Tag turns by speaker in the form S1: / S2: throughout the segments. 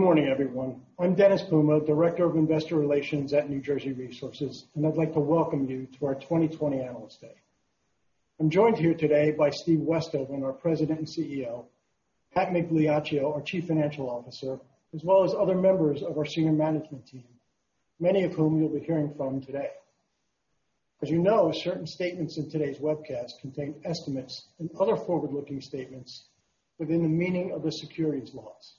S1: Good morning, everyone. I'm Dennis Puma, Director of Investor Relations at New Jersey Resources, and I'd like to welcome you to our 2020 Analyst Day. I'm joined here today by Steve Westhoven, our President and Chief Executive Officer, Pat Migliaccio, our Chief Financial Officer, as well as other members of our senior management team, many of whom you'll be hearing from today. As you know, certain statements in today's webcast contain estimates and other forward-looking statements within the meaning of the securities laws.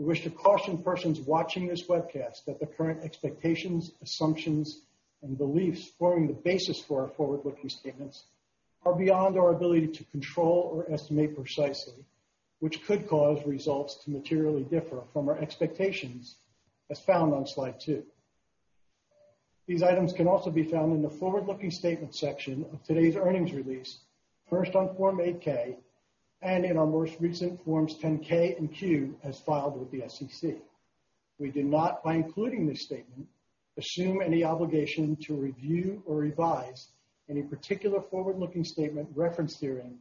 S1: We wish to caution persons watching this webcast that the current expectations, assumptions, and beliefs forming the basis for our forward-looking statements are beyond our ability to control or estimate precisely, which could cause results to materially differ from our expectations as found on slide two. These items can also be found in the forward-looking statement section of today's earnings release, first on Form 8-K, and in our most recent Forms 10-K and Q, as filed with the SEC. We do not, by including this statement, assume any obligation to review or revise any particular forward-looking statement referenced herein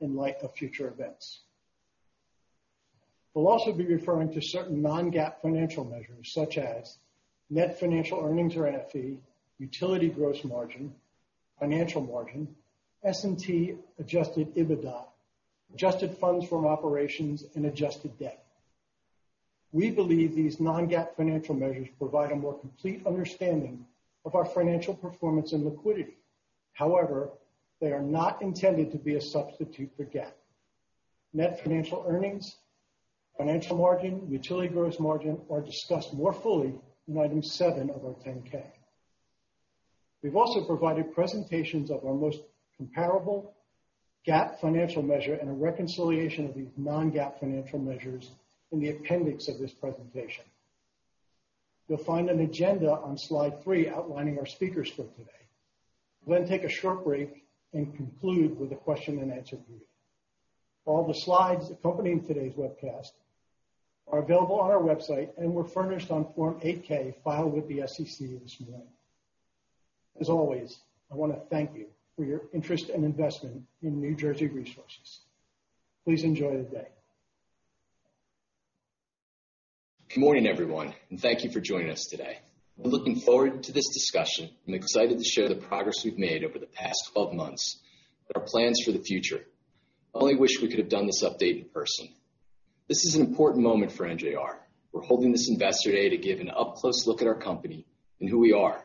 S1: in light of future events. We will also be referring to certain non-GAAP financial measures, such as Net Financial Earnings or NFE, utility gross margin, financial margin, S&T adjusted EBITDA, adjusted funds from operations, and adjusted debt. We believe these non-GAAP financial measures provide a more complete understanding of our financial performance and liquidity. However, they are not intended to be a substitute for GAAP. Net Financial Earnings, financial margin, utility gross margin are discussed more fully in Item 7 of our 10-K. We've also provided presentations of our most comparable GAAP financial measure and a reconciliation of these non-GAAP financial measures in the appendix of this presentation. You'll find an agenda on slide three outlining our speakers for today. We'll then take a short break and conclude with a question and answer period. All the slides accompanying today's webcast are available on our website and were furnished on Form 8-K filed with the SEC this morning. As always, I want to thank you for your interest and investment in New Jersey Resources. Please enjoy the day.
S2: Good morning, everyone, and thank you for joining us today. We're looking forward to this discussion and excited to share the progress we've made over the past 12 months and our plans for the future. I only wish we could have done this update in person. This is an important moment for NJR. We're holding this investor day to give an up-close look at our company and who we are.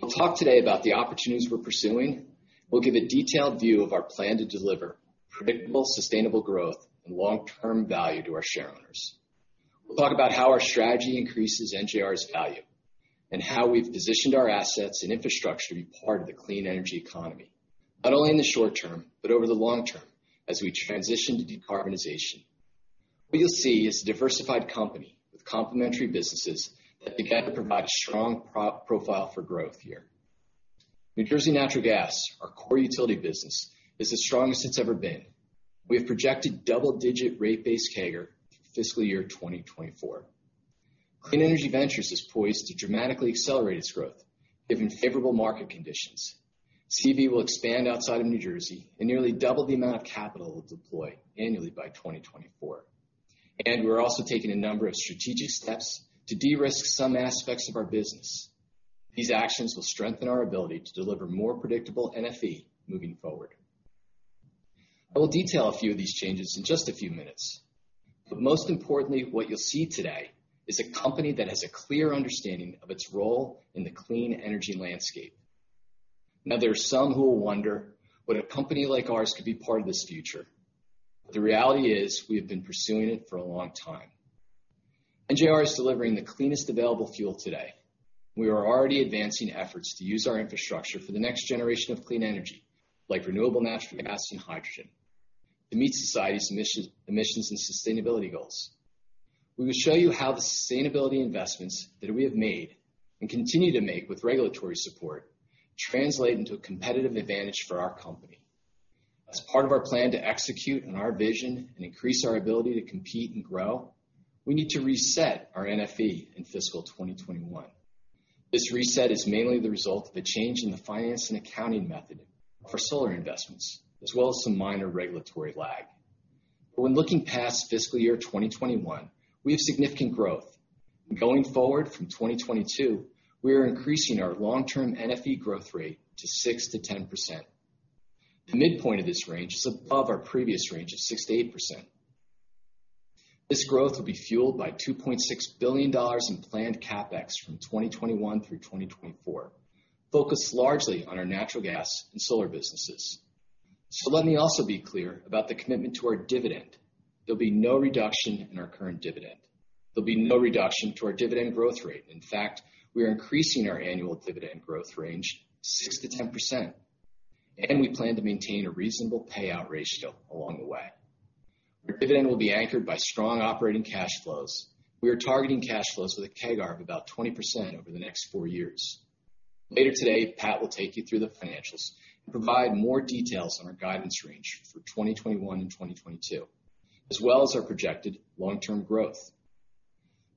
S2: We'll talk today about the opportunities we're pursuing. We'll give a detailed view of our plan to deliver predictable, sustainable growth and long-term value to our shareholders. We'll talk about how our strategy increases NJR's value and how we've positioned our assets and infrastructure to be part of the clean energy economy, not only in the short term, but over the long term as we transition to decarbonization. What you'll see is a diversified company with complementary businesses that together provide a strong profile for growth here. New Jersey Natural Gas, our core utility business, is the strongest it's ever been. We have projected double-digit rate base CAGR through fiscal year 2024. Clean Energy Ventures is poised to dramatically accelerate its growth given favorable market conditions. CEV will expand outside of New Jersey and nearly double the amount of capital it will deploy annually by 2024. We're also taking a number of strategic steps to de-risk some aspects of our business. These actions will strengthen our ability to deliver more predictable NFE moving forward. I will detail a few of these changes in just a few minutes, most importantly, what you'll see today is a company that has a clear understanding of its role in the clean energy landscape. Now, there are some who will wonder whether a company like ours could be part of this future. The reality is we have been pursuing it for a long time. NJR is delivering the cleanest available fuel today. We are already advancing efforts to use our infrastructure for the next generation of clean energy, like renewable natural gas and hydrogen, to meet society's emissions and sustainability goals. We will show you how the sustainability investments that we have made and continue to make with regulatory support translate into a competitive advantage for our company. As part of our plan to execute on our vision and increase our ability to compete and grow, we need to reset our NFE in fiscal 2021. This reset is mainly the result of a change in the finance and accounting method for solar investments, as well as some minor regulatory lag. When looking past fiscal year 2021, we have significant growth, and going forward from 2022, we are increasing our long-term NFE growth rate to 6%-10%. The midpoint of this range is above our previous range of 6%-8%. This growth will be fueled by $2.6 billion in planned CapEx from 2021 through 2024, focused largely on our natural gas and solar businesses. Let me also be clear about the commitment to our dividend. There'll be no reduction in our current dividend. There'll be no reduction to our dividend growth rate. In fact, we are increasing our annual dividend growth range to 6%-10%, and we plan to maintain a reasonable payout ratio along the way. Our dividend will be anchored by strong operating cash flows. We are targeting cash flows with a CAGR of about 20% over the next four years. Later today, Pat will take you through the financials and provide more details on our guidance range for 2021 and 2022, as well as our projected long-term growth.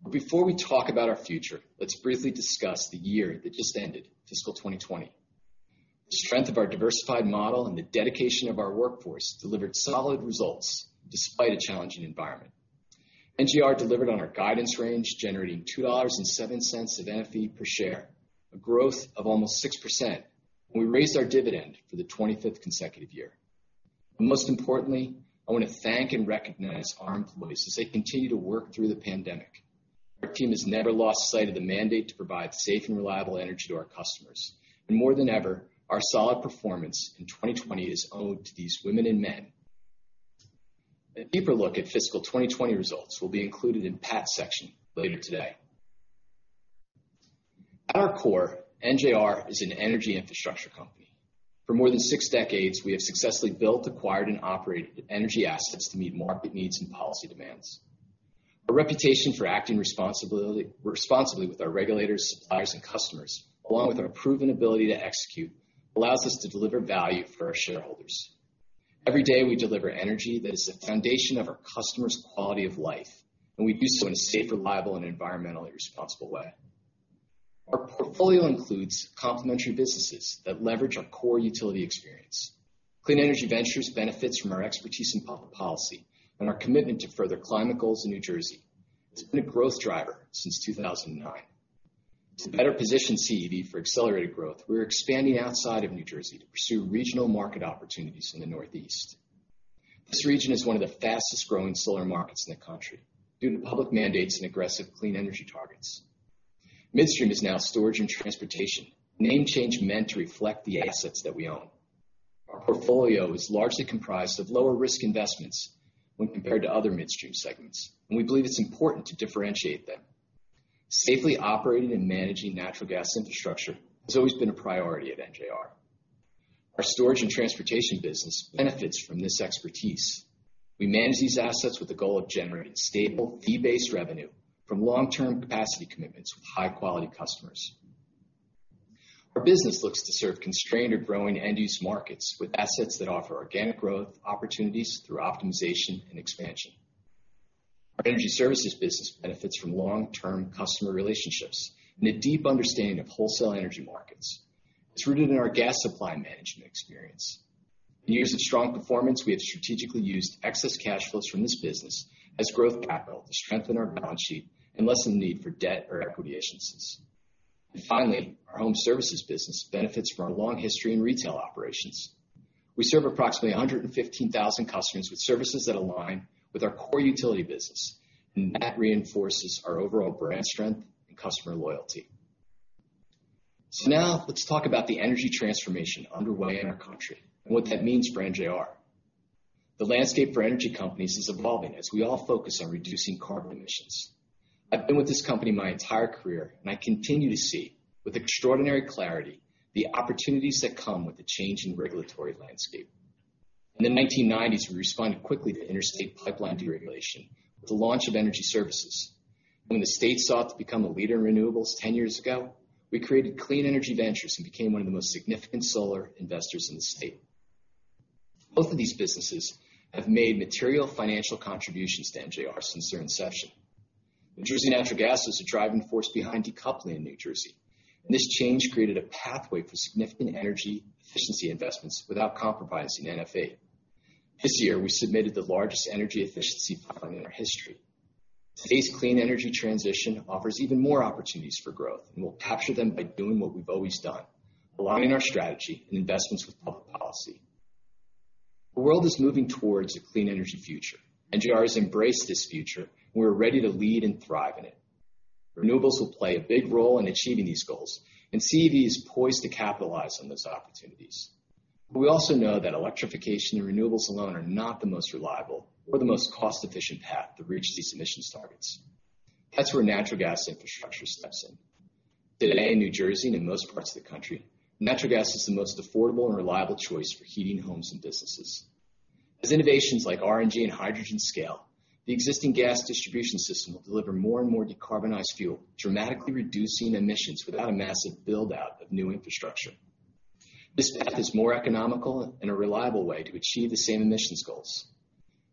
S2: Before we talk about our future, let's briefly discuss the year that just ended, fiscal 2020. The strength of our diversified model and the dedication of our workforce delivered solid results despite a challenging environment. NJR delivered on our guidance range, generating $2.07 of NFEPS, a growth of almost 6%, and we raised our dividend for the 25th consecutive year. Most importantly, I want to thank and recognize our employees as they continue to work through the pandemic. Our team has never lost sight of the mandate to provide safe and reliable energy to our customers. More than ever, our solid performance in 2020 is owed to these women and men. A deeper look at fiscal 2020 results will be included in Pat's section later today. At our core, NJR is an energy infrastructure company. For more than six decades, we have successfully built, acquired, and operated energy assets to meet market needs and policy demands. Our reputation for acting responsibly with our regulators, suppliers, and customers, along with our proven ability to execute, allows us to deliver value for our shareholders. Every day, we deliver energy that is the foundation of our customers' quality of life, and we do so in a safe, reliable, and environmentally responsible way. Our portfolio includes complementary businesses that leverage our core utility experience. Clean Energy Ventures benefits from our expertise in public policy and our commitment to further climate goals in New Jersey. It's been a growth driver since 2009. To better position CEV for accelerated growth, we're expanding outside of New Jersey to pursue regional market opportunities in the Northeast. This region is one of the fastest-growing solar markets in the country due to public mandates and aggressive clean energy targets. Midstream is now Storage and Transportation. Name change meant to reflect the assets that we own. Our portfolio is largely comprised of lower risk investments when compared to other Midstream segments, and we believe it's important to differentiate them. Safely operating and managing natural gas infrastructure has always been a priority at NJR. Our Storage and Transportation business benefits from this expertise. We manage these assets with the goal of generating stable fee-based revenue from long-term capacity commitments with high-quality customers. Our business looks to serve constrained or growing end-use markets with assets that offer organic growth opportunities through optimization and expansion. Our Energy Services business benefits from long-term customer relationships and a deep understanding of wholesale energy markets. It's rooted in our gas supply management experience. In years of strong performance, we have strategically used excess cash flows from this business as growth capital to strengthen our balance sheet and lessen the need for debt or equity issuances. Finally, our Home Services business benefits from our long history in retail operations. We serve approximately 115,000 customers with services that align with our core utility business, that reinforces our overall brand strength and customer loyalty. Now let's talk about the energy transformation underway in our country and what that means for NJR. The landscape for energy companies is evolving as we all focus on reducing carbon emissions. I've been with this company my entire career. I continue to see with extraordinary clarity the opportunities that come with the change in regulatory landscape. In the 1990s, we responded quickly to interstate pipeline deregulation with the launch of Energy Services. When the state sought to become a leader in renewables 10 years ago, we created Clean Energy Ventures and became one of the most significant solar investors in the state. Both of these businesses have made material financial contributions to NJR since their inception. New Jersey Natural Gas is the driving force behind decoupling in New Jersey. This change created a pathway for significant energy efficiency investments without compromising NFE. This year, we submitted the largest energy efficiency filing in our history. Today's clean energy transition offers even more opportunities for growth, and we'll capture them by doing what we've always done, aligning our strategy and investments with public policy. The world is moving towards a clean energy future. NJR has embraced this future, and we're ready to lead and thrive in it. Renewables will play a big role in achieving these goals, and CEV is poised to capitalize on those opportunities. We also know that electrification and renewables alone are not the most reliable or the most cost-efficient path to reach these emissions targets. That's where natural gas infrastructure steps in. Today in New Jersey and in most parts of the country, natural gas is the most affordable and reliable choice for heating homes and businesses. As innovations like RNG and hydrogen scale, the existing gas distribution system will deliver more and more decarbonized fuel, dramatically reducing emissions without a massive build-out of new infrastructure. This path is more economical and a reliable way to achieve the same emissions goals.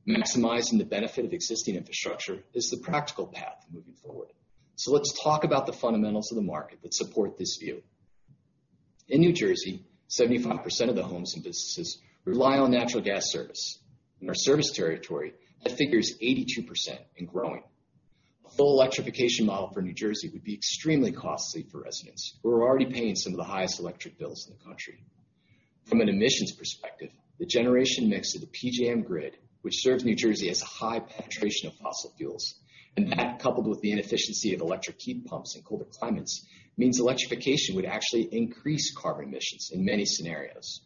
S2: Maximizing the benefit of existing infrastructure is the practical path moving forward. Let's talk about the fundamentals of the market that support this view. In New Jersey, 75% of the homes and businesses rely on natural gas service. In our service territory, that figure is 82% and growing. A full electrification model for New Jersey would be extremely costly for residents who are already paying some of the highest electric bills in the country. From an emissions perspective, the generation mix of the PJM grid, which serves New Jersey, has a high penetration of fossil fuels, and that coupled with the inefficiency of electric heat pumps in colder climates, means electrification would actually increase carbon emissions in many scenarios.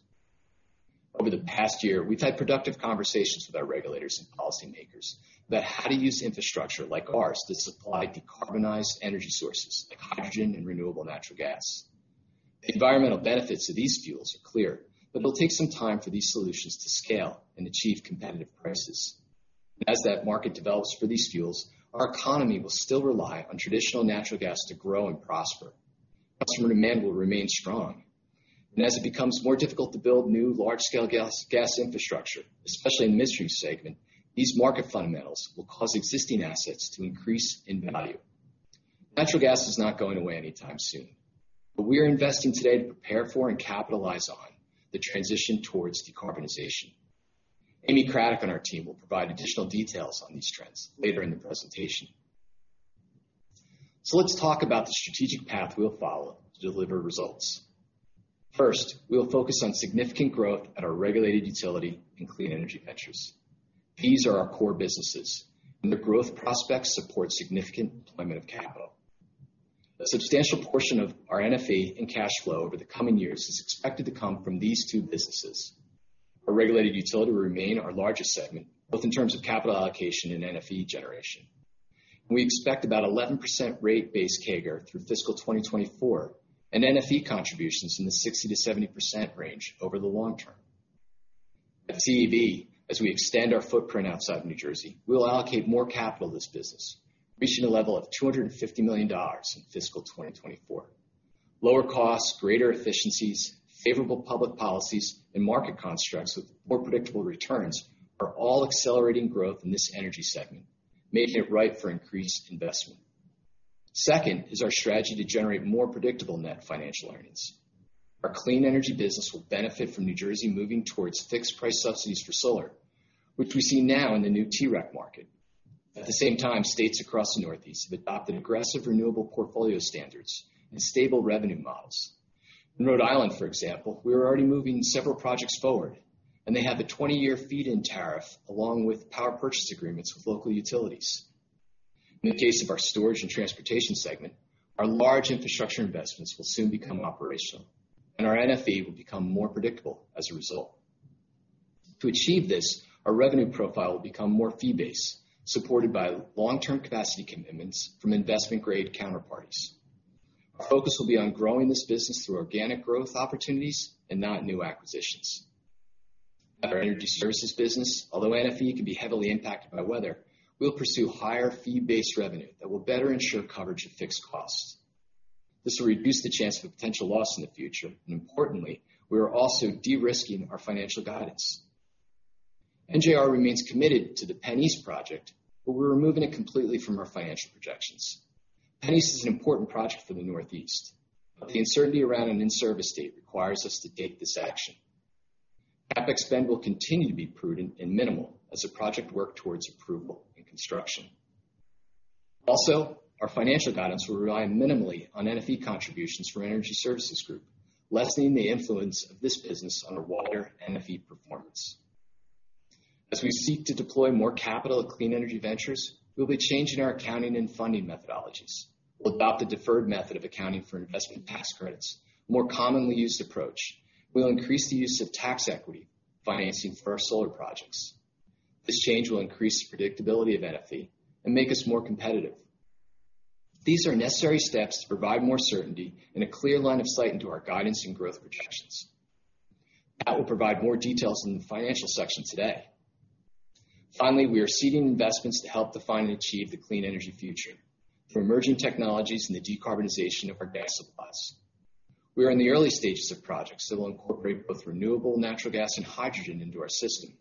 S2: Over the past year, we've had productive conversations with our regulators and policymakers about how to use infrastructure like ours to supply decarbonized energy sources like hydrogen and renewable natural gas. The environmental benefits of these fuels are clear, but it'll take some time for these solutions to scale and achieve competitive prices. As that market develops for these fuels, our economy will still rely on traditional natural gas to grow and prosper. Customer demand will remain strong. As it becomes more difficult to build new large-scale gas infrastructure, especially in the midstream segment, these market fundamentals will cause existing assets to increase in value. Natural gas is not going away anytime soon. We are investing today to prepare for and capitalize on the transition towards decarbonization. Amy Cradic on our team will provide additional details on these trends later in the presentation. Let's talk about the strategic path we will follow to deliver results. First, we will focus on significant growth at our regulated utility and NJR Clean Energy Ventures. These are our core businesses, and their growth prospects support significant deployment of capital. A substantial portion of our NFE and cash flow over the coming years is expected to come from these two businesses. Our regulated utility will remain our largest segment, both in terms of capital allocation and NFE generation. We expect about 11% rate base CAGR through fiscal 2024, and NFE contributions in the 60%-70% range over the long term. At CEV, as we extend our footprint outside of New Jersey, we'll allocate more capital to this business, reaching a level of $250 million in fiscal 2024. Lower costs, greater efficiencies, favorable public policies, and market constructs with more predictable returns are all accelerating growth in this Energy segment, making it right for increased investment. Second is our strategy to generate more predictable Net Financial Earnings. Our clean energy business will benefit from New Jersey moving towards fixed price subsidies for solar, which we see now in the new TREC market. At the same time, states across the Northeast have adopted aggressive renewable portfolio standards and stable revenue models. In Rhode Island, for example, we are already moving several projects forward, and they have a 20-year feed-in tariff along with power purchase agreements with local utilities. In the case of our Storage and Transportation segment, our large infrastructure investments will soon become operational, and our NFE will become more predictable as a result. To achieve this, our revenue profile will become more fee-based, supported by long-term capacity commitments from investment-grade counterparties. Our focus will be on growing this business through organic growth opportunities and not new acquisitions. At our Energy Services business, although NFE can be heavily impacted by weather, we'll pursue higher fee-based revenue that will better ensure coverage of fixed costs. This will reduce the chance of a potential loss in the future, and importantly, we are also de-risking our financial guidance. NJR remains committed to the PennEast project. We're removing it completely from our financial projections. PennEast is an important project for the Northeast. The uncertainty around an in-service date requires us to take this action. CapEx spend will continue to be prudent and minimal as the project work towards approval and construction. Our financial guidance will rely minimally on NFE contributions from our Energy Services group, lessening the influence of this business on our wider NFE performance. As we seek to deploy more capital at Clean Energy Ventures, we'll be changing our accounting and funding methodologies. We'll adopt the deferred method of accounting for investment tax credits, a more commonly used approach. We'll increase the use of tax equity financing for our solar projects. This change will increase the predictability of NFE and make us more competitive. These are necessary steps to provide more certainty and a clear line of sight into our guidance and growth projections. Pat will provide more details in the financial section today. We are seeding investments to help define and achieve the clean energy future through emerging technologies and the decarbonization of our gas supplies. We are in the early stages of projects that will incorporate both renewable natural gas and hydrogen into our system.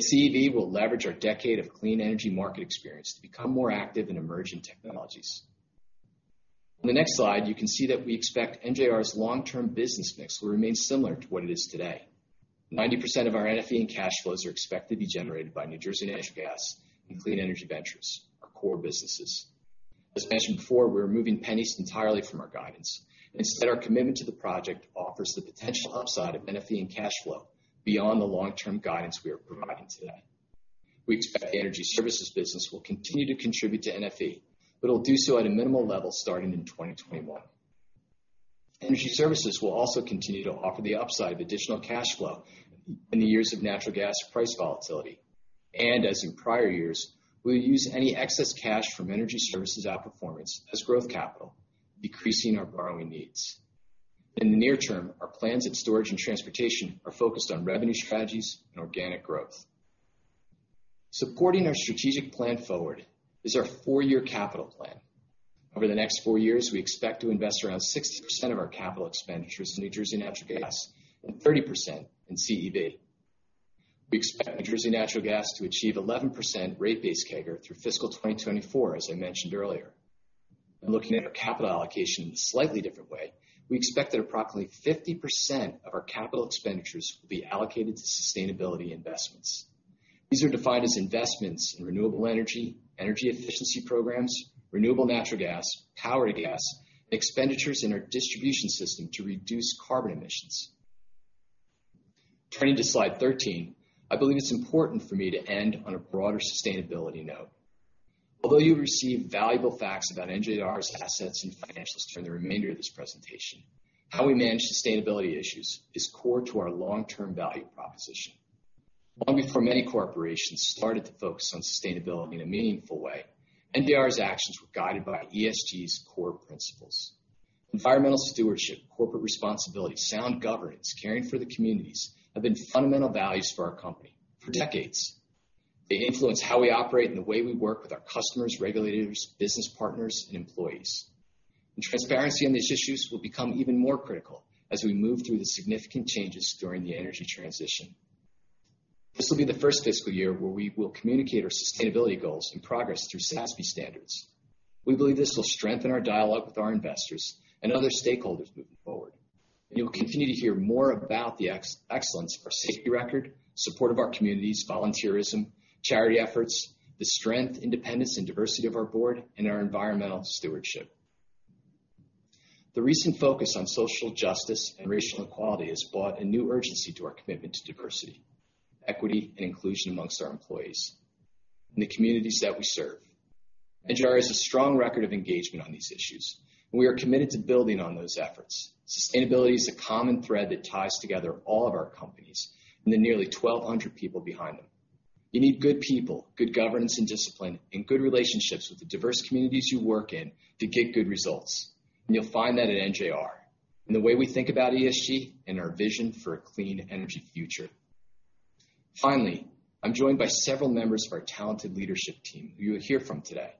S2: CEV will leverage our decade of clean energy market experience to become more active in emerging technologies. On the next slide, you can see that we expect NJR's long-term business mix will remain similar to what it is today. 90% of our NFE and cash flows are expected to be generated by New Jersey Natural Gas and Clean Energy Ventures, our core businesses. As mentioned before, we're removing PennEast entirely from our guidance. Instead, our commitment to the project offers the potential upside of NFE and cash flow beyond the long-term guidance we are providing today. We expect the Energy Services business will continue to contribute to NFE, but it'll do so at a minimal level starting in 2021. Energy Services will also continue to offer the upside of additional cash flow in the years of natural gas price volatility. As in prior years, we'll use any excess cash from Energy Services outperformance as growth capital, decreasing our borrowing needs. In the near term, our plans at Storage and Transportation are focused on revenue strategies and organic growth. Supporting our strategic plan forward is our four-year capital plan. Over the next four years, we expect to invest around 60% of our capital expenditures in New Jersey Natural Gas and 30% in CEV. We expect New Jersey Natural Gas to achieve 11% rate base CAGR through fiscal 2024, as I mentioned earlier. When looking at our capital allocation in a slightly different way, we expect that approximately 50% of our capital expenditures will be allocated to sustainability investments. These are defined as investments in renewable energy efficiency programs, renewable natural gas, power-to-gas, expenditures in our distribution system to reduce carbon emissions. Turning to slide 13, I believe it's important for me to end on a broader sustainability note. Although you'll receive valuable facts about NJR's assets and financials during the remainder of this presentation, how we manage sustainability issues is core to our long-term value proposition. Long before many corporations started to focus on sustainability in a meaningful way, NJR's actions were guided by ESG's core principles. Environmental stewardship, corporate responsibility, sound governance, caring for the communities have been fundamental values for our company for decades. They influence how we operate and the way we work with our customers, regulators, business partners, and employees. Transparency on these issues will become even more critical as we move through the significant changes during the energy transition. This will be the first fiscal year where we will communicate our sustainability goals and progress through SASB standards. We believe this will strengthen our dialogue with our investors and other stakeholders moving forward. You'll continue to hear more about the excellence of our safety record, support of our communities, volunteerism, charity efforts, the strength, independence, and diversity of our board, and our environmental stewardship. The recent focus on social justice and racial equality has brought a new urgency to our commitment to diversity, equity, and inclusion amongst our employees and the communities that we serve. NJR has a strong record of engagement on these issues, and we are committed to building on those efforts. Sustainability is the common thread that ties together all of our companies and the nearly 1,200 people behind them. You need good people, good governance and discipline, and good relationships with the diverse communities you work in to get good results, and you'll find that at NJR, in the way we think about ESG and our vision for a clean energy future. Finally, I'm joined by several members of our talented leadership team who you will hear from today.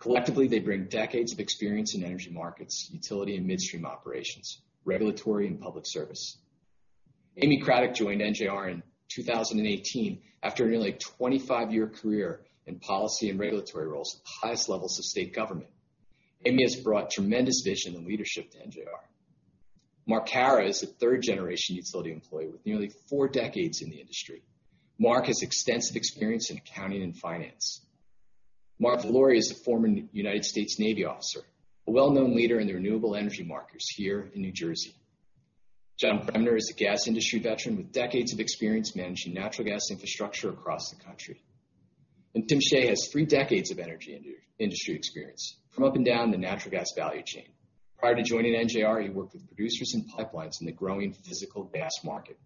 S2: Collectively, they bring decades of experience in energy markets, utility and midstream operations, regulatory and public service. Amy Cradic joined NJR in 2018 after a nearly 25-year career in policy and regulatory roles at the highest levels of state government. Amy has brought tremendous vision and leadership to NJR. Mark Kahrer is a third-generation utility employee with nearly four decades in the industry. Mark has extensive experience in accounting and finance. Mark Valori is a former United States Navy officer, a well-known leader in the renewable energy markets here in New Jersey. John Bremner is a gas industry veteran with decades of experience managing natural gas infrastructure across the country. Tim Shea has three decades of energy industry experience from up and down the natural gas value chain. Prior to joining NJR, he worked with producers and pipelines in the growing physical gas market.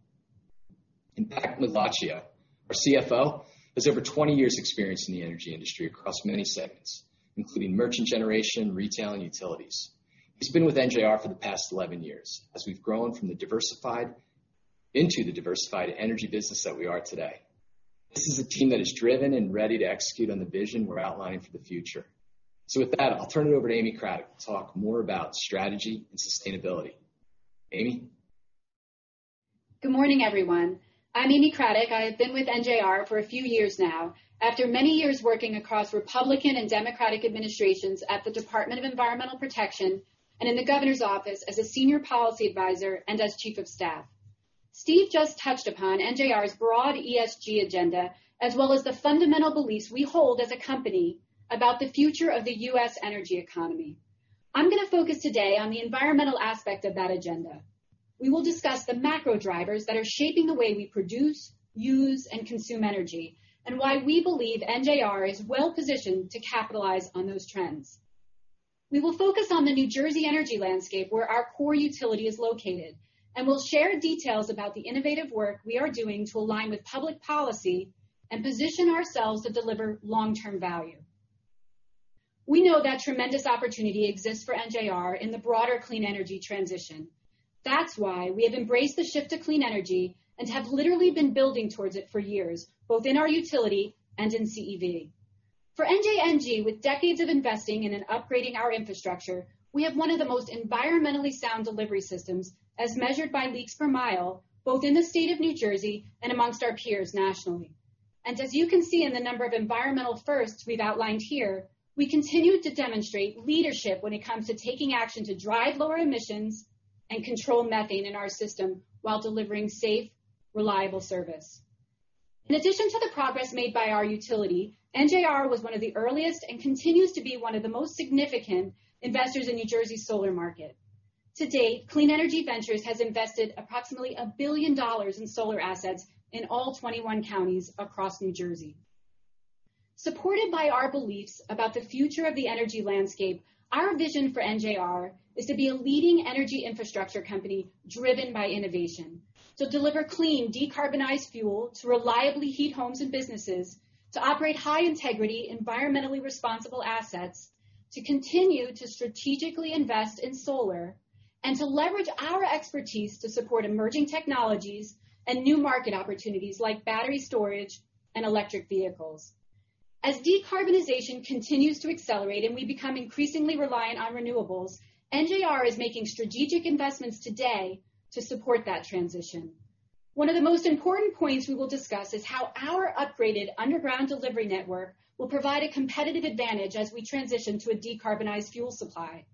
S2: Pat Migliaccio, our CFO, has over 20 years experience in the energy industry across many segments, including merchant generation, retail, and utilities. He's been with NJR for the past 11 years as we've grown from the diversified into the diversified energy business that we are today. This is a team that is driven and ready to execute on the vision we're outlining for the future. With that, I'll turn it over to Amy Cradic to talk more about strategy and sustainability. Amy?
S3: Good morning, everyone. I'm Amy Cradic. I have been with NJR for a few years now. After many years working across Republican and Democratic administrations at the Department of Environmental Protection and in the Governor's office as a senior policy advisor and as chief of staff. Steve just touched upon NJR's broad ESG agenda, as well as the fundamental beliefs we hold as a company about the future of the U.S. energy economy. I'm going to focus today on the environmental aspect of that agenda. We will discuss the macro drivers that are shaping the way we produce, use, and consume energy, and why we believe NJR is well-positioned to capitalize on those trends. We will focus on the New Jersey energy landscape, where our core utility is located, and we'll share details about the innovative work we are doing to align with public policy and position ourselves to deliver long-term value. We know that tremendous opportunity exists for NJR in the broader clean energy transition. That's why we have embraced the shift to clean energy and have literally been building towards it for years, both in our utility and in CEV. For NJNG, with decades of investing and in upgrading our infrastructure, we have one of the most environmentally sound delivery systems as measured by leaks per mile, both in the state of New Jersey and amongst our peers nationally. As you can see in the number of environmental firsts we've outlined here, we continue to demonstrate leadership when it comes to taking action to drive lower emissions and control methane in our system while delivering safe, reliable service. In addition to the progress made by our utility, NJR was one of the earliest and continues to be one of the most significant investors in New Jersey's solar market. To date, Clean Energy Ventures has invested approximately $1 billion in solar assets in all 21 counties across New Jersey. Supported by our beliefs about the future of the energy landscape, our vision for NJR is to be a leading energy infrastructure company driven by innovation. To deliver clean, decarbonized fuel, to reliably heat homes and businesses, to operate high-integrity, environmentally responsible assets, to continue to strategically invest in solar, and to leverage our expertise to support emerging technologies and new market opportunities like battery storage and electric vehicles. As decarbonization continues to accelerate and we become increasingly reliant on renewables, NJR is making strategic investments today to support that transition. One of the most important points we will discuss is how our upgraded underground delivery network will provide a competitive advantage as we transition to a decarbonized fuel supply.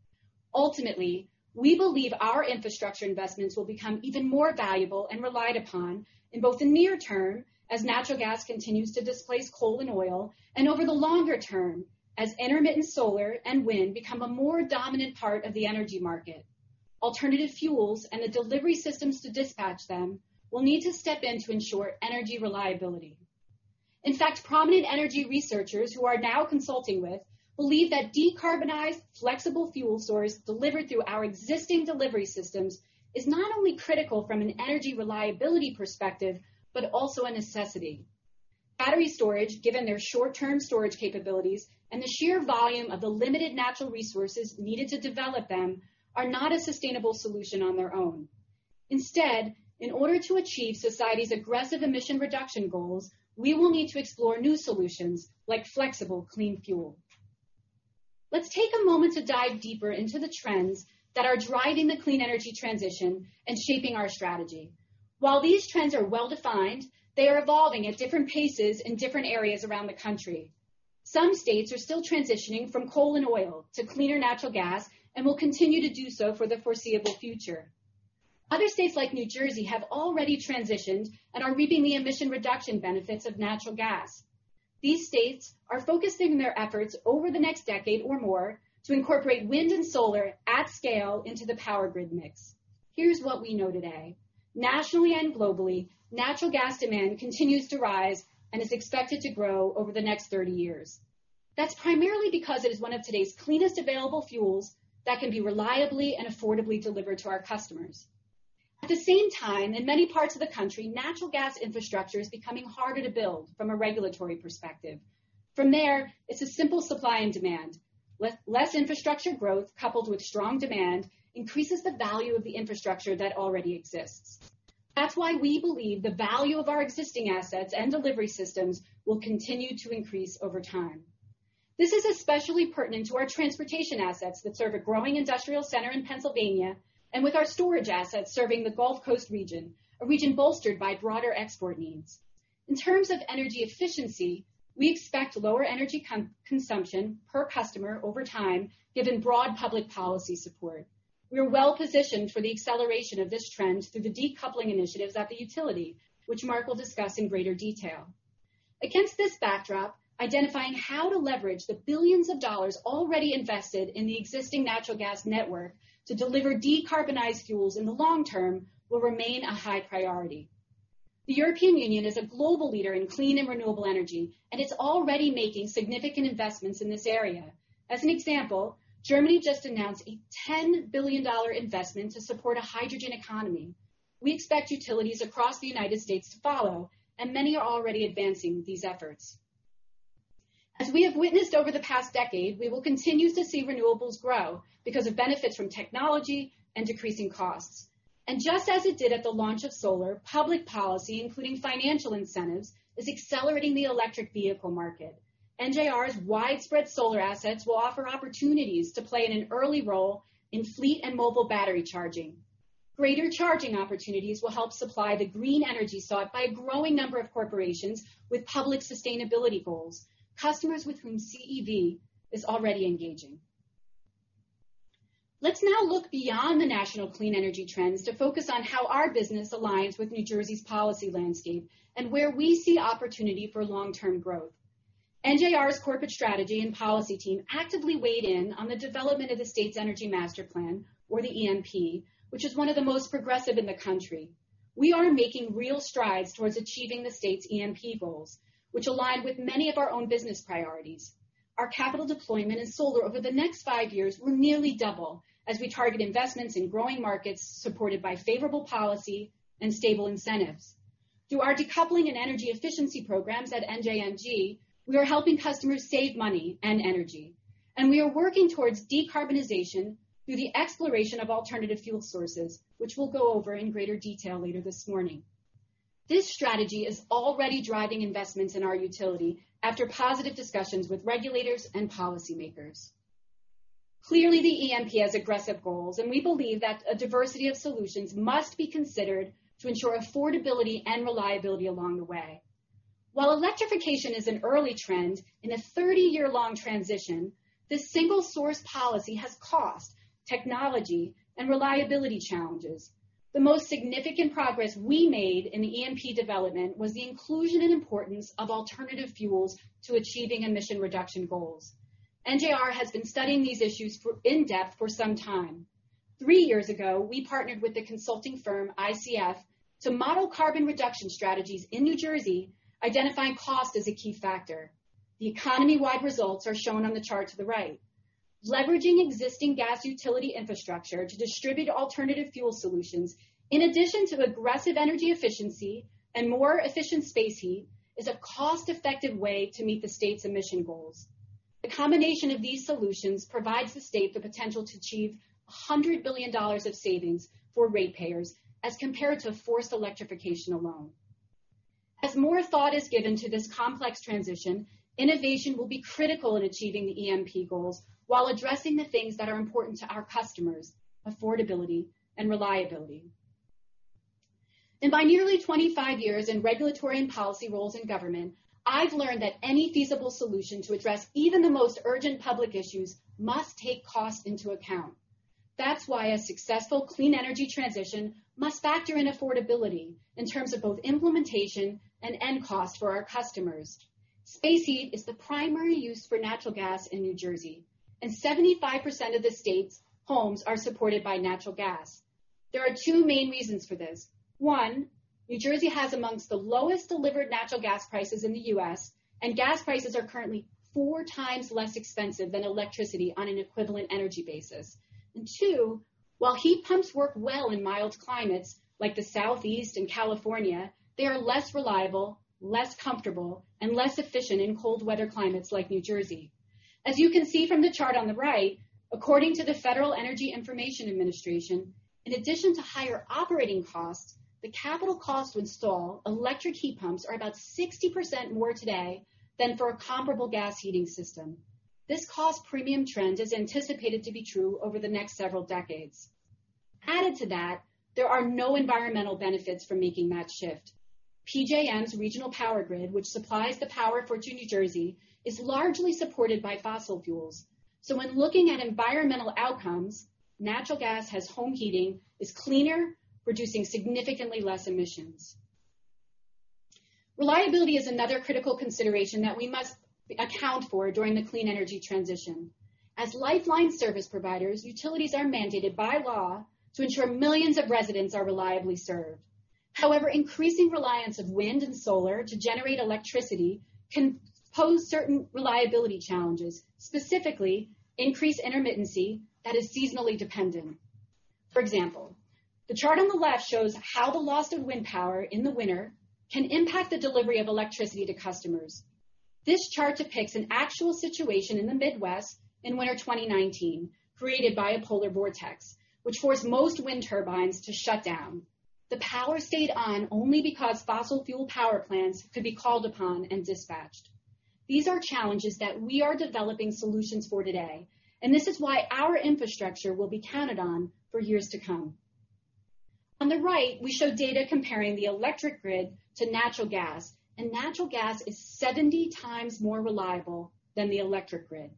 S3: Ultimately, we believe our infrastructure investments will become even more valuable and relied upon in both the near term as natural gas continues to displace coal and oil, and over the longer term, as intermittent solar and wind become a more dominant part of the energy market. Alternative fuels and the delivery systems to dispatch them will need to step in to ensure energy reliability. In fact, prominent energy researchers who we are now consulting with believe that decarbonized flexible fuel source delivered through our existing delivery systems is not only critical from an energy reliability perspective, but also a necessity. Battery storage, given their short-term storage capabilities and the sheer volume of the limited natural resources needed to develop them, are not a sustainable solution on their own. In order to achieve society's aggressive emission reduction goals, we will need to explore new solutions like flexible clean fuel. Let's take a moment to dive deeper into the trends that are driving the clean energy transition and shaping our strategy. While these trends are well-defined, they are evolving at different paces in different areas around the country. Some states are still transitioning from coal and oil to cleaner natural gas and will continue to do so for the foreseeable future. Other states, like New Jersey, have already transitioned and are reaping the emission reduction benefits of natural gas. These states are focusing their efforts over the next decade or more to incorporate wind and solar at scale into the power grid mix. Here's what we know today. Nationally and globally, natural gas demand continues to rise and is expected to grow over the next 30 years. That's primarily because it is one of today's cleanest available fuels that can be reliably and affordably delivered to our customers. At the same time, in many parts of the country, natural gas infrastructure is becoming harder to build from a regulatory perspective. From there, it's a simple supply and demand. Less infrastructure growth coupled with strong demand increases the value of the infrastructure that already exists. That's why we believe the value of our existing assets and delivery systems will continue to increase over time. This is especially pertinent to our transportation assets that serve a growing industrial center in Pennsylvania and with our storage assets serving the Gulf Coast region, a region bolstered by broader export needs. In terms of energy efficiency, we expect lower energy consumption per customer over time, given broad public policy support. We're well-positioned for the acceleration of this trend through the decoupling initiatives at the utility, which Mark will discuss in greater detail. Against this backdrop, identifying how to leverage the billions of dollars already invested in the existing natural gas network to deliver decarbonized fuels in the long term will remain a high priority. The European Union is a global leader in clean and renewable energy, and it's already making significant investments in this area. As an example, Germany just announced a $10 billion investment to support a hydrogen economy. We expect utilities across the United States to follow, and many are already advancing these efforts. As we have witnessed over the past decade, we will continue to see renewables grow because of benefits from technology and decreasing costs. Just as it did at the launch of solar, public policy, including financial incentives, is accelerating the electric vehicle market. NJR's widespread solar assets will offer opportunities to play an early role in fleet and mobile battery charging. Greater charging opportunities will help supply the green energy sought by a growing number of corporations with public sustainability goals, customers with whom CEV is already engaging. Let's now look beyond the national clean energy trends to focus on how our business aligns with New Jersey's policy landscape and where we see opportunity for long-term growth. NJR's corporate strategy and policy team actively weighed in on the development of the state's Energy Master Plan, or the EMP, which is one of the most progressive in the country. We are making real strides towards achieving the state's EMP goals, which align with many of our own business priorities. Our capital deployment in solar over the next five years will nearly double as we target investments in growing markets supported by favorable policy and stable incentives. Through our decoupling and energy efficiency programs at NJNG, we are helping customers save money and energy, and we are working towards decarbonization through the exploration of alternative fuel sources, which we'll go over in greater detail later this morning. This strategy is already driving investments in our utility after positive discussions with regulators and policymakers. Clearly, the EMP has aggressive goals, and we believe that a diversity of solutions must be considered to ensure affordability and reliability along the way. While electrification is an early trend in a 30-year long transition, this single source policy has cost, technology, and reliability challenges. The most significant progress we made in the EMP development was the inclusion and importance of alternative fuels to achieving emission reduction goals. NJR has been studying these issues in-depth for some time. Three years ago, we partnered with the consulting firm ICF to model carbon reduction strategies in New Jersey, identifying cost as a key factor. The economy-wide results are shown on the chart to the right. Leveraging existing gas utility infrastructure to distribute alternative fuel solutions in addition to aggressive energy efficiency and more efficient space heat is a cost-effective way to meet the state's emission goals. The combination of these solutions provides the state the potential to achieve $100 billion of savings for ratepayers as compared to forced electrification alone. As more thought is given to this complex transition, innovation will be critical in achieving the EMP goals while addressing the things that are important to our customers, affordability and reliability. By nearly 25 years in regulatory and policy roles in government, I've learned that any feasible solution to address even the most urgent public issues must take cost into account. That's why a successful clean energy transition must factor in affordability in terms of both implementation and end cost for our customers. Space heat is the primary use for natural gas in New Jersey, and 75% of the state's homes are supported by natural gas. There are two main reasons for this. One, New Jersey has amongst the lowest delivered natural gas prices in the U.S., and gas prices are currently 4x less expensive than electricity on an equivalent energy basis. Two, while heat pumps work well in mild climates like the Southeast and California, they are less reliable, less comfortable, and less efficient in cold weather climates like New Jersey. As you can see from the chart on the right, according to the U.S. Energy Information Administration, in addition to higher operating costs, the capital cost to install electric heat pumps are about 60% more today than for a comparable gas heating system. This cost premium trend is anticipated to be true over the next several decades. Added to that, there are no environmental benefits from making that shift. PJM's regional power grid, which supplies the power to New Jersey, is largely supported by fossil fuels. When looking at environmental outcomes, natural gas as home heating is cleaner, producing significantly less emissions. Reliability is another critical consideration that we must account for during the clean energy transition. As lifeline service providers, utilities are mandated by law to ensure millions of residents are reliably served. However, increasing reliance of wind and solar to generate electricity can pose certain reliability challenges, specifically increased intermittency that is seasonally dependent. For example, the chart on the left shows how the loss of wind power in the winter can impact the delivery of electricity to customers. This chart depicts an actual situation in the Midwest in winter 2019, created by a polar vortex, which forced most wind turbines to shut down. The power stayed on only because fossil fuel power plants could be called upon and dispatched. These are challenges that we are developing solutions for today. This is why our infrastructure will be counted on for years to come. On the right, we show data comparing the electric grid to natural gas. Natural gas is 70x more reliable than the electric grid.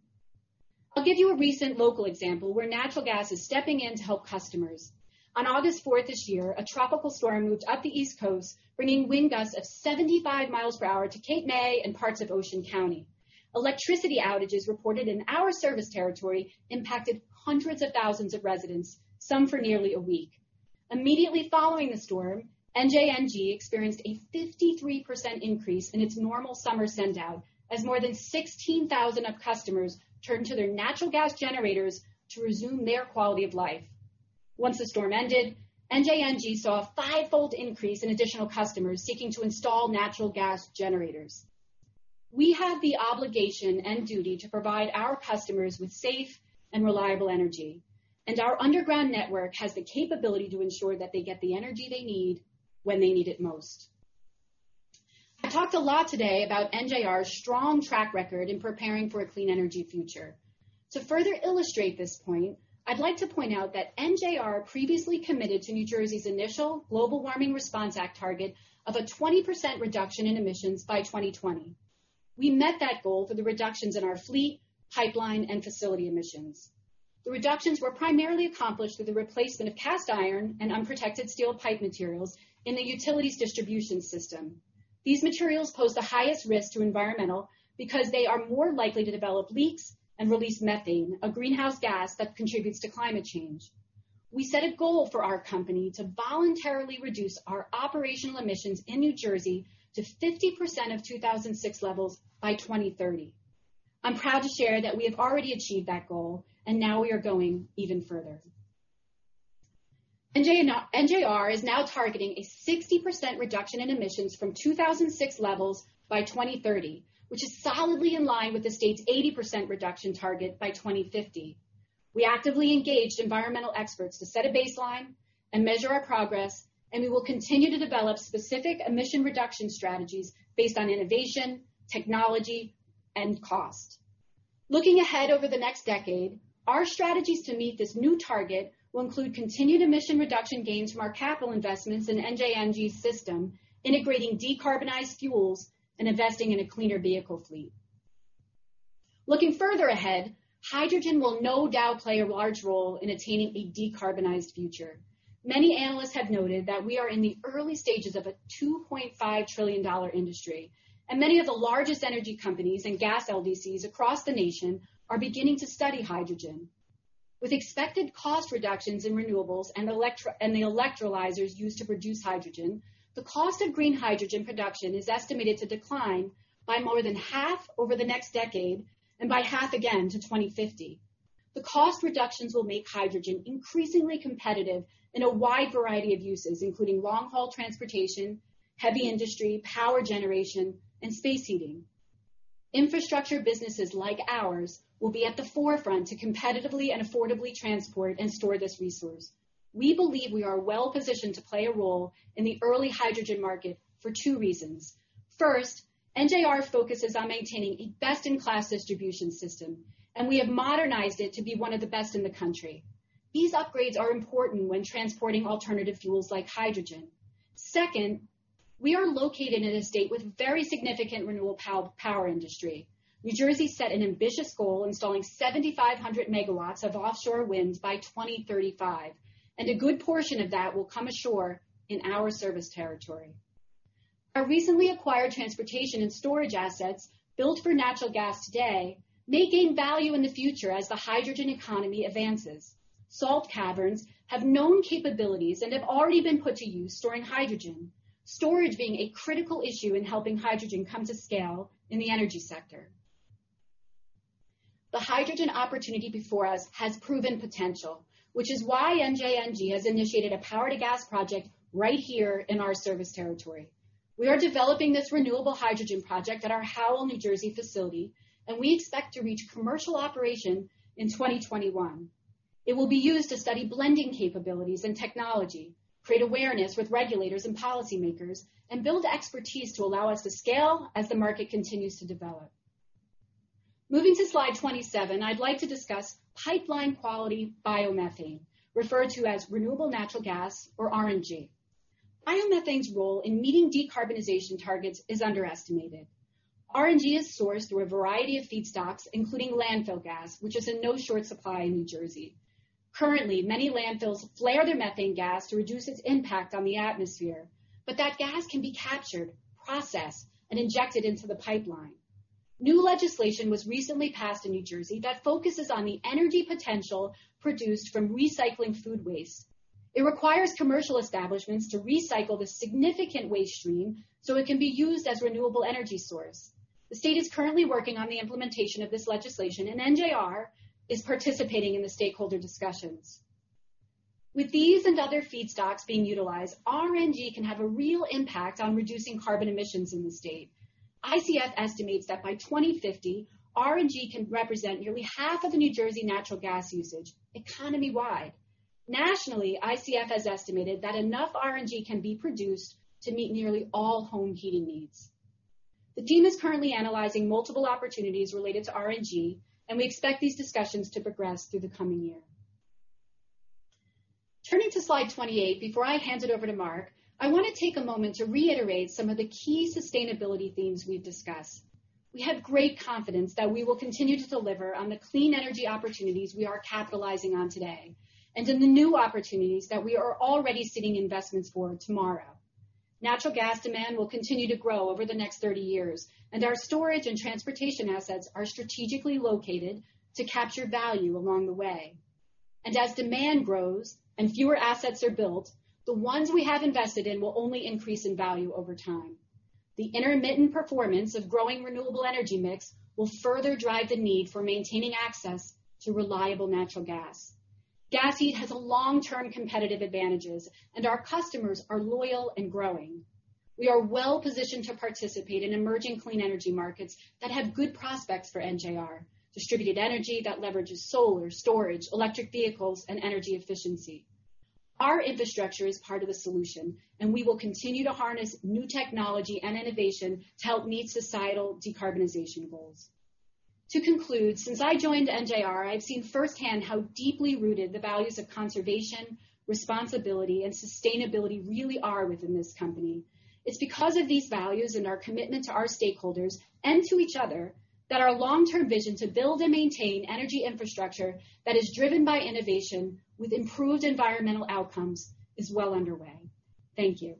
S3: I'll give you a recent local example where natural gas is stepping in to help customers. On August fourth this year, a tropical storm moved up the East Coast, bringing wind gusts of 75 miles per hour to Cape May and parts of Ocean County. Electricity outages reported in our service territory impacted hundreds of thousands of residents, some for nearly a week. Immediately following the storm, NJNG experienced a 53% increase in its normal summer sendout as more than 16,000 customers turned to their natural gas generators to resume their quality of life. Once the storm ended, NJNG saw a five-fold increase in additional customers seeking to install natural gas generators. We have the obligation and duty to provide our customers with safe and reliable energy, and our underground network has the capability to ensure that they get the energy they need when they need it most. I talked a lot today about NJR's strong track record in preparing for a clean energy future. To further illustrate this point, I'd like to point out that NJR previously committed to New Jersey's initial Global Warming Response Act target of a 20% reduction in emissions by 2020. We met that goal through the reductions in our fleet, pipeline, and facility emissions. The reductions were primarily accomplished through the replacement of cast iron and unprotected steel pipe materials in the utility's distribution system. These materials pose the highest risk to environmental because they are more likely to develop leaks and release methane, a greenhouse gas that contributes to climate change. We set a goal for our company to voluntarily reduce our operational emissions in New Jersey to 50% of 2006 levels by 2030. I'm proud to share that we have already achieved that goal, now we are going even further. NJR is now targeting a 60% reduction in emissions from 2006 levels by 2030, which is solidly in line with the state's 80% reduction target by 2050. We actively engaged environmental experts to set a baseline and measure our progress, and we will continue to develop specific emission reduction strategies based on innovation, technology, and cost. Looking ahead over the next decade, our strategies to meet this new target will include continued emission reduction gains from our capital investments in NJNG's system, integrating decarbonized fuels, and investing in a cleaner vehicle fleet. Looking further ahead, hydrogen will no doubt play a large role in attaining a decarbonized future. Many analysts have noted that we are in the early stages of a $2.5 trillion industry, and many of the largest energy companies and gas LDCs across the nation are beginning to study hydrogen. With expected cost reductions in renewables and the electrolyzers used to produce hydrogen, the cost of green hydrogen production is estimated to decline by more than half over the next decade and by half again to 2050. The cost reductions will make hydrogen increasingly competitive in a wide variety of uses, including long-haul transportation, heavy industry, power generation, and space heating. Infrastructure businesses like ours will be at the forefront to competitively and affordably transport and store this resource. We believe we are well-positioned to play a role in the early hydrogen market for two reasons. First, NJR focuses on maintaining a best-in-class distribution system, and we have modernized it to be one of the best in the country. These upgrades are important when transporting alternative fuels like hydrogen. Second, we are located in a state with a very significant renewable power industry. New Jersey set an ambitious goal installing 7,500 MW of offshore wind by 2035, and a good portion of that will come ashore in our service territory. Our recently acquired transportation and storage assets built for natural gas today may gain value in the future as the hydrogen economy advances. Salt caverns have known capabilities and have already been put to use storing hydrogen, storage being a critical issue in helping hydrogen come to scale in the energy sector. The hydrogen opportunity before us has proven potential, which is why NJNG has initiated a power-to-gas project right here in our service territory. We are developing this renewable hydrogen project at our Howell, New Jersey facility, and we expect to reach commercial operation in 2021. It will be used to study blending capabilities and technology, create awareness with regulators and policymakers, and build expertise to allow us to scale as the market continues to develop. Moving to slide 27, I'd like to discuss pipeline quality biomethane, referred to as renewable natural gas or RNG. Biomethane's role in meeting decarbonization targets is underestimated. RNG is sourced through a variety of feedstocks, including landfill gas, which is in no short supply in New Jersey. Currently, many landfills flare their methane gas to reduce its impact on the atmosphere. That gas can be captured, processed, and injected into the pipeline. New legislation was recently passed in New Jersey that focuses on the energy potential produced from recycling food waste. It requires commercial establishments to recycle this significant waste stream so it can be used as a renewable energy source. The state is currently working on the implementation of this legislation, and NJR is participating in the stakeholder discussions. With these and other feedstocks being utilized, RNG can have a real impact on reducing carbon emissions in the state. ICF estimates that by 2050, RNG can represent nearly half of the New Jersey natural gas usage economy wide. Nationally, ICF has estimated that enough RNG can be produced to meet nearly all home heating needs. The team is currently analyzing multiple opportunities related to RNG, and we expect these discussions to progress through the coming year. Turning to slide 28, before I hand it over to Mark, I want to take a moment to reiterate some of the key sustainability themes we've discussed. We have great confidence that we will continue to deliver on the clean energy opportunities we are capitalizing on today and in the new opportunities that we are already seeding investments for tomorrow. Natural gas demand will continue to grow over the next 30 years, and our Storage and Transportation assets are strategically located to capture value along the way. As demand grows and fewer assets are built, the ones we have invested in will only increase in value over time. The intermittent performance of growing renewable energy mix will further drive the need for maintaining access to reliable natural gas. Gas heat has long-term competitive advantages, and our customers are loyal and growing. We are well-positioned to participate in emerging clean energy markets that have good prospects for NJR, distributed energy that leverages solar storage, electric vehicles, and energy efficiency. Our infrastructure is part of the solution, and we will continue to harness new technology and innovation to help meet societal decarbonization goals. To conclude, since I joined NJR, I've seen firsthand how deeply rooted the values of conservation, responsibility, and sustainability really are within this company. It's because of these values and our commitment to our stakeholders and to each other that our long-term vision to build and maintain energy infrastructure that is driven by innovation with improved environmental outcomes is well underway. Thank you.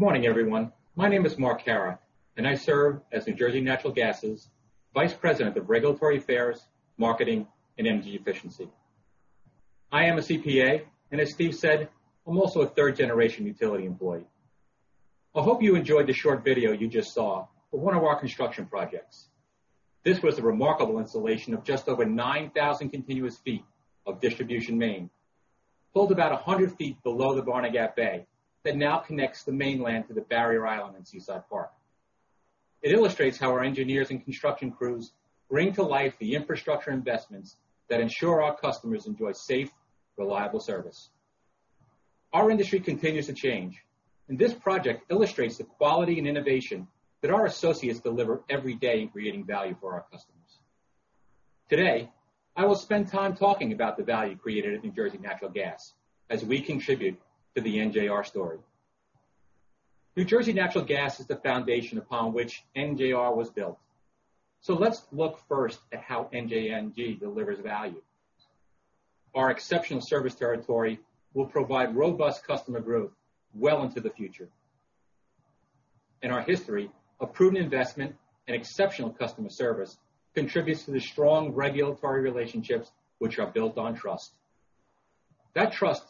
S4: Good morning, everyone. My name is Mark Kahrer, I serve as New Jersey Natural Gas' Vice President of Regulatory Affairs, Marketing, and Energy Efficiency. I am a CPA, as Steve said, I'm also a third-generation utility employee. I hope you enjoyed the short video you just saw of one of our construction projects. This was a remarkable installation of just over 9,000 continuous feet of distribution main, pulled about 100 feet below the Barnegat Bay, that now connects the mainland to the Barrier Island in Seaside Park. It illustrates how our engineers and construction crews bring to life the infrastructure investments that ensure our customers enjoy safe, reliable service. Our industry continues to change, this project illustrates the quality and innovation that our associates deliver every day in creating value for our customers. Today, I will spend time talking about the value created at New Jersey Natural Gas as we contribute to the NJR story. New Jersey Natural Gas is the foundation upon which NJR was built. Let's look first at how NJNG delivers value. Our exceptional service territory will provide robust customer growth well into the future. Our history of prudent investment and exceptional customer service contributes to the strong regulatory relationships which are built on trust. That trust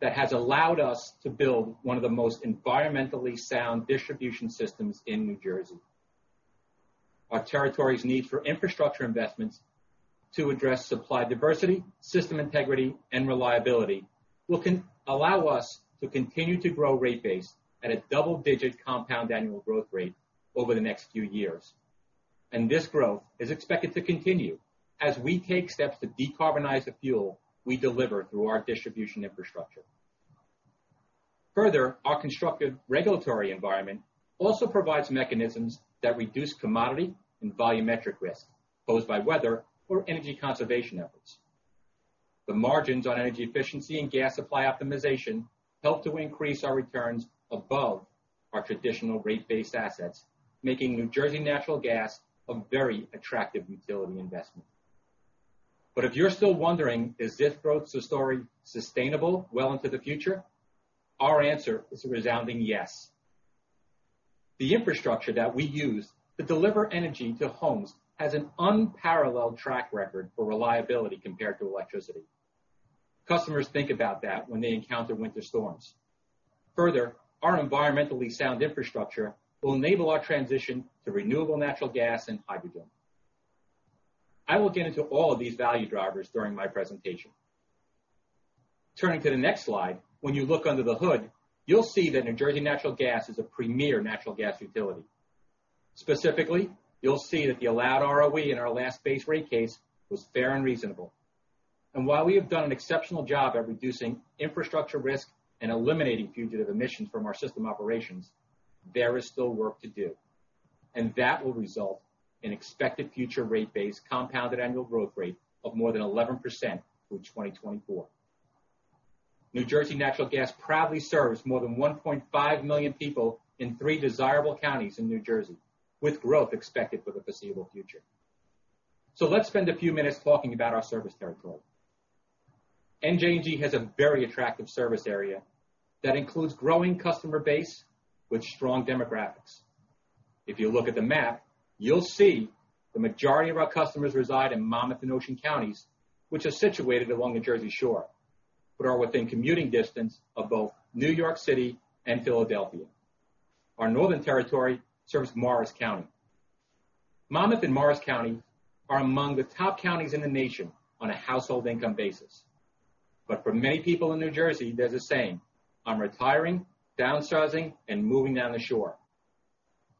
S4: that has allowed us to build one of the most environmentally sound distribution systems in New Jersey. Our territory's need for infrastructure investments to address supply diversity, system integrity, and reliability will allow us to continue to grow rate base at a double-digit compound annual growth rate over the next few years. This growth is expected to continue as we take steps to decarbonize the fuel we deliver through our distribution infrastructure. Further, our constructive regulatory environment also provides mechanisms that reduce commodity and volumetric risk posed by weather or energy conservation efforts. The margins on energy efficiency and gas supply optimization help to increase our returns above our traditional rate-based assets, making New Jersey Natural Gas a very attractive utility investment. If you're still wondering, is this growth story sustainable well into the future? Our answer is a resounding yes. The infrastructure that we use to deliver energy to homes has an unparalleled track record for reliability compared to electricity. Customers think about that when they encounter winter storms. Further, our environmentally sound infrastructure will enable our transition to renewable natural gas and hydrogen. I will get into all of these value drivers during my presentation. Turning to the next slide, when you look under the hood, you'll see that New Jersey Natural Gas is a premier natural gas utility. Specifically, you'll see that the allowed ROE in our last base rate case was fair and reasonable. While we have done an exceptional job at reducing infrastructure risk and eliminating fugitive emissions from our system operations, there is still work to do. That will result in expected future rate base compounded annual growth rate of more than 11% through 2024. New Jersey Natural Gas proudly serves more than 1.5 million people in three desirable counties in New Jersey, with growth expected for the foreseeable future. Let's spend a few minutes talking about our service territory. NJNG has a very attractive service area that includes growing customer base with strong demographics. If you look at the map, you'll see the majority of our customers reside in Monmouth and Ocean Counties, which are situated along the Jersey Shore, but are within commuting distance of both New York City and Philadelphia. Our northern territory serves Morris County. Monmouth and Morris County are among the top counties in the nation on a household income basis. For many people in New Jersey, there's a saying, "I'm retiring, downsizing, and moving down the shore."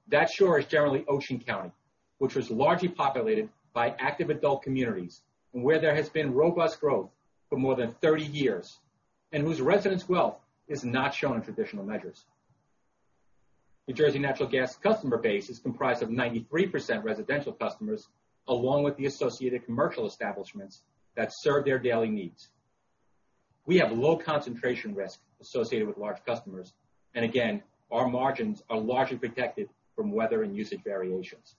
S4: That shore is generally Ocean County, which was largely populated by active adult communities and where there has been robust growth for more than 30 years, and whose residents' wealth is not shown in traditional measures. New Jersey Natural Gas customer base is comprised of 93% residential customers, along with the associated commercial establishments that serve their daily needs. We have low concentration risk associated with large customers, and again, our margins are largely protected from weather and usage variations.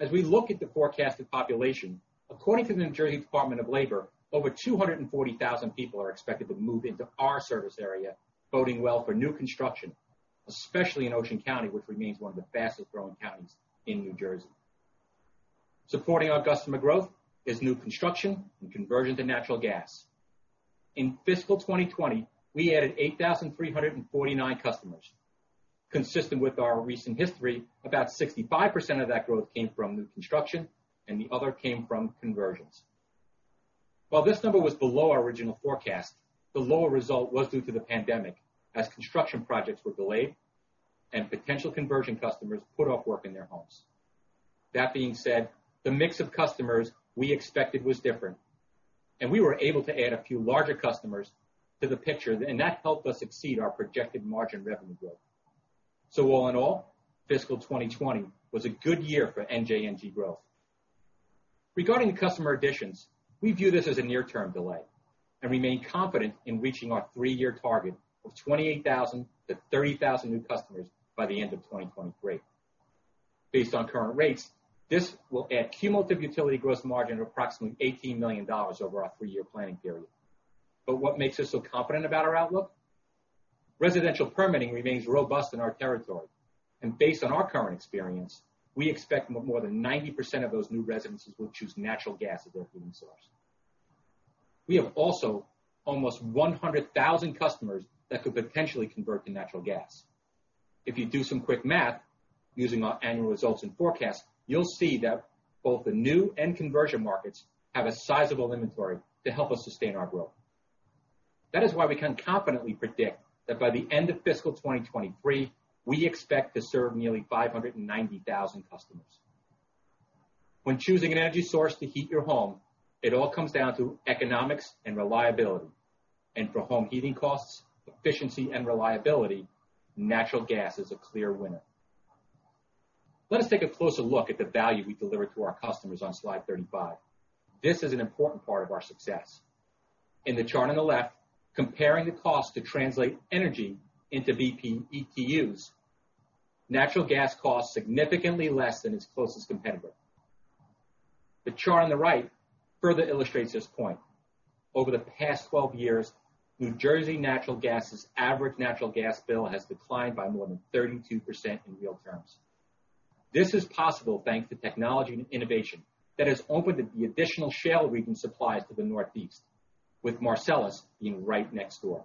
S4: As we look at the forecasted population, according to the New Jersey Department of Labor, over 240,000 people are expected to move into our service area, boding well for new construction, especially in Ocean County, which remains one of the fastest-growing counties in New Jersey. Supporting our customer growth is new construction and conversion to natural gas. In fiscal 2020, we added 8,349 customers. Consistent with our recent history, about 65% of that growth came from new construction, and the other came from conversions. While this number was below our original forecast, the lower result was due to the pandemic as construction projects were delayed and potential conversion customers put off work in their homes. That being said, the mix of customers we expected was different, and we were able to add a few larger customers to the picture, and that helped us exceed our projected margin revenue growth. All in all, fiscal 2020 was a good year for NJNG growth. Regarding customer additions, we view this as a near-term delay and remain confident in reaching our three-year target of 28,000-30,000 new customers by the end of 2023. Based on current rates, this will add cumulative utility gross margin of approximately $18 million over our three-year planning period. But what makes us so confident about our outlook? Residential permitting remains robust in our territory. Based on our current experience, we expect more than 90% of those new residences will choose natural gas as their heating source. We have also almost 100,000 customers that could potentially convert to natural gas. If you do some quick math using our annual results and forecast, you'll see that both the new and conversion markets have a sizable inventory to help us sustain our growth. That is why we can confidently predict that by the end of fiscal 2023, we expect to serve nearly 590,000 customers. When choosing an energy source to heat your home, it all comes down to economics and reliability. For home heating costs, efficiency, and reliability, natural gas is a clear winner. Let us take a closer look at the value we deliver to our customers on slide 35. This is an important part of our success. In the chart on the left, comparing the cost to translate energy into BTUs, natural gas costs significantly less than its closest competitor. The chart on the right further illustrates this point. Over the past 12 years, New Jersey Natural Gas' average natural gas bill has declined by more than 32% in real terms. This is possible thanks to technology and innovation that has opened the additional shale region supplies to the Northeast, with Marcellus being right next door.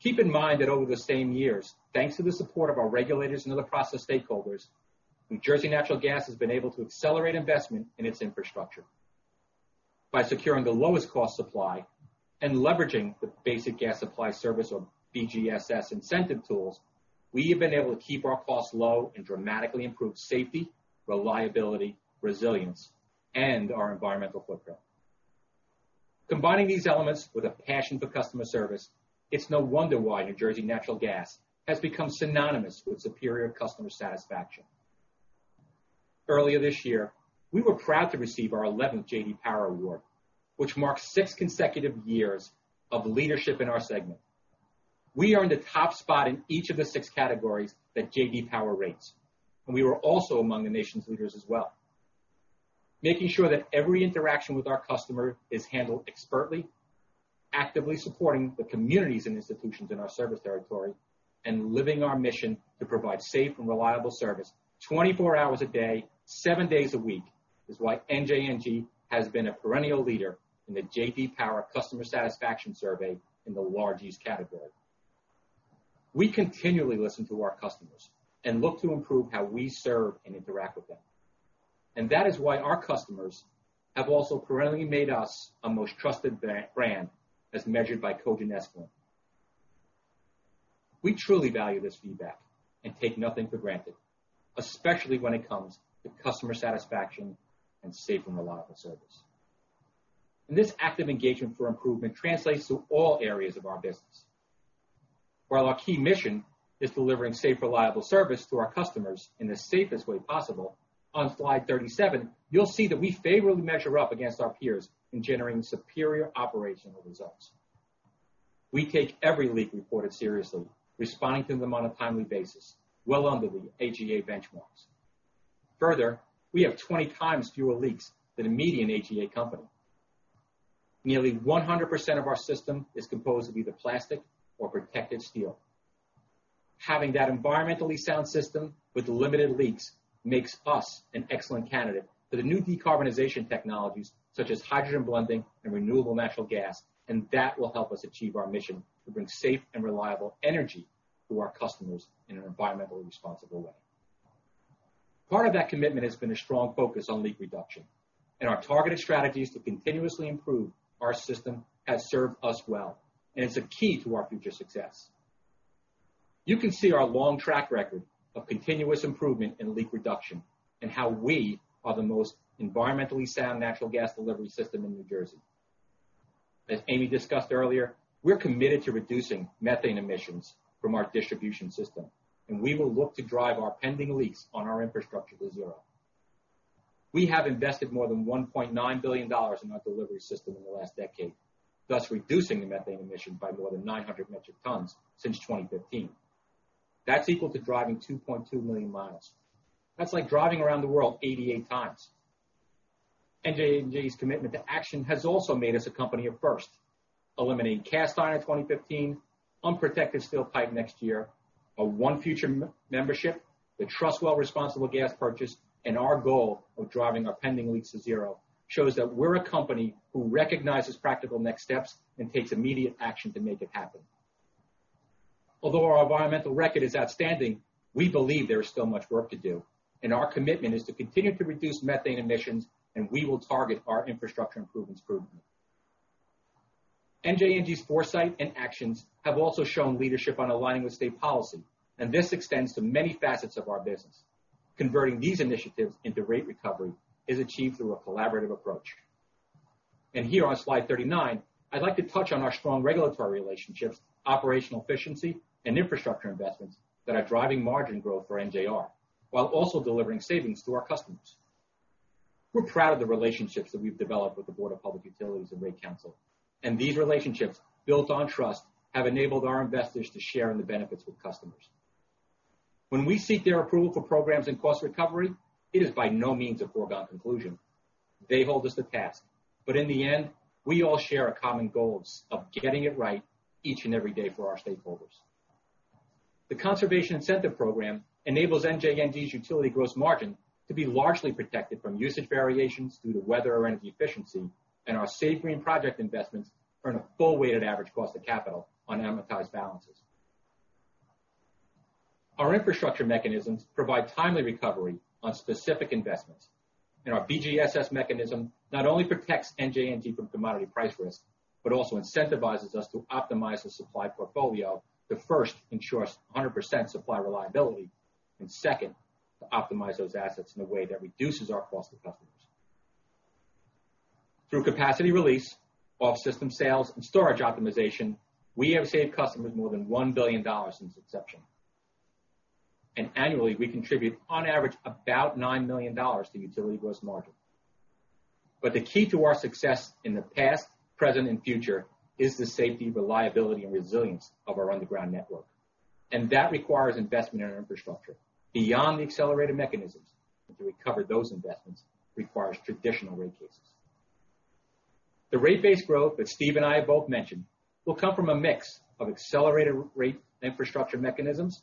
S4: Keep in mind that over the same years, thanks to the support of our regulators and other process stakeholders, New Jersey Natural Gas has been able to accelerate investment in its infrastructure. By securing the lowest cost supply and leveraging the Basic Gas Supply Service or BGSS incentive tools, we have been able to keep our costs low and dramatically improve safety, reliability, resilience, and our environmental footprint. Combining these elements with a passion for customer service, it's no wonder why New Jersey Natural Gas has become synonymous with superior customer satisfaction. Earlier this year, we were proud to receive our 11th J.D. Power Award, which marks six consecutive years of leadership in our segment. We are in the top spot in each of the six categories that J.D. Power rates, and we were also among the nation's leaders as well. Making sure that every interaction with our customer is handled expertly, actively supporting the communities and institutions in our service territory, and living our mission to provide safe and reliable service 24 hours a day, seven days a week is why NJNG has been a perennial leader in the J.D. Power Customer Satisfaction survey in the large East category. We continually listen to our customers and look to improve how we serve and interact with them. That is why our customers have also perennially made us a most trusted brand as measured by Cogent Syndicated. We truly value this feedback and take nothing for granted, especially when it comes to customer satisfaction and safe and reliable service. This active engagement for improvement translates to all areas of our business. While our key mission is delivering safe, reliable service to our customers in the safest way possible, on slide 37, you'll see that we favorably measure up against our peers in generating superior operational results. We take every leak reported seriously, responding to them on a timely basis, well under the AGA benchmarks. Further, we have 20x fewer leaks than a median AGA company. Nearly 100% of our system is composed of either plastic or protected steel. Having that environmentally sound system with limited leaks makes us an excellent candidate for the new decarbonization technologies such as hydrogen blending and renewable natural gas, and that will help us achieve our mission to bring safe and reliable energy to our customers in an environmentally responsible way. Part of that commitment has been a strong focus on leak reduction, and our targeted strategies to continuously improve our system has served us well and is a key to our future success. You can see our long track record of continuous improvement in leak reduction and how we are the most environmentally sound natural gas delivery system in New Jersey. As Amy discussed earlier, we're committed to reducing methane emissions from our distribution system, and we will look to drive our pending leaks on our infrastructure to zero. We have invested more than $1.9 billion in our delivery system in the last decade, thus reducing the methane emission by more than 900 metric tons since 2015. That's equal to driving 2.2 million miles. That's like driving around the world 88x. NJNG's commitment to action has also made us a company of first. Eliminating cast iron in 2015, unprotected steel pipe next year, a ONE Future membership, the TrustWell responsible gas purchase, and our goal of driving our pending leaks to zero shows that we're a company who recognizes practical next steps and takes immediate action to make it happen. Although our environmental record is outstanding, we believe there is still much work to do, and our commitment is to continue to reduce methane emissions, and we will target our infrastructure investment program. NJNG's foresight and actions have also shown leadership on aligning with state policy, this extends to many facets of our business. Converting these initiatives into rate recovery is achieved through a collaborative approach. Here on slide 39, I'd like to touch on our strong regulatory relationships, operational efficiency, and infrastructure investments that are driving margin growth for NJR, while also delivering savings to our customers. We're proud of the relationships that we've developed with the Board of Public Utilities and Rate Counsel, these relationships, built on trust, have enabled our investors to share in the benefits with customers. When we seek their approval for programs and cost recovery, it is by no means a foregone conclusion. They hold us to task. In the end, we all share a common goal of getting it right each and every day for our stakeholders. The conservation incentive program enables NJNG's utility gross margin to be largely protected from usage variations due to weather or energy efficiency, and our SAVEGREEN project investments earn a full weighted average cost of capital on unamortized balances. Our infrastructure mechanisms provide timely recovery on specific investments. Our BGSS mechanism not only protects NJNG from commodity price risk, but also incentivizes us to optimize the supply portfolio to first ensure 100% supply reliability, and second, to optimize those assets in a way that reduces our cost to customers. Through capacity release, off-system sales, and storage optimization, we have saved customers more than $1 billion since inception. Annually, we contribute on average, about $9 million to utility gross margin. The key to our success in the past, present, and future is the safety, reliability, and resilience of our underground network. That requires investment in our infrastructure beyond the accelerated mechanisms, and to recover those investments requires traditional rate cases. The rate base growth that Steve and I both mentioned will come from a mix of accelerated rate infrastructure mechanisms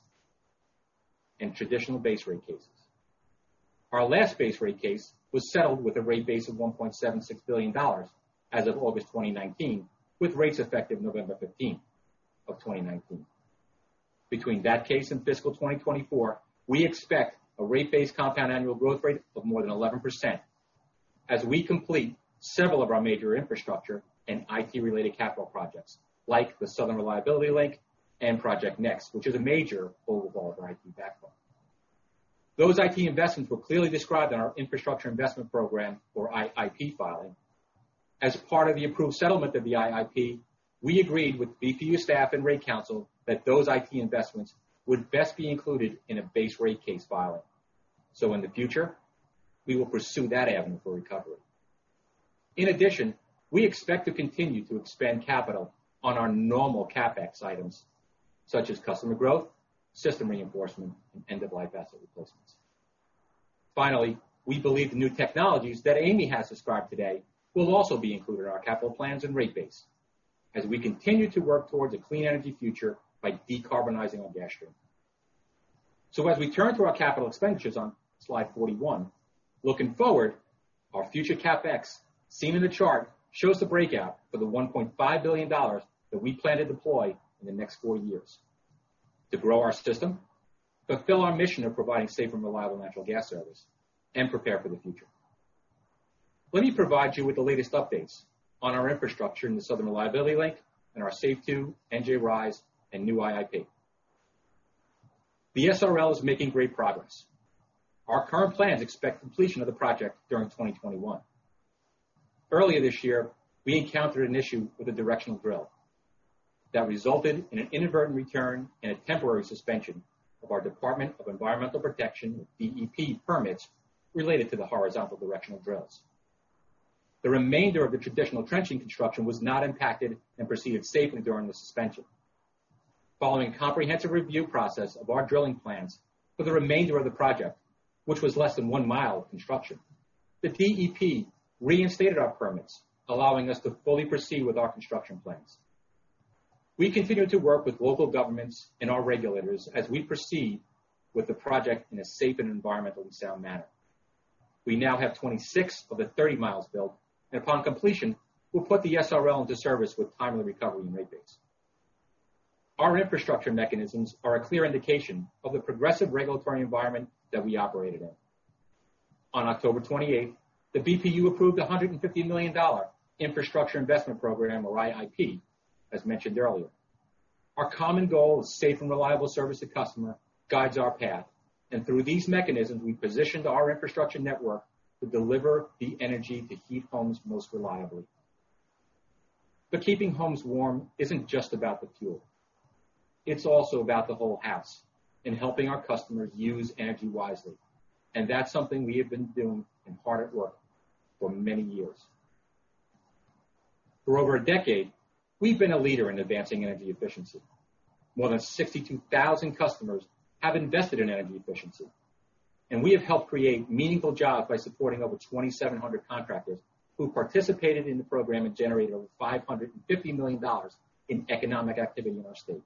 S4: and traditional base rate cases. Our last base rate case was settled with a rate base of $1.76 billion as of August 2019, with rates effective November 15th of 2019. Between that case and fiscal 2024, we expect a rate base compound annual growth rate of more than 11% as we complete several of our major infrastructure and IT related capital projects, like the Southern Reliability Link and Project NEXT, which is a major overhaul of our IT backbone. Those IT investments were clearly described in our infrastructure investment program or IIP filing. As part of the approved settlement of the IIP, we agreed with BPU staff and Rate Counsel that those IT investments would best be included in a base rate case filing. In the future, we will pursue that avenue for recovery. In addition, we expect to continue to expand capital on our normal CapEx items such as customer growth, system reinforcement, and end-of-life asset replacements. Finally, we believe the new technologies that Amy has described today will also be included in our capital plans and rate base as we continue to work towards a clean energy future by decarbonizing our gas stream. As we turn to our capital expenditures on slide 41, looking forward, our future CapEx, seen in the chart, shows the breakout for the $1.5 billion that we plan to deploy in the next four years to grow our system, fulfill our mission of providing safe and reliable natural gas service, and prepare for the future. Let me provide you with the latest updates on our infrastructure in the Southern Reliability Link and our SAFE II, NJ RISE, and new IIP. The SRL is making great progress. Our current plans expect completion of the project during 2021. Earlier this year, we encountered an issue with a directional drill that resulted in an inadvertent return and a temporary suspension of our Department of Environmental Protection, DEP, permits related to the horizontal directional drills. The remainder of the traditional trenching construction was not impacted and proceeded safely during the suspension. Following comprehensive review process of our drilling plans for the remainder of the project, which was less than one mile of construction, the DEP reinstated our permits, allowing us to fully proceed with our construction plans. We continue to work with local governments and our regulators as we proceed with the project in a safe and environmentally sound manner. We now have 26 of the 30 miles built, and upon completion, we'll put the SRL into service with timely recovery and rate base. Our infrastructure mechanisms are a clear indication of the progressive regulatory environment that we operate in. On October 28th, the BPU approved $150 million infrastructure investment program, or IIP, as mentioned earlier. Our common goal is safe and reliable service to customer guides our path. Through these mechanisms, we've positioned our infrastructure network to deliver the energy to heat homes most reliably. Keeping homes warm isn't just about the fuel. It's also about the whole house and helping our customers use energy wisely. That's something we have been doing and hard at work for many years. For over a decade, we've been a leader in advancing energy efficiency. More than 62,000 customers have invested in energy efficiency, and we have helped create meaningful jobs by supporting over 2,700 contractors who participated in the program and generated over $550 million in economic activity in our state.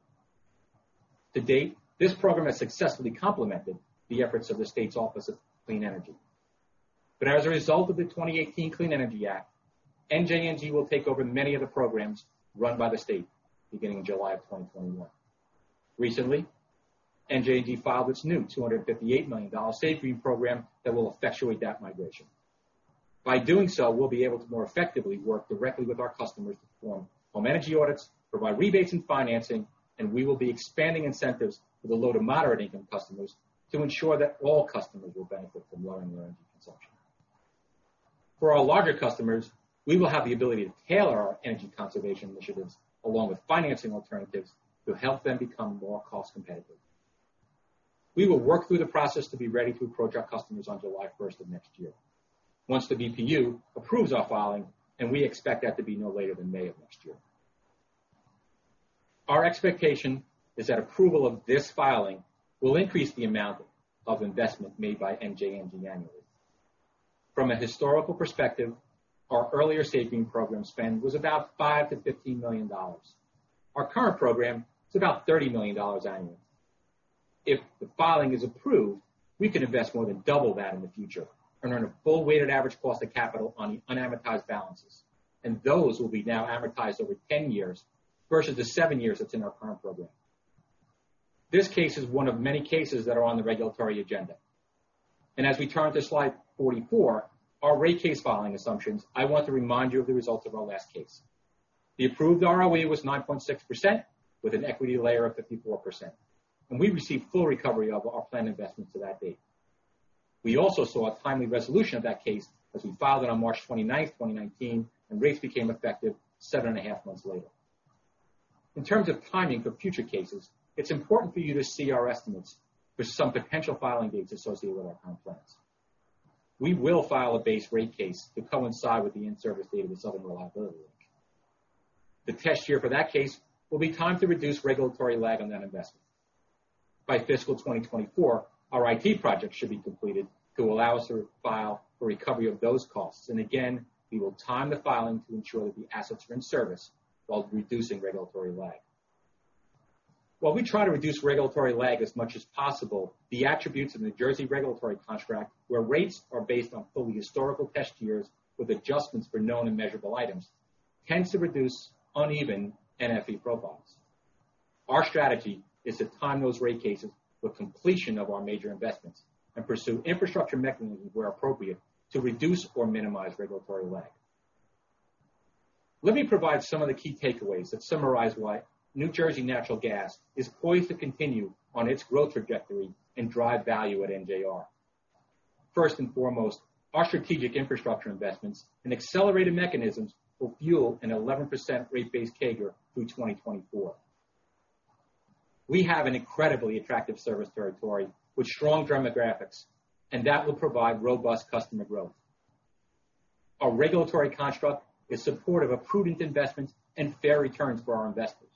S4: To date, this program has successfully complemented the efforts of the state's Office of Clean Energy. As a result of the 2018 Clean Energy Act, NJNG will take over many of the programs run by the state beginning July of 2021. Recently, NJNG filed its new $258 million SAVEGREEN program that will effectuate that migration. By doing so, we'll be able to more effectively work directly with our customers to perform home energy audits, provide rebates and financing, and we will be expanding incentives for the low to moderate income customers to ensure that all customers will benefit from lowering their energy consumption. For our larger customers, we will have the ability to tailor our energy conservation initiatives along with financing alternatives to help them become more cost competitive. We will work through the process to be ready to approach our customers on July 1st of next year. Once the BPU approves our filing, we expect that to be no later than May of next year. Our expectation is that approval of this filing will increase the amount of investment made by NJNG annually. From a historical perspective, our earlier SAVEGREEN program spend was about $5 million-$15 million. Our current program is about $30 million annually. If the filing is approved, we could invest more than double that in the future and earn a full weighted average cost of capital on the unamortized balances. Those will be now amortized over 10 years versus the seven years that's in our current program. This case is one of many cases that are on the regulatory agenda. As we turn to slide 44, our rate case filing assumptions, I want to remind you of the results of our last case. The approved ROE was 9.6% with an equity layer of 54%, and we received full recovery of our planned investments to that date. We also saw a timely resolution of that case as we filed it on March 29th, 2019, and rates became effective 7.5 months later. In terms of timing for future cases, it's important for you to see our estimates for some potential filing dates associated with our current plans. We will file a base rate case to coincide with the in-service date of the Southern Reliability Link. The test year for that case will be timed to reduce regulatory lag on that investment. By fiscal 2024, our IT project should be completed to allow us to file for recovery of those costs. Again, we will time the filing to ensure that the assets are in service while reducing regulatory lag. While we try to reduce regulatory lag as much as possible, the attributes of the New Jersey regulatory contract, where rates are based on fully historical test years with adjustments for known and measurable items, tends to produce uneven NFE profiles. Our strategy is to time those rate cases with completion of our major investments and pursue infrastructure mechanisms where appropriate to reduce or minimize regulatory lag. Let me provide some of the key takeaways that summarize why New Jersey Natural Gas is poised to continue on its growth trajectory and drive value at NJR. First and foremost, our strategic infrastructure investments and accelerated mechanisms will fuel an 11% rate base CAGR through 2024. We have an incredibly attractive service territory with strong demographics, that will provide robust customer growth. Our regulatory construct is supportive of prudent investments and fair returns for our investors.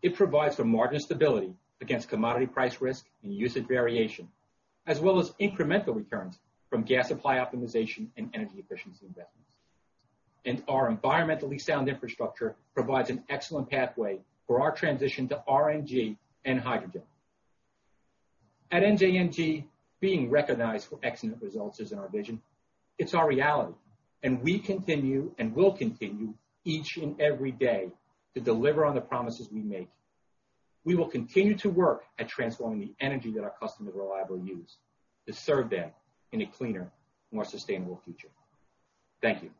S4: It provides for margin stability against commodity price risk and usage variation, as well as incremental returns from gas supply optimization and energy efficiency investments. Our environmentally sound infrastructure provides an excellent pathway for our transition to RNG and hydrogen. At NJR, being recognized for excellent results is in our vision. It's our reality. We will continue each and every day to deliver on the promises we make. We will continue to work at transforming the energy that our customers reliably use to serve them in a cleaner, more sustainable future. Thank you.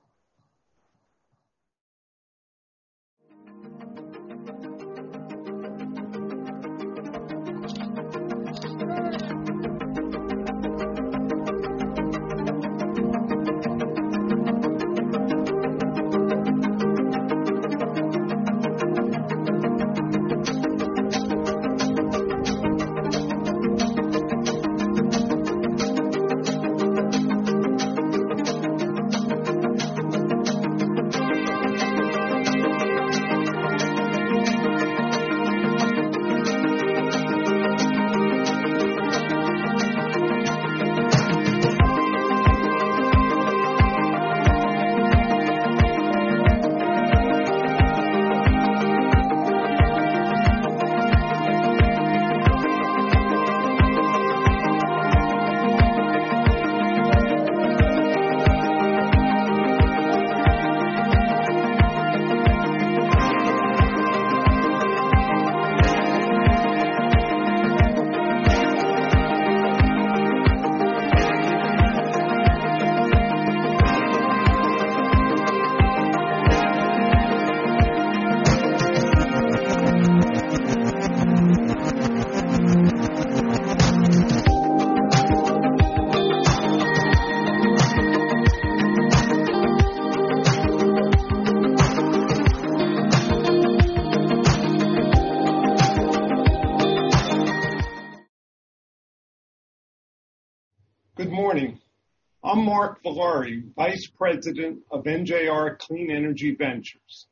S5: Good morning. I'm Mark Valori, Vice President of NJR Clean Energy Ventures.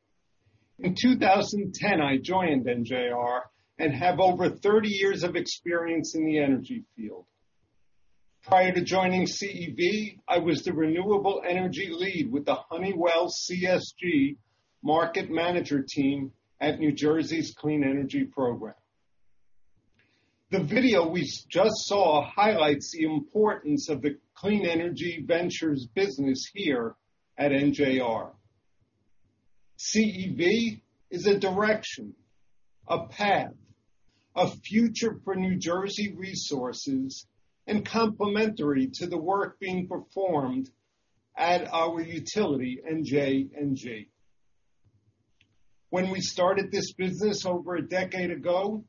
S5: In 2010, I joined NJR and have over 30 years of experience in the energy field. Prior to joining CEV, I was the renewable energy lead with the Honeywell CSG Market Manager team at New Jersey's Clean Energy Program. The video we just saw highlights the importance of the Clean Energy Ventures business here at NJR. CEV is a direction, a path, a future for New Jersey Resources, and complementary to the work being performed at our utility, NJNG. When we started this business over a decade ago,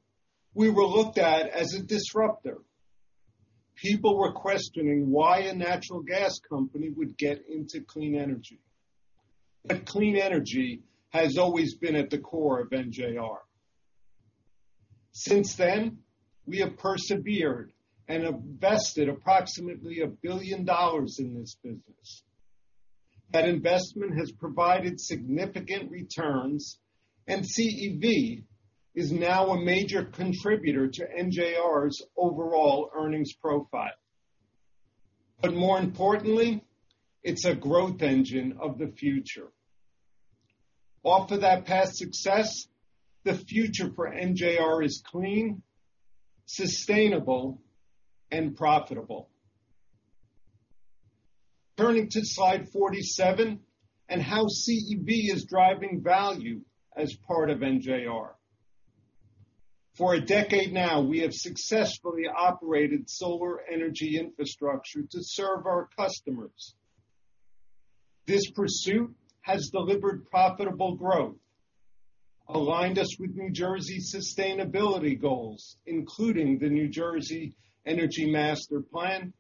S5: we were looked at as a disruptor. People were questioning why a natural gas company would get into clean energy. Clean energy has always been at the core of NJR. Since then, we have persevered and have vested approximately $1 billion in this business. That investment has provided significant returns, and CEV is now a major contributor to NJR's overall earnings profile. More importantly, it's a growth engine of the future. Off of that past success, the future for NJR is clean, sustainable, and profitable. Turning to slide 47, and how CEV is driving value as part of NJR. For a decade now, we have successfully operated solar energy infrastructure to serve our customers. This pursuit has delivered profitable growth, aligned us with New Jersey sustainability goals, including the New Jersey Energy Master Plan,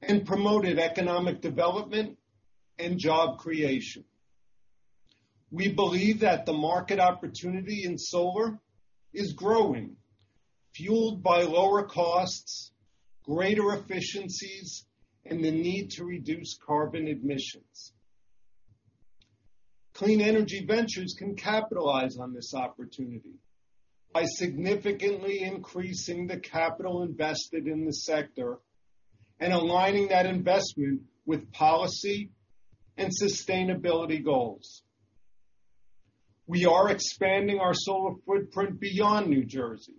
S5: and promoted economic development and job creation. We believe that the market opportunity in solar is growing, fueled by lower costs, greater efficiencies, and the need to reduce carbon emissions. Clean Energy Ventures can capitalize on this opportunity by significantly increasing the capital invested in the sector and aligning that investment with policy and sustainability goals. We are expanding our solar footprint beyond New Jersey,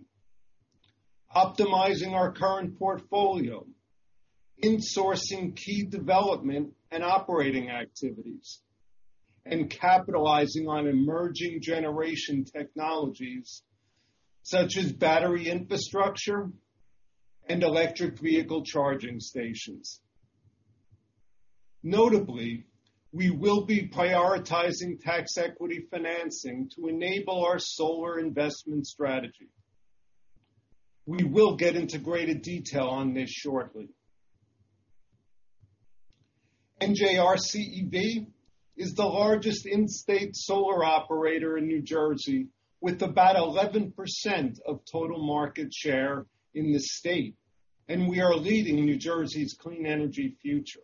S5: optimizing our current portfolio, insourcing key development and operating activities, and capitalizing on emerging generation technologies such as battery infrastructure and electric vehicle charging stations. Notably, we will be prioritizing tax equity financing to enable our solar investment strategy. We will get into greater detail on this shortly. NJR CEV is the largest in-state solar operator in New Jersey with about 11% of total market share in the state, and we are leading New Jersey's clean energy future.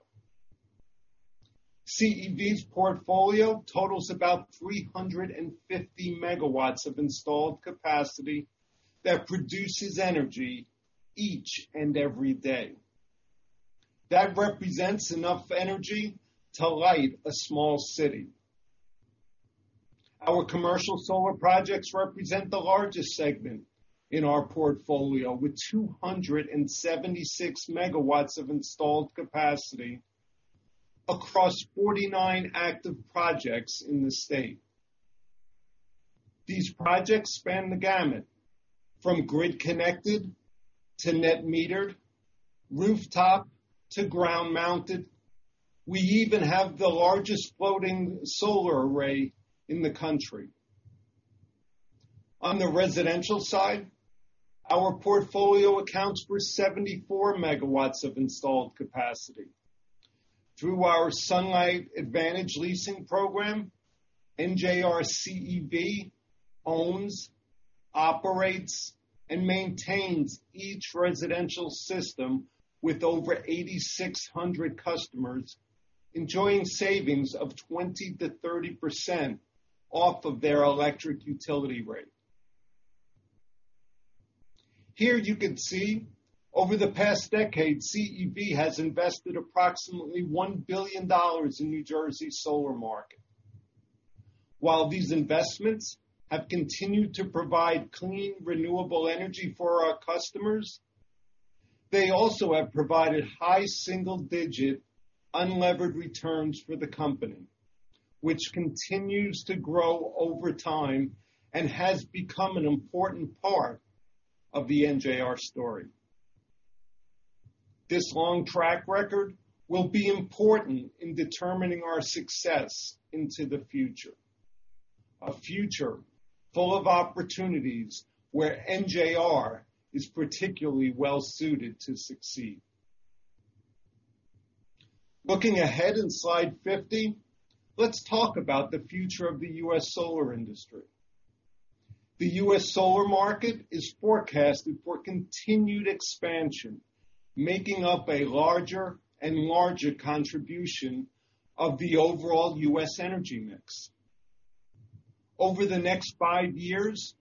S5: CEV's portfolio totals about 350 MW of installed capacity that produces energy each and every day. That represents enough energy to light a small city. Our commercial solar projects represent the largest segment in our portfolio, with 276 MW of installed capacity across 49 active projects in the state. These projects span the gamut, from grid-connected to net-metered, rooftop to ground-mounted. We even have the largest floating solar array in the country. On the residential side, our portfolio accounts for 74 MW of installed capacity. Through our Sunlight Advantage leasing program, NJR CEV owns, operates, and maintains each residential system with over 8,600 customers enjoying savings of 20%-30% off of their electric utility rate. Here you can see over the past decade, CEV has invested approximately $1 billion in New Jersey solar market. While these investments have continued to provide clean, renewable energy for our customers, they also have provided high single-digit unlevered returns for the company, which continues to grow over time and has become an important part of the NJR story. This long track record will be important in determining our success into the future. A future full of opportunities where NJR is particularly well-suited to succeed. Looking ahead in slide 50, let's talk about the future of the U.S. solar industry. The U.S. solar market is forecasted for continued expansion, making up a larger and larger contribution of the overall U.S. energy mix. Over the next five years,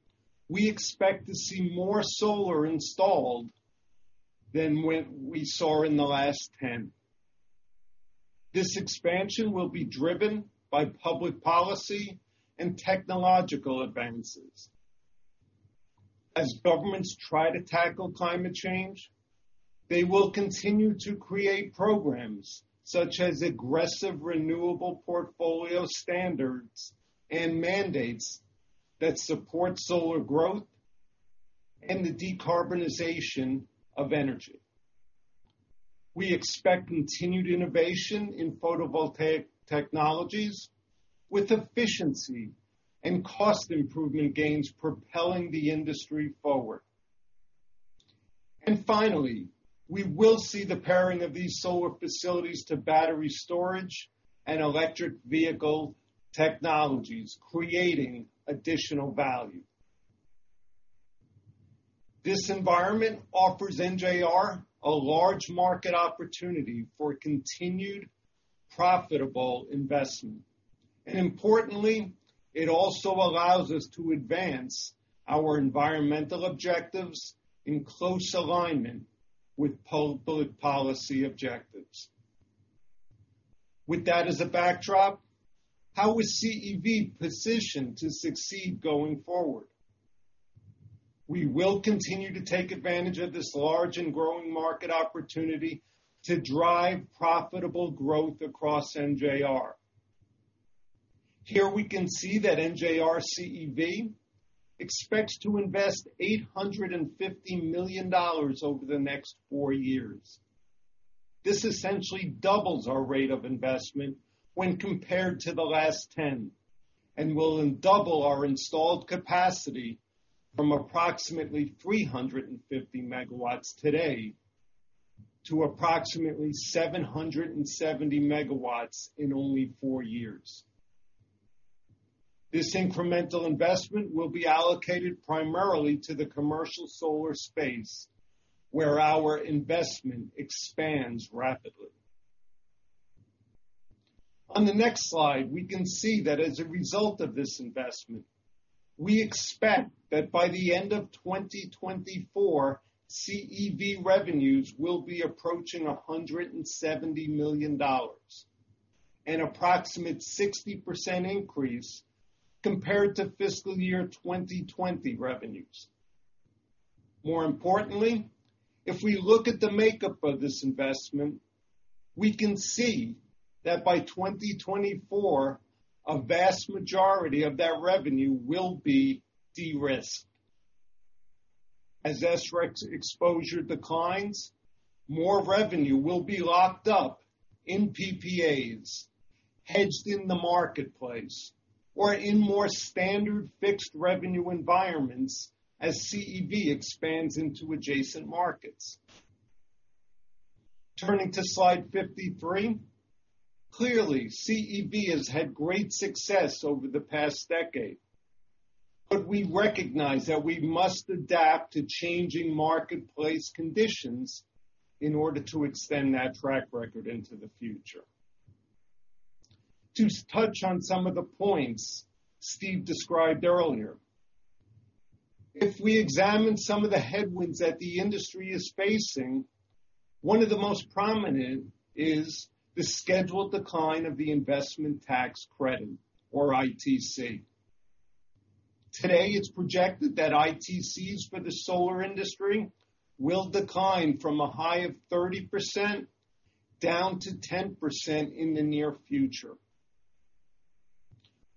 S5: we expect to see more solar installed than we saw in the last 10. This expansion will be driven by public policy and technological advances. As governments try to tackle climate change, they will continue to create programs such as aggressive renewable portfolio standards and mandates that support solar growth and the decarbonization of energy. We expect continued innovation in photovoltaic technologies with efficiency and cost improvement gains propelling the industry forward. Finally, we will see the pairing of these solar facilities to battery storage and electric vehicle technologies, creating additional value. This environment offers NJR a large market opportunity for continued profitable investment, and importantly, it also allows us to advance our environmental objectives in close alignment with public policy objectives. With that as a backdrop, how is CEV positioned to succeed going forward? We will continue to take advantage of this large and growing market opportunity to drive profitable growth across NJR. Here we can see that NJR CEV expects to invest $850 million over the next four years. This essentially doubles our rate of investment when compared to the last 10, and will then double our installed capacity from approximately 350 MW today to approximately 770 MW in only four years. This incremental investment will be allocated primarily to the commercial solar space, where our investment expands rapidly. On the next slide, we can see that as a result of this investment, we expect that by the end of 2024, CEV revenues will be approaching $170 million. An approximate 60% increase compared to fiscal year 2020 revenues. More importantly, if we look at the makeup of this investment, we can see that by 2024, a vast majority of that revenue will be de-risked. As SREC exposure declines, more revenue will be locked up in PPAs hedged in the marketplace or in more standard fixed revenue environments as CEV expands into adjacent markets. Turning to slide 53. Clearly, CEV has had great success over the past decade, but we recognize that we must adapt to changing marketplace conditions in order to extend that track record into the future. To touch on some of the points Steve described earlier, if we examine some of the headwinds that the industry is facing, one of the most prominent is the scheduled decline of the investment tax credit, or ITC. Today, it's projected that ITCs for the solar industry will decline from a high of 30% down to 10% in the near future.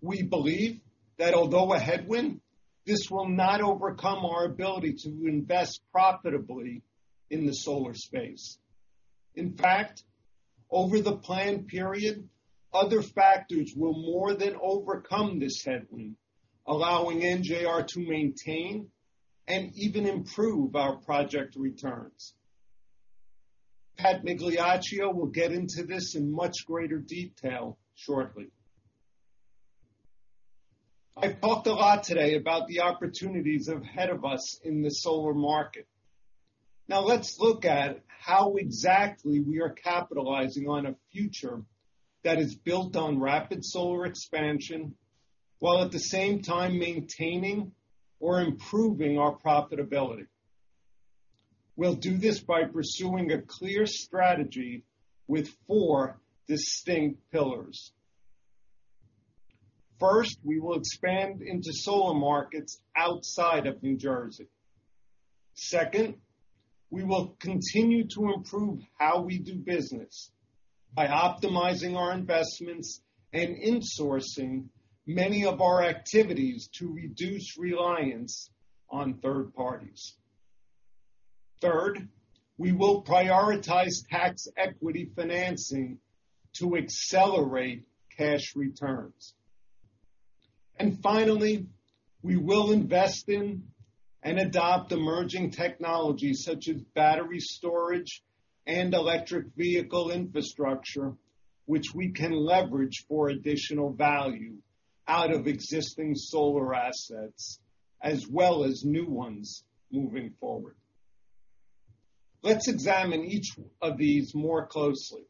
S5: We believe that although a headwind, this will not overcome our ability to invest profitably in the solar space. In fact, over the planned period, other factors will more than overcome this headwind, allowing NJR to maintain and even improve our project returns. Pat Migliaccio will get into this in much greater detail shortly. I've talked a lot today about the opportunities ahead of us in the solar market. Now let's look at how exactly we are capitalizing on a future that is built on rapid solar expansion, while at the same time maintaining or improving our profitability. We'll do this by pursuing a clear strategy with four distinct pillars. First, we will expand into solar markets outside of New Jersey. Second, we will continue to improve how we do business by optimizing our investments and insourcing many of our activities to reduce reliance on third parties. Third, we will prioritize tax equity financing to accelerate cash returns. Finally, we will invest in and adopt emerging technologies such as battery storage and electric vehicle infrastructure, which we can leverage for additional value out of existing solar assets as well as new ones moving forward. Let's examine each of these more closely.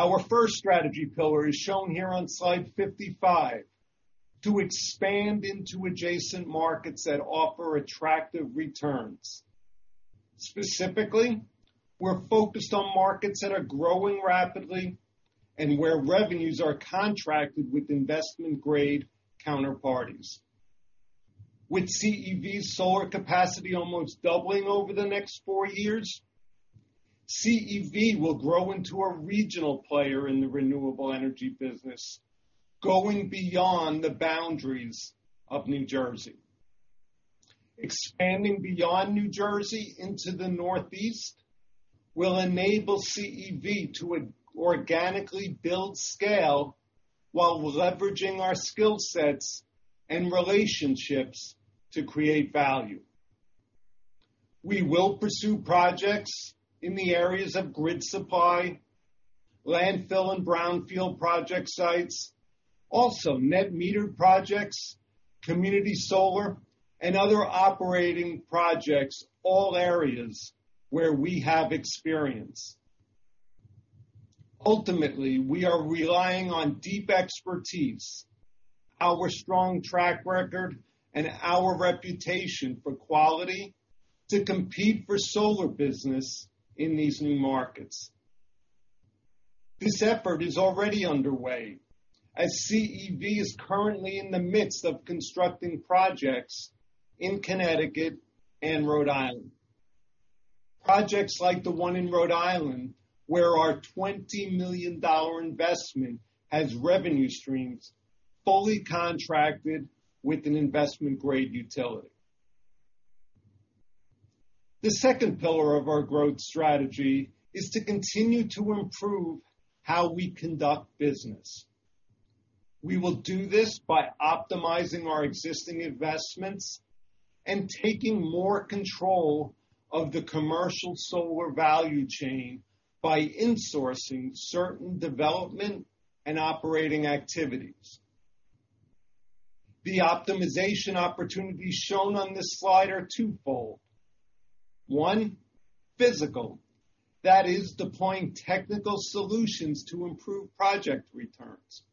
S5: Our first strategy pillar is shown here on slide 55, to expand into adjacent markets that offer attractive returns. Specifically, we're focused on markets that are growing rapidly and where revenues are contracted with investment-grade counterparties. With CEV's solar capacity almost doubling over the next four years, CEV will grow into a regional player in the renewable energy business, going beyond the boundaries of New Jersey. Expanding beyond New Jersey into the Northeast will enable CEV to organically build scale while leveraging our skill sets and relationships to create value. We will pursue projects in the areas of grid supply, landfill and brownfield project sites, also net-metered projects, community solar, and other operating projects, all areas where we have experience. Ultimately, we are relying on deep expertise, our strong track record, and our reputation for quality to compete for solar business in these new markets. This effort is already underway, as CEV is currently in the midst of constructing projects in Connecticut and Rhode Island. Projects like the one in Rhode Island, where our $20 million investment has revenue streams fully contracted with an investment-grade utility. The second pillar of our growth strategy is to continue to improve how we conduct business. We will do this by optimizing our existing investments and taking more control of the commercial solar value chain by insourcing certain development and operating activities. The optimization opportunities shown on this slide are 2-fold. One, physical. That is deploying technical solutions to improve project returns.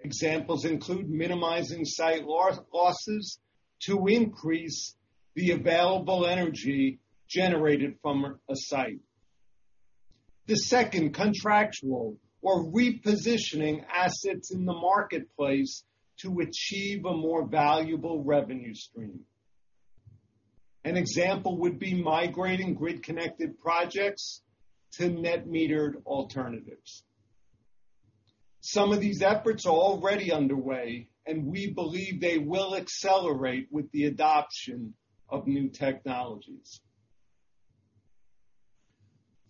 S5: Examples include minimizing site losses to increase the available energy generated from a site. The second, contractual, or repositioning assets in the marketplace to achieve a more valuable revenue stream. An example would be migrating grid-connected projects to net-metered alternatives. Some of these efforts are already underway, and we believe they will accelerate with the adoption of new technologies.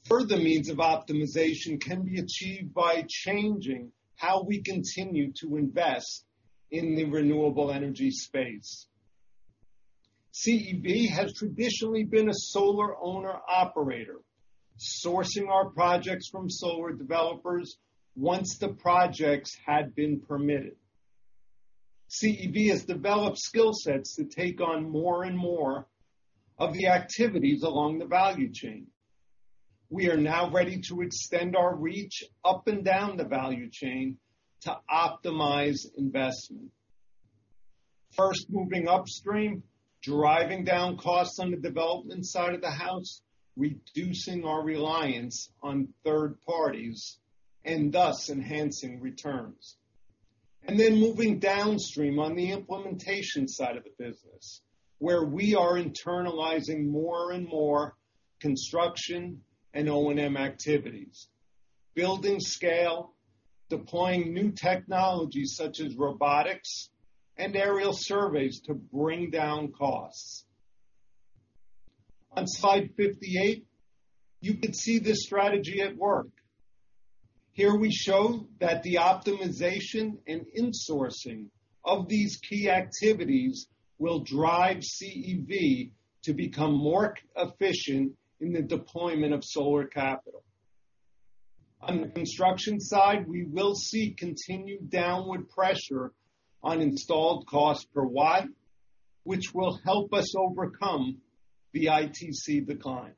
S5: Further means of optimization can be achieved by changing how we continue to invest in the renewable energy space. CEV has traditionally been a solar owner-operator, sourcing our projects from solar developers once the projects had been permitted. CEV has developed skill sets to take on more and more of the activities along the value chain. We are now ready to extend our reach up and down the value chain to optimize investment. First, moving upstream, driving down costs on the development side of the house, reducing our reliance on third parties, and thus enhancing returns. Moving downstream on the implementation side of the business, where we are internalizing more and more construction and O&M activities, building scale, deploying new technologies such as robotics and aerial surveys to bring down costs. On slide 58, you can see this strategy at work. Here we show that the optimization and insourcing of these key activities will drive CEV to become more efficient in the deployment of solar capital. On the construction side, we will see continued downward pressure on installed cost per watt, which will help us overcome the ITC decline.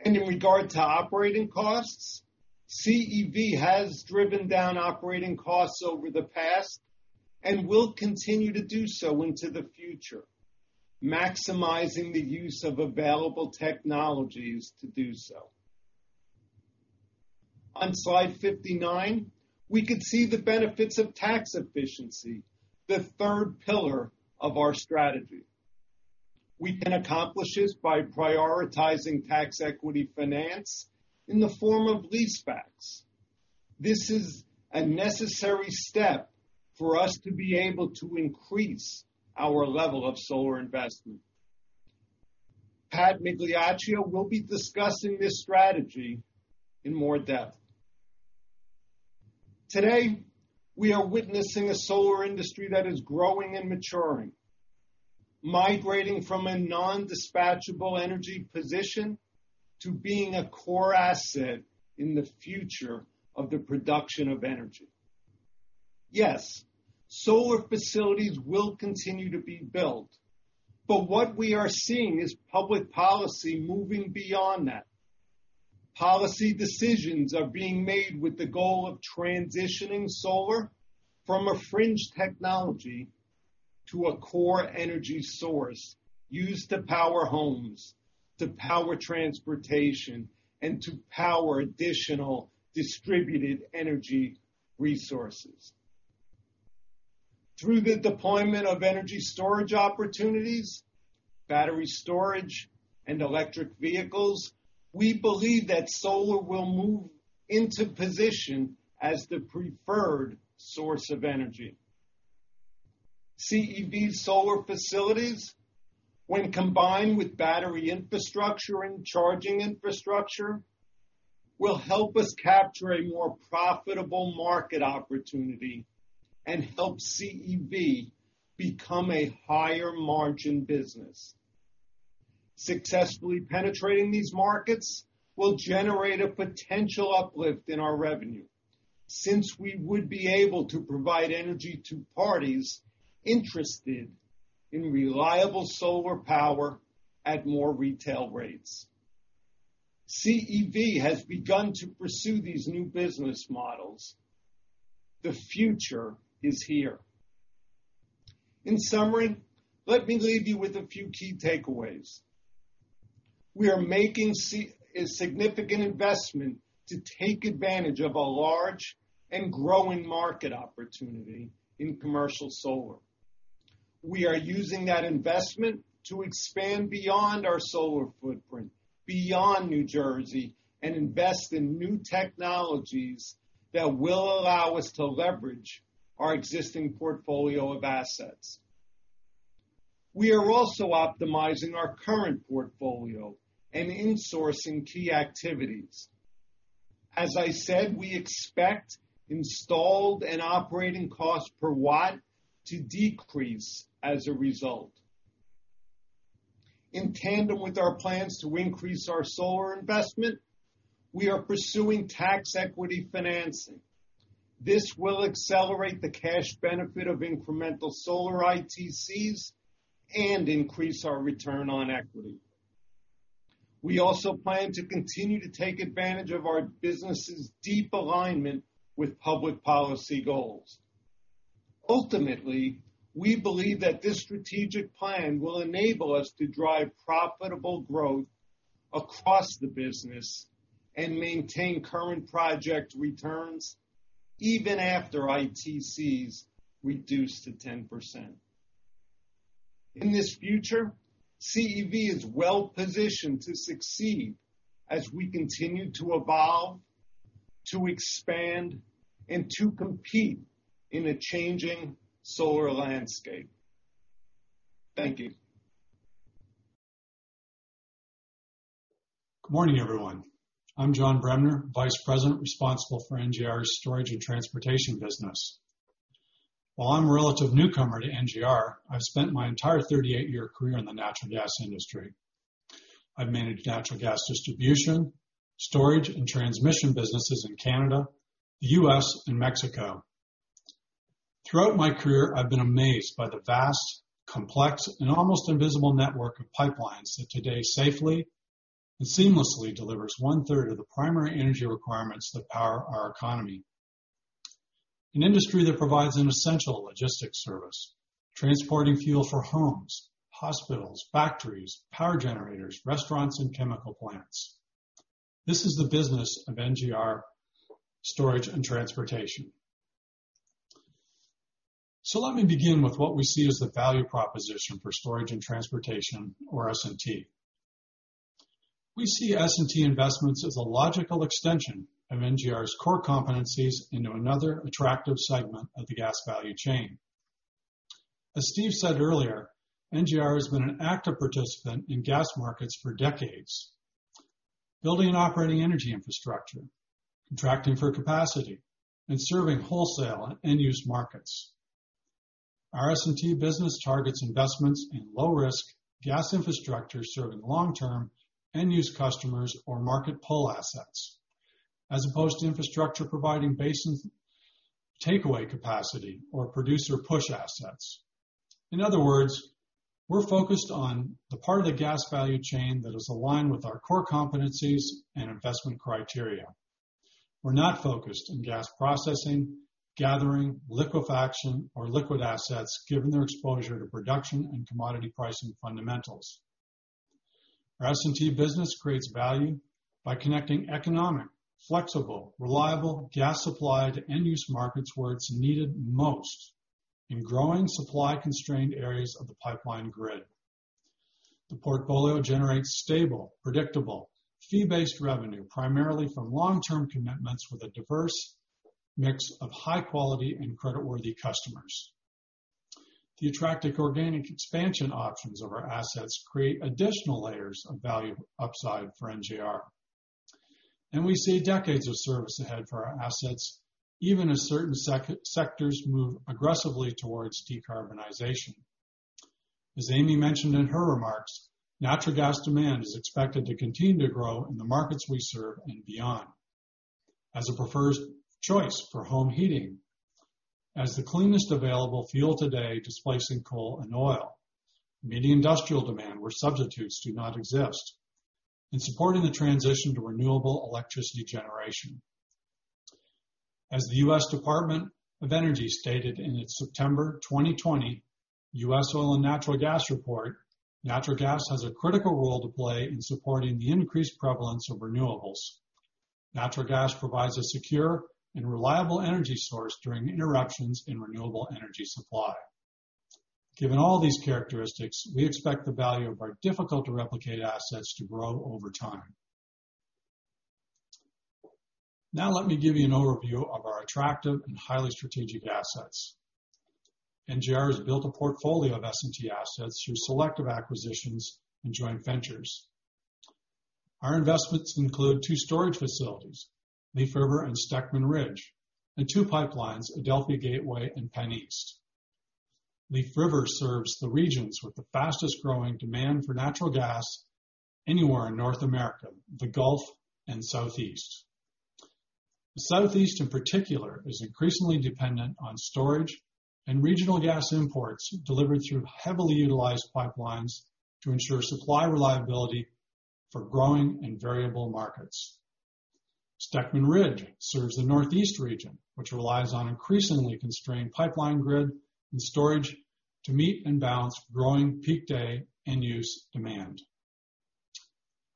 S5: In regard to operating costs, CEV has driven down operating costs over the past and will continue to do so into the future, maximizing the use of available technologies to do so. On slide 59, we can see the benefits of tax efficiency, the third pillar of our strategy. We can accomplish this by prioritizing tax equity finance in the form of leasebacks. This is a necessary step for us to be able to increase our level of solar investment. Pat Migliaccio will be discussing this strategy in more depth. Today, we are witnessing a solar industry that is growing and maturing, migrating from a non-dispatchable energy position to being a core asset in the future of the production of energy. Yes, solar facilities will continue to be built, but what we are seeing is public policy moving beyond that. Policy decisions are being made with the goal of transitioning solar from a fringe technology to a core energy source used to power homes, to power transportation, and to power additional distributed energy resources. Through the deployment of energy storage opportunities, battery storage, and electric vehicles, we believe that solar will move into position as the preferred source of energy. CEV solar facilities, when combined with battery infrastructure and charging infrastructure, will help us capture a more profitable market opportunity and help CEV become a higher-margin business. Successfully penetrating these markets will generate a potential uplift in our revenue, since we would be able to provide energy to parties interested in reliable solar power at more retail rates. CEV has begun to pursue these new business models. The future is here. In summary, let me leave you with a few key takeaways. We are making a significant investment to take advantage of a large and growing market opportunity in commercial solar. We are using that investment to expand beyond our solar footprint, beyond New Jersey, and invest in new technologies that will allow us to leverage our existing portfolio of assets. We are also optimizing our current portfolio and insourcing key activities. As I said, we expect installed and operating costs per watt to decrease as a result. In tandem with our plans to increase our solar investment, we are pursuing tax equity financing. This will accelerate the cash benefit of incremental solar ITCs and increase our return on equity. We also plan to continue to take advantage of our business's deep alignment with public policy goals. Ultimately, we believe that this strategic plan will enable us to drive profitable growth across the business and maintain current project returns even after ITCs reduce to 10%. In this future, CEV is well-positioned to succeed as we continue to evolve, to expand, and to compete in a changing solar landscape. Thank you.
S6: Good morning, everyone. I'm John Bremner, Vice President responsible for NJR's Storage and Transportation business. While I'm a relative newcomer to NJR, I've spent my entire 38-year career in the natural gas industry. I've managed natural gas distribution, storage, and transmission businesses in Canada, the U.S., and Mexico. Throughout my career, I've been amazed by the vast, complex, and almost invisible network of pipelines that today safely and seamlessly delivers 1/3 of the primary energy requirements that power our economy. An industry that provides an essential logistics service, transporting fuel for homes, hospitals, factories, power generators, restaurants, and chemical plants. This is the business of NJR Storage and Transportation. Let me begin with what we see as the value proposition for Storage and Transportation, or S&T. We see S&T investments as a logical extension of NJR's core competencies into another attractive segment of the gas value chain. As Steve said earlier, NJR has been an active participant in gas markets for decades. Building and operating energy infrastructure, contracting for capacity, and serving wholesale and end-use markets. Our S&T business targets investments in low-risk gas infrastructure serving long-term end-use customers or market pull assets, as opposed to infrastructure providing basin takeaway capacity or producer push assets. In other words, we're focused on the part of the gas value chain that is aligned with our core competencies and investment criteria. We're not focused on gas processing, gathering, liquefaction, or liquid assets given their exposure to production and commodity pricing fundamentals. Our S&T business creates value by connecting economic, flexible, reliable gas supply to end-use markets where it's needed most in growing supply-constrained areas of the pipeline grid. The portfolio generates stable, predictable, fee-based revenue primarily from long-term commitments with a diverse mix of high-quality and creditworthy customers. The attractive organic expansion options of our assets create additional layers of value upside for NJR. We see decades of service ahead for our assets, even as certain sectors move aggressively towards decarbonization. As Amy mentioned in her remarks, natural gas demand is expected to continue to grow in the markets we serve and beyond as a preferred choice for home heating, as the cleanest available fuel today, displacing coal and oil, meeting industrial demand where substitutes do not exist, and supporting the transition to renewable electricity generation. As the U.S. Department of Energy stated in its September 2020 U.S. Oil and Natural Gas report, natural gas has a critical role to play in supporting the increased prevalence of renewables. Natural gas provides a secure and reliable energy source during interruptions in renewable energy supply. Given all these characteristics, we expect the value of our difficult-to-replicate assets to grow over time. Let me give you an overview of our attractive and highly strategic assets. NJR has built a portfolio of S&T assets through selective acquisitions and joint ventures. Our investments include two storage facilities, Leaf River and Steckman Ridge, and two pipelines, Adelphia Gateway and PennEast. Leaf River serves the regions with the fastest-growing demand for natural gas anywhere in North America, the Gulf and Southeast. The Southeast, in particular, is increasingly dependent on storage and regional gas imports delivered through heavily utilized pipelines to ensure supply reliability for growing and variable markets. Steckman Ridge serves the northeast region, which relies on increasingly constrained pipeline grid and storage to meet and balance growing peak day end-use demand.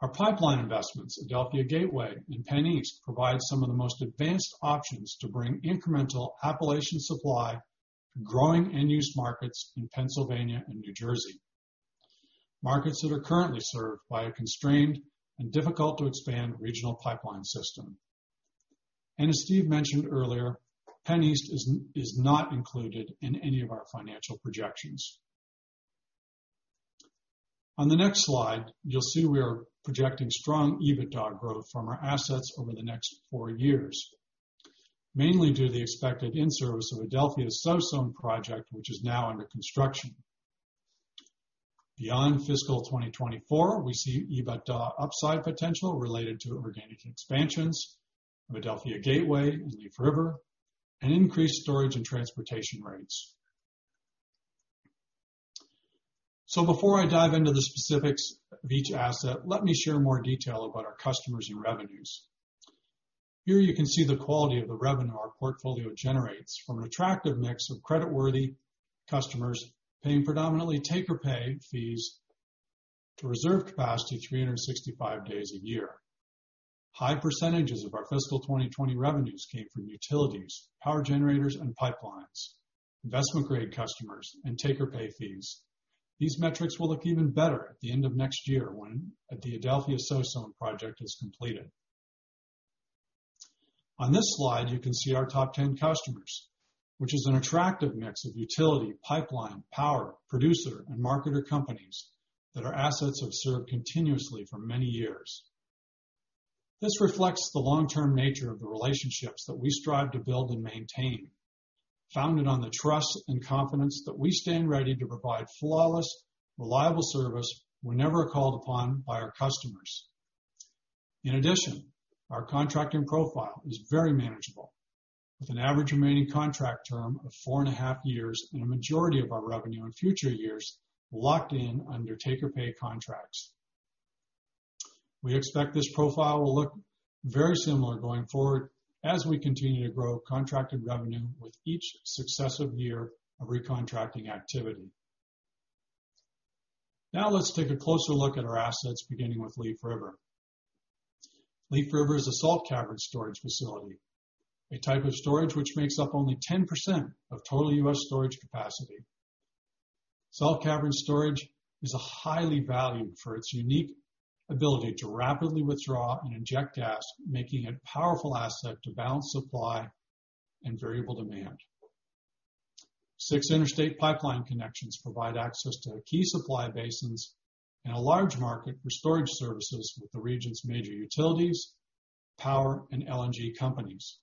S6: Our pipeline investments, Adelphia Gateway and PennEast, provide some of the most advanced options to bring incremental Appalachian supply to growing end-use markets in Pennsylvania and New Jersey. Markets that are currently served by a constrained and difficult-to-expand regional pipeline system. As Steve mentioned earlier, PennEast is not included in any of our financial projections. On the next slide, you'll see we are projecting strong EBITDA growth from our assets over the next four years, mainly due to the expected in-service of Adelphia's South Zone Project, which is now under construction. Beyond fiscal 2024, we see EBITDA upside potential related to organic expansions of Adelphia Gateway and Leaf River and increased storage and transportation rates. Before I dive into the specifics of each asset, let me share more detail about our customers and revenues. Here you can see the quality of the revenue our portfolio generates from an attractive mix of creditworthy customers paying predominantly take-or-pay fees to reserve capacity 365 days a year. High percentages of our fiscal 2020 revenues came from utilities, power generators, and pipelines, investment-grade customers, and take-or-pay fees. These metrics will look even better at the end of next year when the Adelphia South Zone project is completed. On this slide, you can see our top 10 customers, which is an attractive mix of utility, pipeline, power, producer, and marketer companies that our assets have served continuously for many years. This reflects the long-term nature of the relationships that we strive to build and maintain, founded on the trust and confidence that we stand ready to provide flawless, reliable service whenever called upon by our customers. In addition, our contracting profile is very manageable, with an average remaining contract term of four and a half years and a majority of our revenue in future years locked in under take-or-pay contracts. We expect this profile will look very similar going forward as we continue to grow contracted revenue with each successive year of recontracting activity. Now let's take a closer look at our assets, beginning with Leaf River. Leaf River is a salt cavern storage facility, a type of storage which makes up only 10% of total U.S. storage capacity. Salt cavern storage is highly valued for its unique ability to rapidly withdraw and inject gas, making it a powerful asset to balance supply and variable demand. Six interstate pipeline connections provide access to key supply basins and a large market for storage services with the region's major utilities, power, and LNG companies.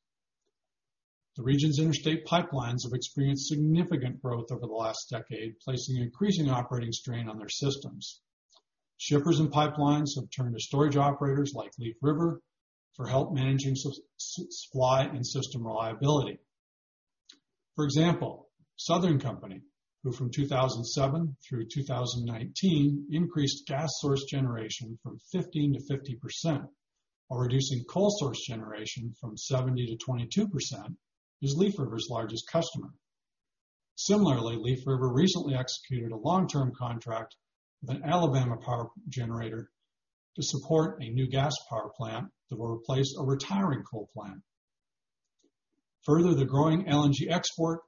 S6: The region's interstate pipelines have experienced significant growth over the last decade, placing an increasing operating strain on their systems. Shippers and pipelines have turned to storage operators like Leaf River for help managing supply and system reliability. For example, Southern Company, who from 2007 through 2019 increased gas source generation from 15%-50%, while reducing coal source generation from 70%-22%, is Leaf River's largest customer. Similarly, Leaf River recently executed a long-term contract with an Alabama power generator to support a new gas power plant that will replace a retiring coal plant. Further, the growing LNG export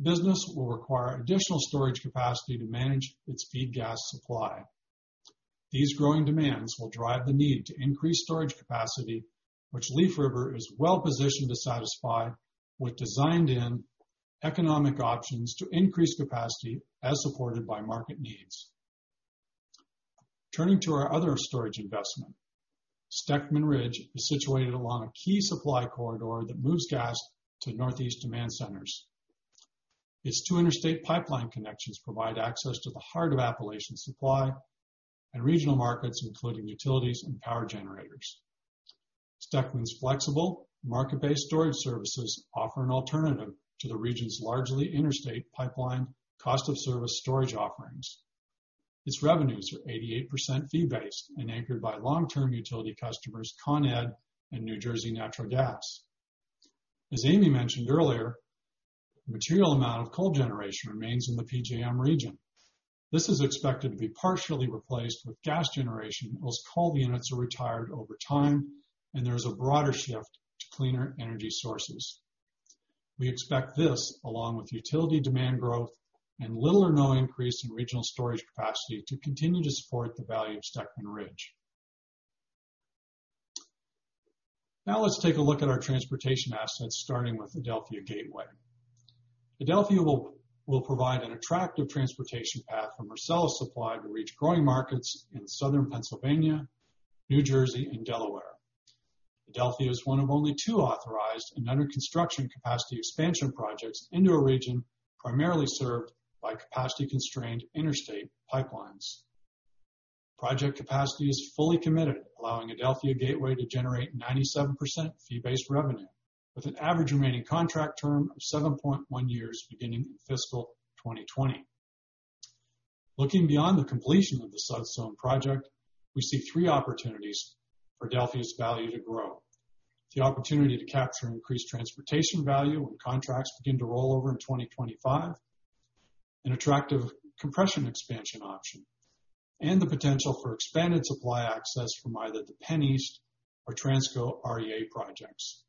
S6: business will require additional storage capacity to manage its feed gas supply. These growing demands will drive the need to increase storage capacity, which Leaf River is well-positioned to satisfy with designed-in economic options to increase capacity as supported by market needs. Turning to our other storage investment, Steckman Ridge is situated along a key supply corridor that moves gas to Northeast demand centers. Its two interstate pipeline connections provide access to the heart of Appalachian supply and regional markets, including utilities and power generators. Steckman's flexible market-based storage services offer an alternative to the region's largely interstate pipeline cost-of-service storage offerings. Its revenues are 88% fee-based and anchored by long-term utility customers, Con Ed and New Jersey Natural Gas. As Amy mentioned earlier, a material amount of coal generation remains in the PJM region. This is expected to be partially replaced with gas generation as coal units are retired over time and there is a broader shift to cleaner energy sources. We expect this, along with utility demand growth and little or no increase in regional storage capacity to continue to support the value of Steckman Ridge. Now let's take a look at our transportation assets, starting with Adelphia Gateway. Adelphia will provide an attractive transportation path from Marcellus supply to reach growing markets in southern Pennsylvania, New Jersey, and Delaware. Adelphia is one of only two authorized and under-construction capacity expansion projects into a region primarily served by capacity-constrained interstate pipelines. Project capacity is fully committed, allowing Adelphia Gateway to generate 97% fee-based revenue with an average remaining contract term of 7.1 years beginning in fiscal 2020. Looking beyond the completion of the South Zone project, we see three opportunities for Adelphia's value to grow. The opportunity to capture increased transportation value when contracts begin to roll over in 2025, an attractive compression expansion option, and the potential for expanded supply access from either the PennEast or Transco REAE projects.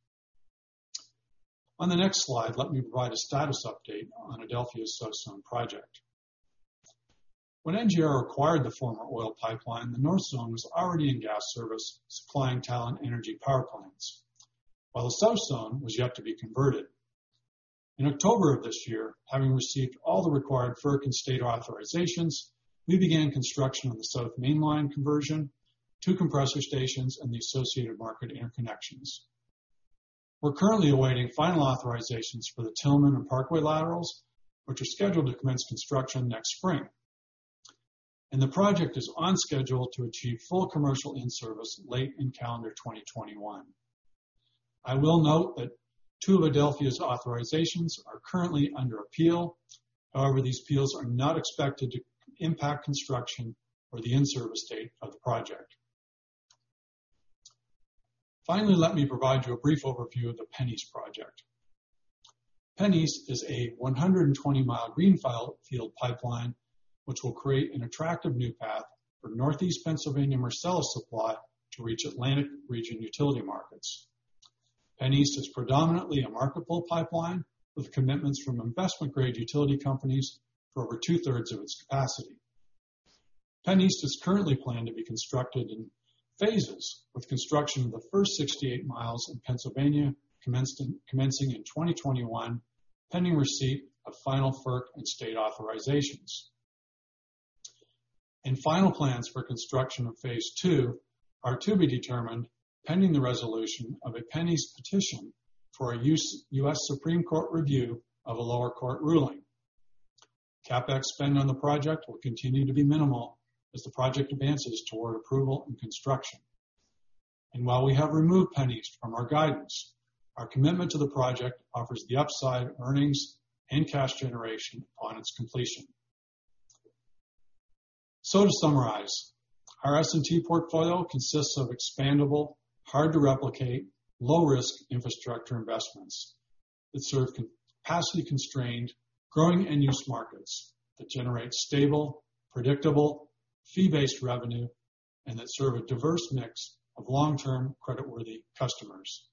S6: On the next slide, let me provide a status update on Adelphia's South Zone project. When NJR acquired the former oil pipeline, the North Zone was already in gas service, supplying Talen Energy power plants, while the South Zone was yet to be converted. October of this year, having received all the required FERC and state authorizations, we began construction on the south mainline conversion, two compressor stations, and the associated market interconnections. We're currently awaiting final authorizations for the Tilghman and Parkway laterals, which are scheduled to commence construction next spring, and the project is on schedule to achieve full commercial in-service late in calendar 2021. I will note that two of Adelphia's authorizations are currently under appeal. These appeals are not expected to impact construction or the in-service date of the project. Finally, let me provide you a brief overview of the PennEast project. PennEast is a 120-mile greenfield pipeline, which will create an attractive new path for Northeast Pennsylvania Marcellus supply to reach Atlantic region utility markets. PennEast is predominantly a market-pull pipeline with commitments from investment-grade utility companies for over 2/3 of its capacity. PennEast is currently planned to be constructed in phases, with construction of the first 68 miles in Pennsylvania commencing in 2021, pending receipt of final FERC and state authorizations. Final plans for construction of phase II are to be determined, pending the resolution of a PennEast petition for a U.S. Supreme Court review of a lower court ruling. CapEx spend on the project will continue to be minimal as the project advances toward approval and construction. While we have removed PennEast from our guidance, our commitment to the project offers the upside of earnings and cash generation upon its completion. To summarize, our S&T portfolio consists of expandable, hard to replicate, low-risk infrastructure investments that serve capacity-constrained, growing end-use markets, that generate stable, predictable, fee-based revenue, and that serve a diverse mix of long-term, creditworthy customers.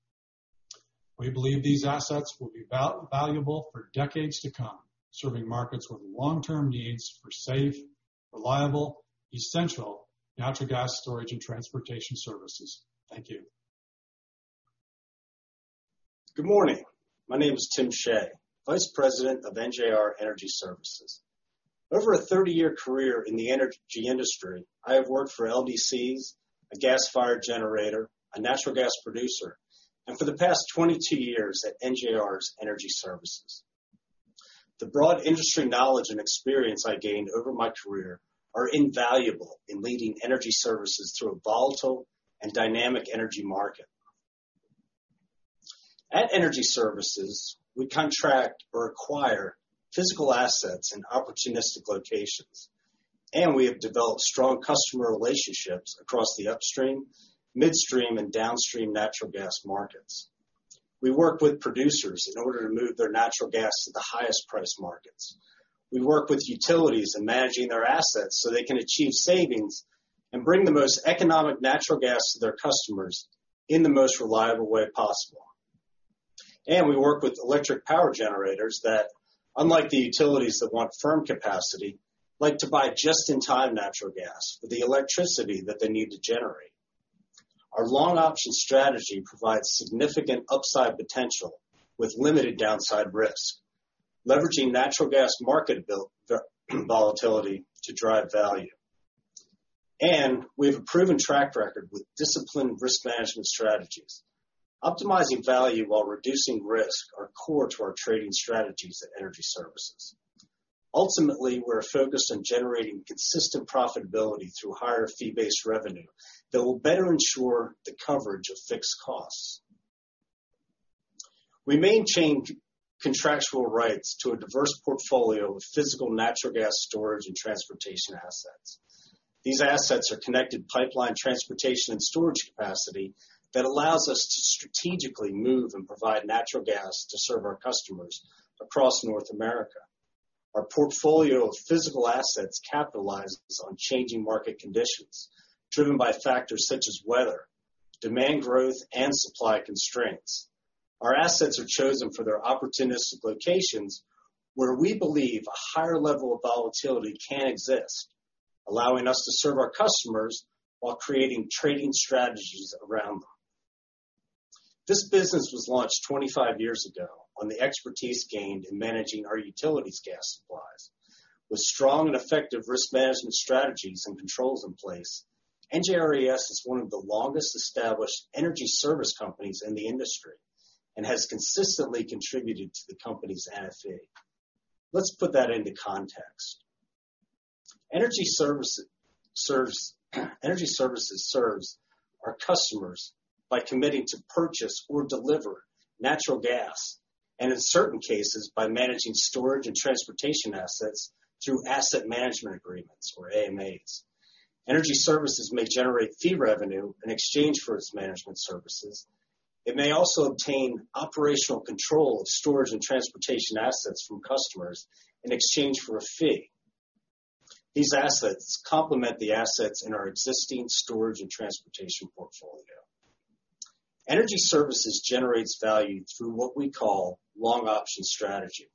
S6: We believe these assets will be valuable for decades to come, serving markets with long-term needs for safe, reliable, essential natural gas storage and transportation services. Thank you.
S7: Good morning. My name is Tim Shea, Vice President of NJR Energy Services. Over a 30-year career in the energy industry, I have worked for LDCs, a gas-fired generator, a natural gas producer, and for the past 22 years at NJR's Energy Services. The broad industry knowledge and experience I gained over my career are invaluable in leading Energy Services through a volatile and dynamic energy market. At Energy Services, we contract or acquire physical assets in opportunistic locations, and we have developed strong customer relationships across the upstream, midstream, and downstream natural gas markets. We work with producers in order to move their natural gas to the highest priced markets. We work with utilities in managing their assets so they can achieve savings and bring the most economic natural gas to their customers in the most reliable way possible. We work with electric power generators that, unlike the utilities that want firm capacity, like to buy just-in-time natural gas for the electricity that they need to generate. Our long option strategy provides significant upside potential with limited downside risk, leveraging natural gas market volatility to drive value. We have a proven track record with disciplined risk management strategies. Optimizing value while reducing risk are core to our trading strategies at Energy Services. Ultimately, we're focused on generating consistent profitability through higher fee-based revenue that will better ensure the coverage of fixed costs. We maintain contractual rights to a diverse portfolio of physical natural gas storage and transportation assets. These assets are connected pipeline transportation and storage capacity that allows us to strategically move and provide natural gas to serve our customers across North America. Our portfolio of physical assets capitalizes on changing market conditions driven by factors such as weather, demand growth, and supply constraints. Our assets are chosen for their opportunistic locations where we believe a higher level of volatility can exist, allowing us to serve our customers while creating trading strategies around them. This business was launched 25 years ago on the expertise gained in managing our utilities gas supplies. With strong and effective risk management strategies and controls in place, NJRES is one of the longest-established energy service companies in the industry and has consistently contributed to the company's NFE. Let's put that into context. Energy Services serves our customers by committing to purchase or deliver natural gas, and in certain cases, by managing Storage and Transportation assets through asset management agreements, or AMAs. Energy Services may generate fee revenue in exchange for its management services. It may also obtain operational control of Storage and Transportation assets from customers in exchange for a fee. These assets complement the assets in our existing Storage and Transportation portfolio. Energy Services generates value through what we call long option strategy.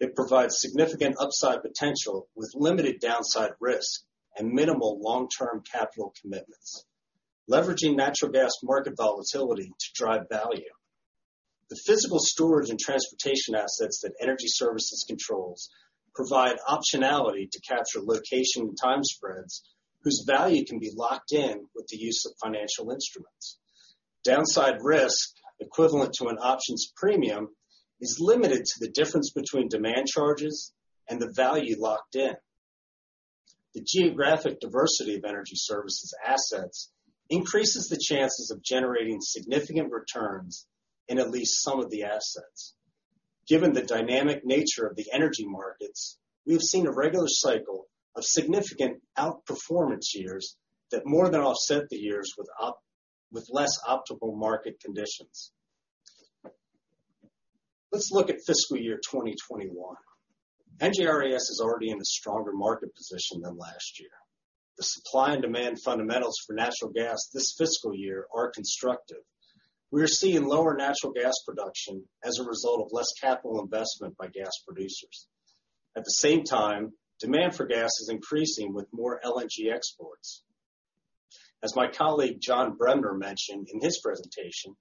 S7: It provides significant upside potential with limited downside risk and minimal long-term capital commitments, leveraging natural gas market volatility to drive value. The physical Storage and Transportation assets that Energy Services controls provide optionality to capture location and time spreads whose value can be locked in with the use of financial instruments. Downside risk, equivalent to an options premium, is limited to the difference between demand charges and the value locked in. The geographic diversity of Energy Services assets increases the chances of generating significant returns in at least some of the assets. Given the dynamic nature of the energy markets, we have seen a regular cycle of significant outperformance years that more than offset the years with less optimal market conditions. Let's look at fiscal year 2021. NJRES is already in a stronger market position than last year. The supply and demand fundamentals for natural gas this fiscal year are constructive. We are seeing lower natural gas production as a result of less capital investment by gas producers. At the same time, demand for gas is increasing with more LNG exports. As my colleague, John Bremner, mentioned in his presentation,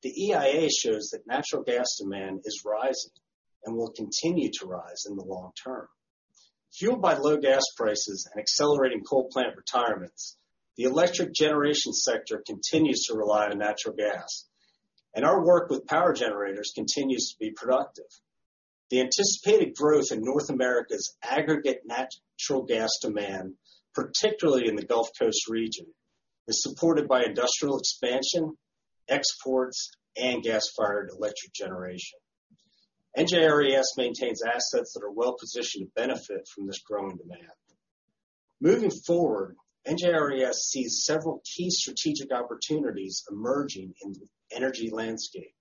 S7: the EIA shows that natural gas demand is rising and will continue to rise in the long term. Fueled by low gas prices and accelerating coal plant retirements, the electric generation sector continues to rely on natural gas, and our work with power generators continues to be productive. The anticipated growth in North America's aggregate natural gas demand, particularly in the Gulf Coast region, is supported by industrial expansion, exports, and gas-fired electric generation. NJRES maintains assets that are well-positioned to benefit from this growing demand. Moving forward, NJRES sees several key strategic opportunities emerging in the energy landscape.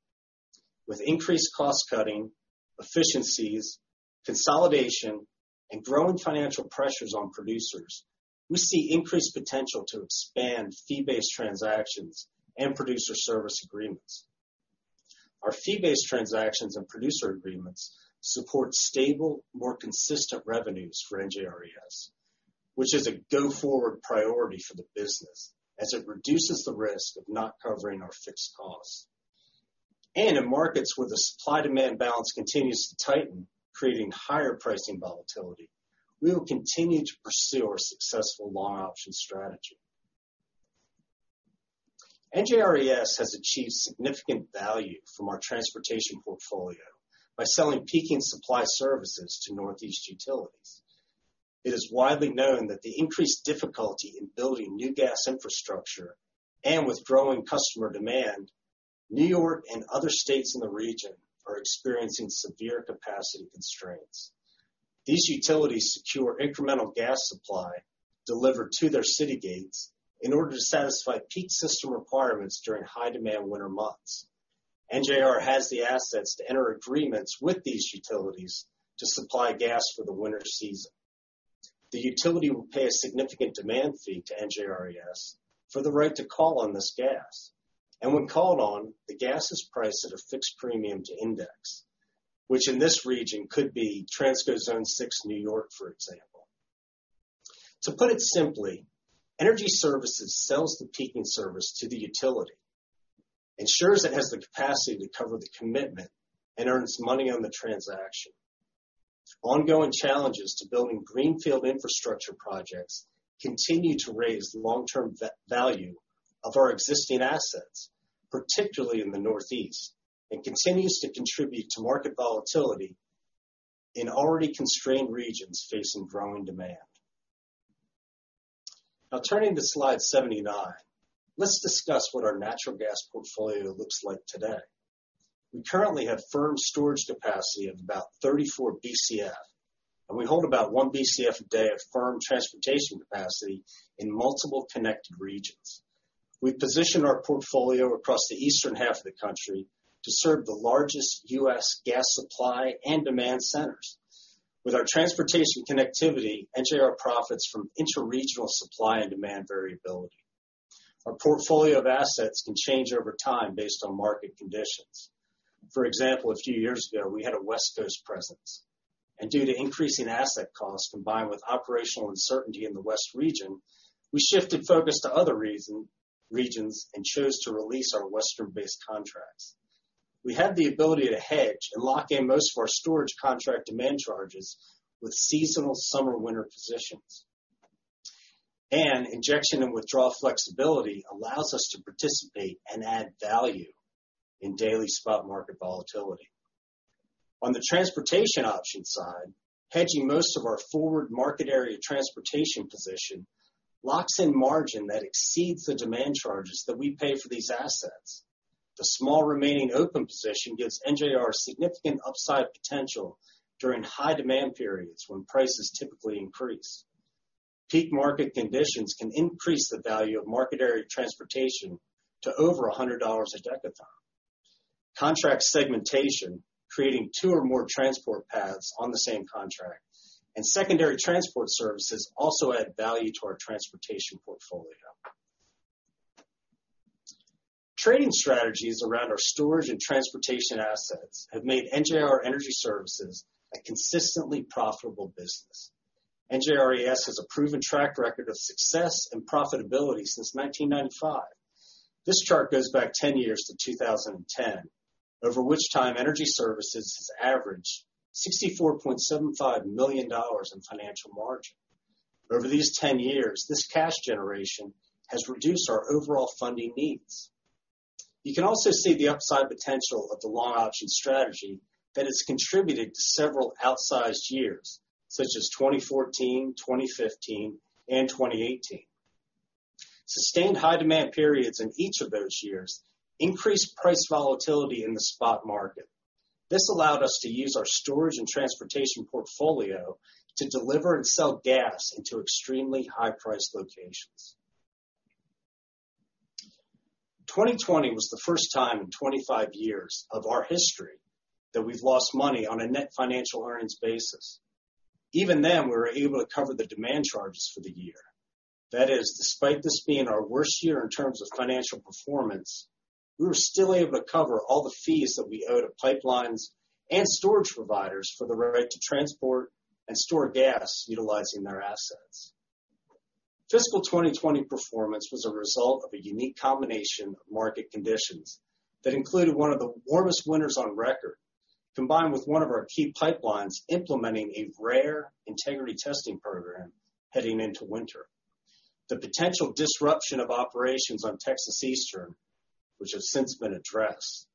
S7: With increased cost-cutting, efficiencies, consolidation, and growing financial pressures on producers, we see increased potential to expand fee-based transactions and producer service agreements. Our fee-based transactions and producer agreements support stable, more consistent revenues for NJRES, which is a go-forward priority for the business as it reduces the risk of not covering our fixed costs. In markets where the supply-demand balance continues to tighten, creating higher pricing volatility, we will continue to pursue our successful long option strategy. NJRES has achieved significant value from our transportation portfolio by selling peaking supply services to Northeast utilities. It is widely known that the increased difficulty in building new gas infrastructure and with growing customer demand, New York and other states in the region are experiencing severe capacity constraints. These utilities secure incremental gas supply delivered to their city gates in order to satisfy peak system requirements during high-demand winter months. NJR has the assets to enter agreements with these utilities to supply gas for the winter season. The utility will pay a significant demand fee to NJRES for the right to call on this gas. When called on, the gas is priced at a fixed premium to index, which in this region could be Transco Zone 6 New York, for example. To put it simply, Energy Services sells the peaking service to the utility, ensures it has the capacity to cover the commitment, and earns money on the transaction. Ongoing challenges to building greenfield infrastructure projects continue to raise the long-term value of our existing assets, particularly in the Northeast, and continues to contribute to market volatility in already constrained regions facing growing demand. Now turning to slide 79, let's discuss what our natural gas portfolio looks like today. We currently have firm storage capacity of about 34 Bcf, and we hold about 1 Bcf a day of firm transportation capacity in multiple connected regions. We position our portfolio across the eastern half of the country to serve the largest U.S. gas supply and demand centers. With our transportation connectivity, NJR profits from interregional supply and demand variability. Our portfolio of assets can change over time based on market conditions. For example, a few years ago, we had a West Coast presence. Due to increasing asset costs combined with operational uncertainty in the West region, we shifted focus to other regions and chose to release our Western-based contracts. We have the ability to hedge and lock in most of our storage contract demand charges with seasonal summer-winter positions. Injection and withdrawal flexibility allows us to participate and add value in daily spot market volatility. On the transportation option side, hedging most of our forward market area transportation position locks in margin that exceeds the demand charges that we pay for these assets. The small remaining open position gives NJR significant upside potential during high-demand periods when prices typically increase. Peak market conditions can increase the value of market area transportation to over $100 a dekatherm. Contract segmentation, creating two or more transport paths on the same contract, and secondary transport services also add value to our transportation portfolio. Trading strategies around our Storage and Transportation assets have made NJR Energy Services a consistently profitable business. NJRES has a proven track record of success and profitability since 1995. This chart goes back 10 years to 2010, over which time Energy Services has averaged $64.75 million in financial margin. Over these 10 years, this cash generation has reduced our overall funding needs. You can also see the upside potential of the long option strategy that has contributed to several outsized years, such as 2014, 2015, and 2018. Sustained high-demand periods in each of those years increased price volatility in the spot market. This allowed us to use our Storage and Transportation portfolio to deliver and sell gas into extremely high-priced locations. 2020 was the first time in 25 years of our history that we've lost money on a net financial earnings basis. Even then, we were able to cover the demand charges for the year. That is, despite this being our worst year in terms of financial performance, we were still able to cover all the fees that we owed to pipelines and storage providers for the right to transport and store gas utilizing their assets. Fiscal 2020 performance was a result of a unique combination of market conditions that included one of the warmest winters on record, combined with one of our key pipelines implementing a rare integrity testing program heading into winter. The potential disruption of operations on Texas Eastern, which has since been addressed,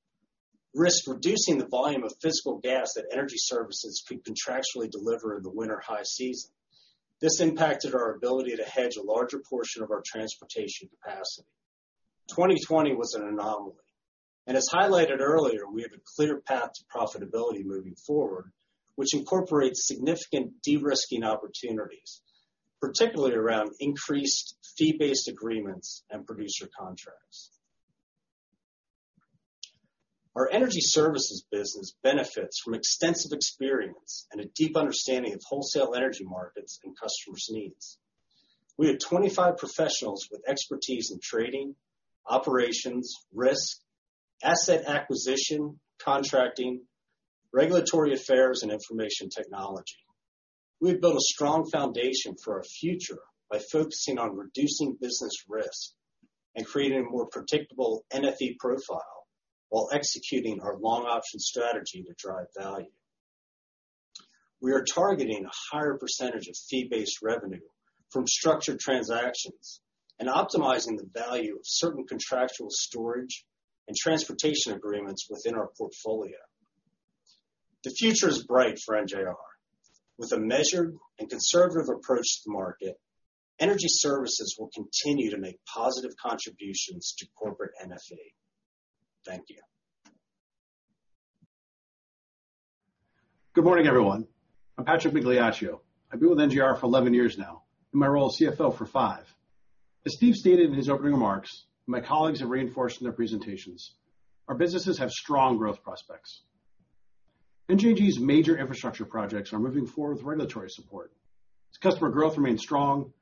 S7: risked reducing the volume of physical gas that Energy Services could contractually deliver in the winter high season. This impacted our ability to hedge a larger portion of our transportation capacity. 2020 was an anomaly. As highlighted earlier, we have a clear path to profitability moving forward, which incorporates significant de-risking opportunities, particularly around increased fee-based agreements and producer contracts. Our Energy Services business benefits from extensive experience and a deep understanding of wholesale energy markets and customers' needs. We have 25 professionals with expertise in trading, operations, risk, asset acquisition, contracting, regulatory affairs, and information technology. We have built a strong foundation for our future by focusing on reducing business risk and creating a more predictable NFE profile while executing our long option strategy to drive value. We are targeting a higher percentage of fee-based revenue from structured transactions and optimizing the value of certain contractual Storage and Transportation agreements within our portfolio. The future is bright for NJR. With a measured and conservative approach to the market, Energy Services will continue to make positive contributions to corporate NFE. Thank you.
S8: Good morning, everyone. I'm Patrick Migliaccio. I've been with NJR for 11 years now, in my role as CFO for five. As Steve stated in his opening remarks, my colleagues have reinforced in their presentations, our businesses have strong growth prospects. NJNG's major infrastructure projects are moving forward with regulatory support. Its customer growth remains strong,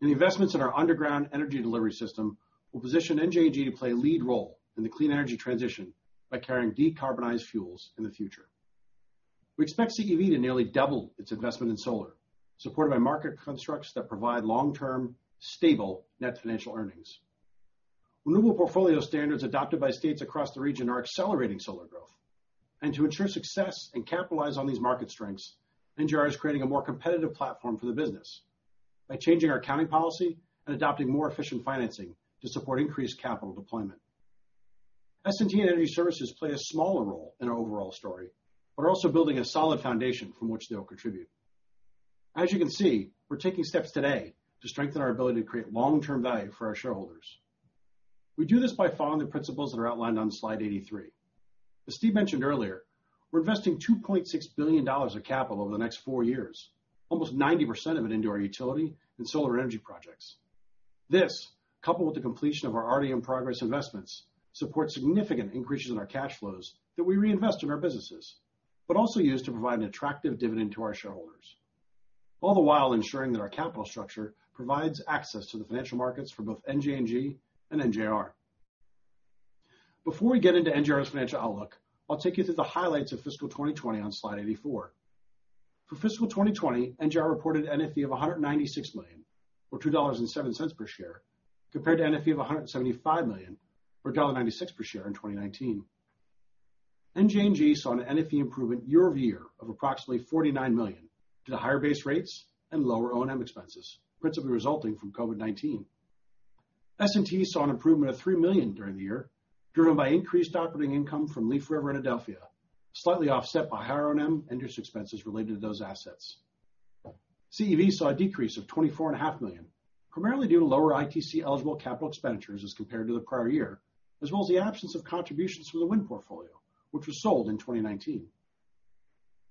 S8: and the investments in our underground energy delivery system will position NJNG to play a lead role in the clean energy transition by carrying decarbonized fuels in the future. We expect CEV to nearly double its investment in solar, supported by market constructs that provide long-term, stable Net Financial Earnings. Renewable portfolio standards adopted by states across the region are accelerating solar growth. To ensure success and capitalize on these market strengths, NJR is creating a more competitive platform for the business by changing our accounting policy and adopting more efficient financing to support increased capital deployment. S&T and Energy Services play a smaller role in our overall story, but are also building a solid foundation from which they will contribute. As you can see, we're taking steps today to strengthen our ability to create long-term value for our shareholders. We do this by following the principles that are outlined on slide 83. As Steve mentioned earlier, we're investing $2.6 billion of capital over the next four years, almost 90% of it into our utility and solar energy projects. This, coupled with the completion of our already in progress investments, supports significant increases in our cash flows that we reinvest in our businesses, but also use to provide an attractive dividend to our shareholders, all the while ensuring that our capital structure provides access to the financial markets for both NJNG and NJR. Before we get into NJR's financial outlook, I'll take you through the highlights of fiscal 2020 on slide 84. For fiscal 2020, NJR reported an NFE of $196 million, or $2.07 per share, compared to an NFE of $175 million, or $1.96 per share in 2019. NJNG saw an NFE improvement YoY of approximately $49 million, due to higher base rates and lower O&M expenses, principally resulting from COVID-19. S&T saw an improvement of $3 million during the year, driven by increased operating income from Leaf River and Adelphia, slightly offset by higher O&M and interest expenses related to those assets. CEV saw a decrease of $24.5 million, primarily due to lower ITC-eligible capital expenditures as compared to the prior year, as well as the absence of contributions from the wind portfolio, which was sold in 2019.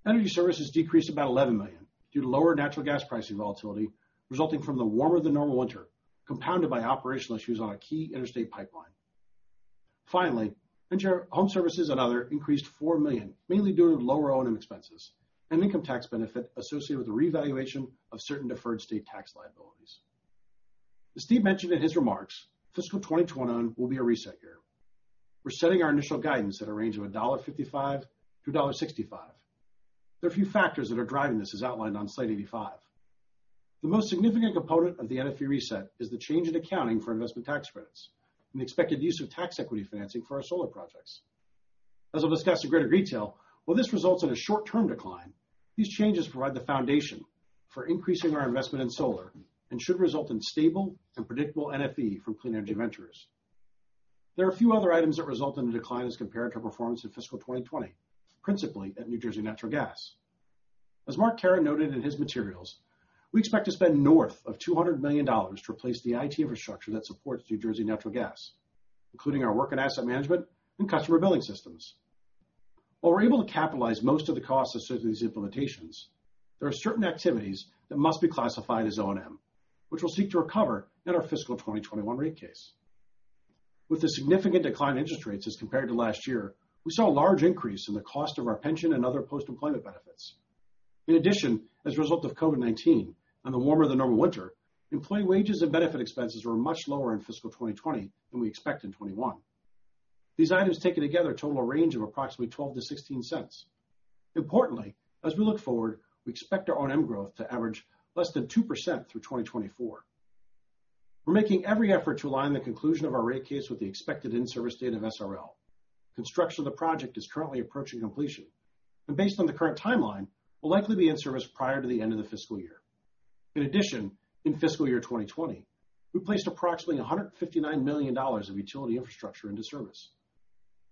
S8: Energy Services decreased about $11 million due to lower natural gas pricing volatility resulting from the warmer than normal winter, compounded by operational issues on a key interstate pipeline. Finally, Home Services and Other increased $4 million, mainly due to lower O&M expenses and income tax benefit associated with the revaluation of certain deferred state tax liabilities. As Steve mentioned in his remarks, fiscal 2021 will be a reset year. We're setting our initial guidance at a range of $1.55-$1.65. There are a few factors that are driving this, as outlined on slide 85. The most significant component of the NFE reset is the change in accounting for investment tax credits and the expected use of tax equity financing for our solar projects. As I'll discuss in greater detail, while this results in a short-term decline, these changes provide the foundation for increasing our investment in solar and should result in stable and predictable NFE from Clean Energy Ventures. There are a few other items that result in a decline as compared to our performance in fiscal 2020, principally at New Jersey Natural Gas. As Mark Kahrer noted in his materials, we expect to spend north of $200 million to replace the IT infrastructure that supports New Jersey Natural Gas, including our work and asset management and customer billing systems. While we're able to capitalize most of the costs associated with these implementations, there are certain activities that must be classified as O&M, which we'll seek to recover in our fiscal 2021 rate case. With the significant decline in interest rates as compared to last year, we saw a large increase in the cost of our pension and other post-employment benefits. In addition, as a result of COVID-19 and a warmer than normal winter, employee wages and benefit expenses were much lower in fiscal 2020 than we expect in 2021. These items taken together total a range of approximately $0.12-$0.16. Importantly, as we look forward, we expect our O&M growth to average less than 2% through 2024. We're making every effort to align the conclusion of our rate case with the expected in-service date of SRL. Construction of the project is currently approaching completion. Based on the current timeline, will likely be in service prior to the end of the fiscal year. In addition, in fiscal year 2020, we placed approximately $159 million of utility infrastructure into service.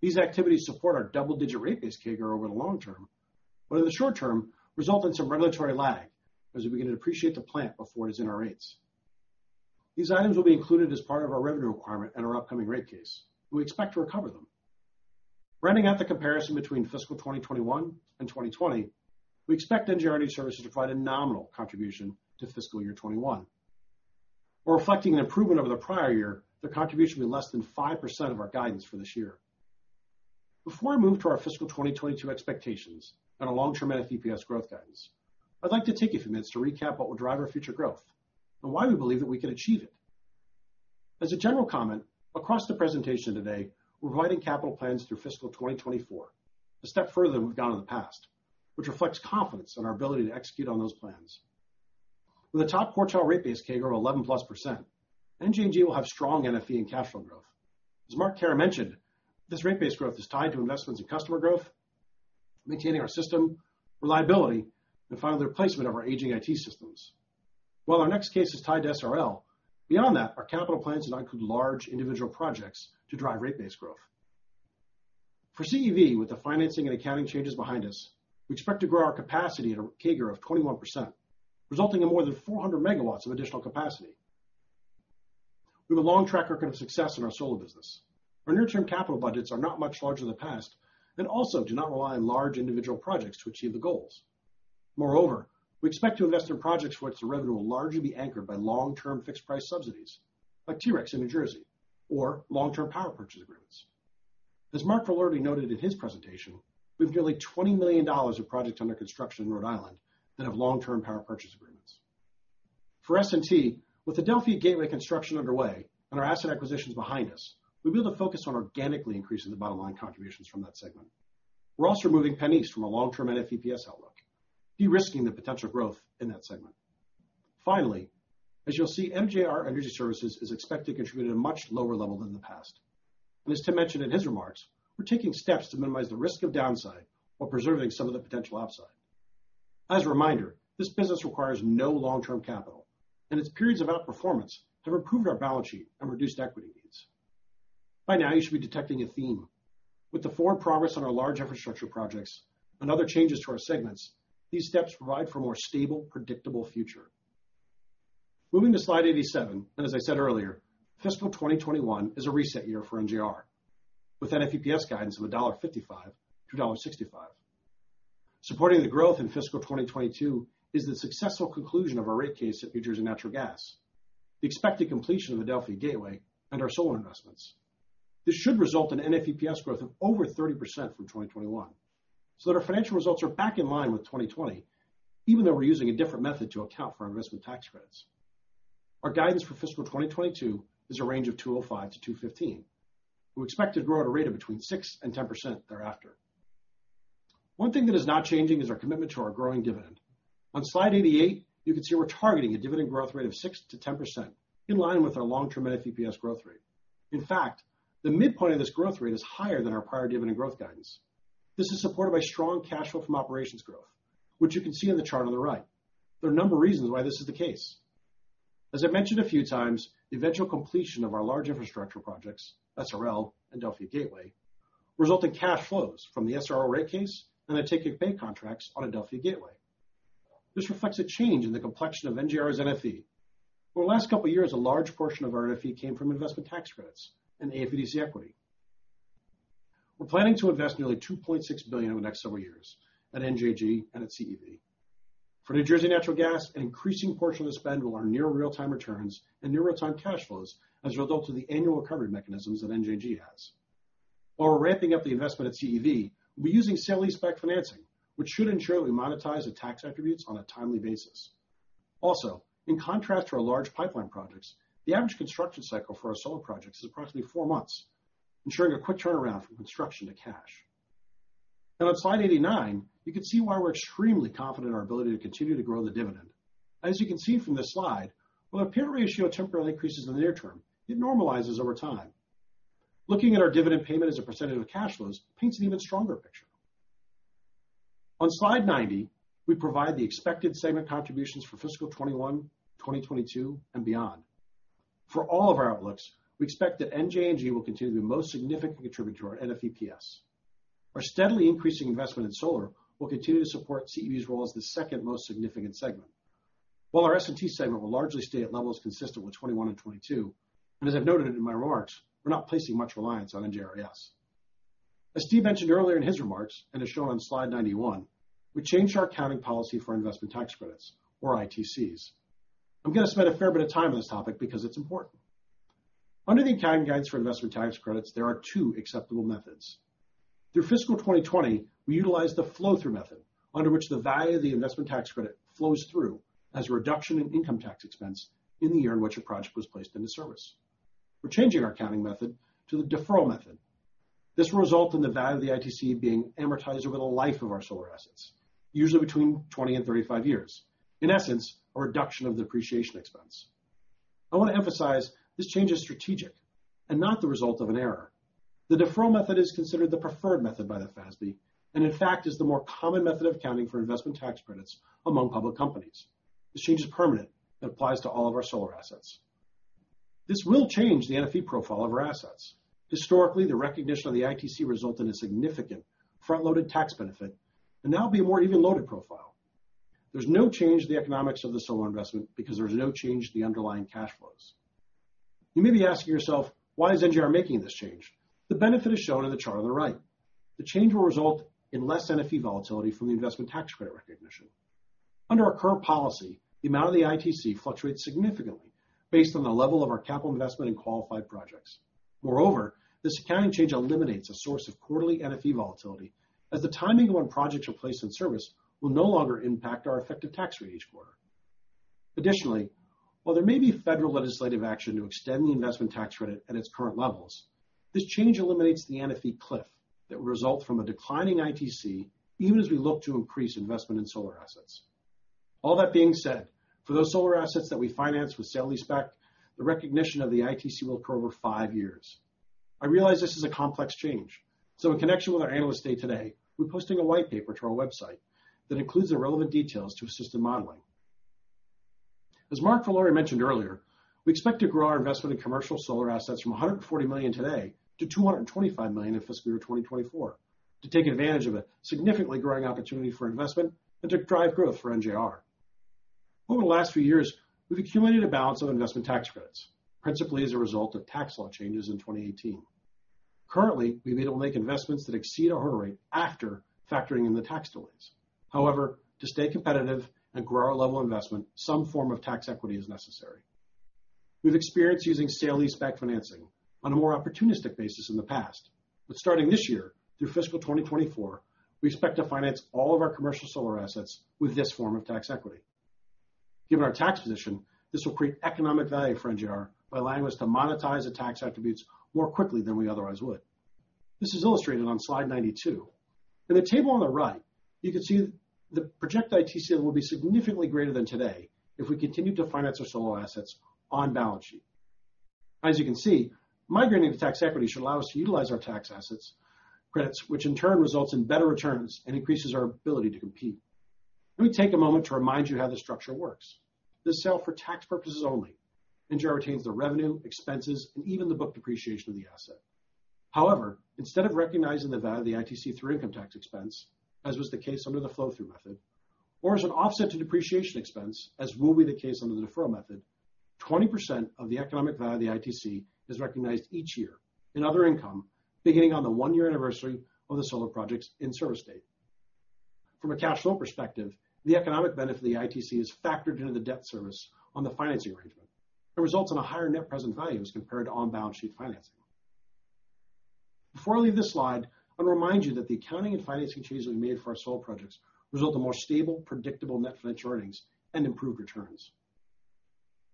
S8: These activities support our double-digit rate base CAGR over the long term. In the short term, result in some regulatory lag as we begin to depreciate the plant before it is in our rates. These items will be included as part of our revenue requirement in our upcoming rate case. We expect to recover them. Rounding out the comparison between fiscal 2021 and 2020, we expect NJR Energy Services to provide a nominal contribution to fiscal year 2021. While reflecting an improvement over the prior year, their contribution will be less than 5% of our guidance for this year. Before I move to our fiscal 2022 expectations and our long-term NFEPS growth guidance, I'd like to take a few minutes to recap what will drive our future growth and why we believe that we can achieve it. As a general comment, across the presentation today, we're providing capital plans through fiscal 2024, a step further than we've gone in the past, which reflects confidence in our ability to execute on those plans. With a top quartile rate base CAGR of 11+%, NJR will have strong NFE and cash flow growth. As Mark Kahrer mentioned, this rate base growth is tied to investments in customer growth, maintaining our system reliability, and finally the replacement of our aging IT systems. While our next case is tied to SRL, beyond that, our capital plans do not include large individual projects to drive rate base growth. For CEV, with the financing and accounting changes behind us, we expect to grow our capacity at a CAGR of 21%, resulting in more than 400 MW of additional capacity. We have a long track record of success in our solar business. Our near-term capital budgets are not much larger than the past and also do not rely on large individual projects to achieve the goals. Moreover, we expect to invest in projects for which the revenue will largely be anchored by long-term fixed-price subsidies, like TREC in New Jersey, or long-term power purchase agreements. As Mark Valori noted in his presentation, we have nearly $20 million of projects under construction in Rhode Island that have long-term power purchase agreements. For S&T, with Adelphia Gateway construction underway and our asset acquisitions behind us, we'll be able to focus on organically increasing the bottom line contributions from that segment. We're also removing PennEast from our long-term NFEPS outlook, de-risking the potential growth in that segment. Finally, as you'll see, NJR Energy Services is expected to contribute at a much lower level than the past. As Tim mentioned in his remarks, we're taking steps to minimize the risk of downside while preserving some of the potential upside. As a reminder, this business requires no long-term capital, and its periods of outperformance have improved our balance sheet and reduced equity needs. By now, you should be detecting a theme. With the forward progress on our large infrastructure projects and other changes to our segments, these steps provide for a more stable, predictable future. Moving to slide 87, as I said earlier, fiscal 2021 is a reset year for NJR, with NFEPS guidance of $1.55-$1.65. Supporting the growth in fiscal 2022 is the successful conclusion of our rate case at New Jersey Natural Gas, the expected completion of Adelphia Gateway, and our solar investments. This should result in NFEPS growth of over 30% from 2021, so that our financial results are back in line with 2020, even though we're using a different method to account for our investment tax credits. Our guidance for fiscal 2022 is a range of $2.05-$2.15. We expect to grow at a rate of between 6% and 10% thereafter. One thing that is not changing is our commitment to our growing dividend. On slide 88, you can see we're targeting a dividend growth rate of 6%-10%, in line with our long-term NFEPS growth rate. In fact, the midpoint of this growth rate is higher than our prior dividend growth guidance. This is supported by strong cash flow from operations growth, which you can see in the chart on the right. There are a number of reasons why this is the case. As I've mentioned a few times, the eventual completion of our large infrastructure projects, SRL and Adelphia Gateway, result in cash flows from the SRL rate case and the take-or-pay contracts on Adelphia Gateway. This reflects a change in the complexion of NJR's NFE. For the last couple of years, a large portion of our NFE came from investment tax credits and AFDC equity. We're planning to invest nearly $2.6 billion over the next several years at NJNG and at CEV. For New Jersey Natural Gas, an increasing portion of the spend will earn near real-time returns and near real-time cash flows as a result of the annual recovery mechanisms that NJNG has. While we're ramping up the investment at CEV, we'll be using sale-leaseback financing, which should ensure that we monetize the tax attributes on a timely basis. Also, in contrast to our large pipeline projects, the average construction cycle for our solar projects is approximately four months, ensuring a quick turnaround from construction to cash. Now on slide 89, you can see why we're extremely confident in our ability to continue to grow the dividend. As you can see from this slide, while our payout ratio temporarily increases in the near term, it normalizes over time. Looking at our dividend payment as a percentage of cash flows paints an even stronger picture. On slide 90, we provide the expected segment contributions for fiscal 2021, 2022, and beyond. For all of our outlooks, we expect that NJNG will continue to be the most significant contributor to our NFEPS. Our steadily increasing investment in solar will continue to support CEV's role as the second most significant segment. While our S&T segment will largely stay at levels consistent with 2021 and 2022, as I've noted in my remarks, we're not placing much reliance on NJRES. As Steve mentioned earlier in his remarks, as shown on slide 91, we changed our accounting policy for investment tax credits, or ITCs. I'm going to spend a fair bit of time on this topic because it's important. Under the accounting guides for investment tax credits, there are two acceptable methods. Through fiscal 2020, we utilized the flow-through method, under which the value of the investment tax credit flows through as a reduction in income tax expense in the year in which a project was placed into service. We're changing our accounting method to the deferral method. This will result in the value of the ITC being amortized over the life of our solar assets, usually between 20 and 35 years. In essence, a reduction of the depreciation expense. I want to emphasize this change is strategic and not the result of an error. In fact, is the more common method of accounting for investment tax credits among public companies. This change is permanent and applies to all of our solar assets. This will change the NFE profile of our assets. Historically, the recognition of the ITC resulted in a significant front-loaded tax benefit. Now it'll be a more even-loaded profile. There's no change to the economics of the solar investment because there's no change to the underlying cash flows. You may be asking yourself, "Why is NJR making this change?" The benefit is shown in the chart on the right. The change will result in less NFE volatility from the Investment Tax Credit recognition. Under our current policy, the amount of the ITC fluctuates significantly based on the level of our capital investment in qualified projects. Moreover, this accounting change eliminates a source of quarterly NFE volatility as the timing of when projects are placed in service will no longer impact our effective tax rate each quarter. Additionally, while there may be federal legislative action to extend the Investment Tax Credit at its current levels, this change eliminates the NFE cliff that would result from a declining ITC even as we look to increase investment in solar assets. All that being said, for those solar assets that we finance with sale-leaseback, the recognition of the ITC will occur over five years. I realize this is a complex change. In connection with our Analyst Day today, we're posting a white paper to our website that includes the relevant details to assist in modeling. As Mark Valori mentioned earlier, we expect to grow our investment in commercial solar assets from $140 million today to $225 million in fiscal year 2024 to take advantage of a significantly growing opportunity for investment and to drive growth for NJR. Over the last few years, we've accumulated a balance of investment tax credits, principally as a result of tax law changes in 2018. Currently, we've been able to make investments that exceed our hurdle rate after factoring in the tax delays. However, to stay competitive and grow our level of investment, some form of tax equity is necessary. We've experience using sale-leaseback financing on a more opportunistic basis in the past, starting this year through fiscal 2024, we expect to finance all of our commercial solar assets with this form of tax equity. Given our tax position, this will create economic value for NJR by allowing us to monetize the tax attributes more quickly than we otherwise would. This is illustrated on slide 92. In the table on the right, you can see the projected ITC will be significantly greater than today if we continue to finance our solar assets on balance sheet. As you can see, migrating to tax equity should allow us to utilize our tax assets credits, which in turn results in better returns and increases our ability to compete. Let me take a moment to remind you how this structure works. This is sale for tax purposes only. NJR retains the revenue, expenses, and even the book depreciation of the asset. However, instead of recognizing the value of the ITC through income tax expense, as was the case under the flow-through method, or as an offset to depreciation expense, as will be the case under the deferral method, 20% of the economic value of the ITC is recognized each year in other income beginning on the one-year anniversary of the solar project's in-service date. From a cash flow perspective, the economic benefit of the ITC is factored into the debt service on the financing arrangement. It results in a higher net present value as compared to on-balance sheet financing. Before I leave this slide, I want to remind you that the accounting and financing changes we made for our solar projects result in more stable, predictable Net Financial Earnings and improved returns.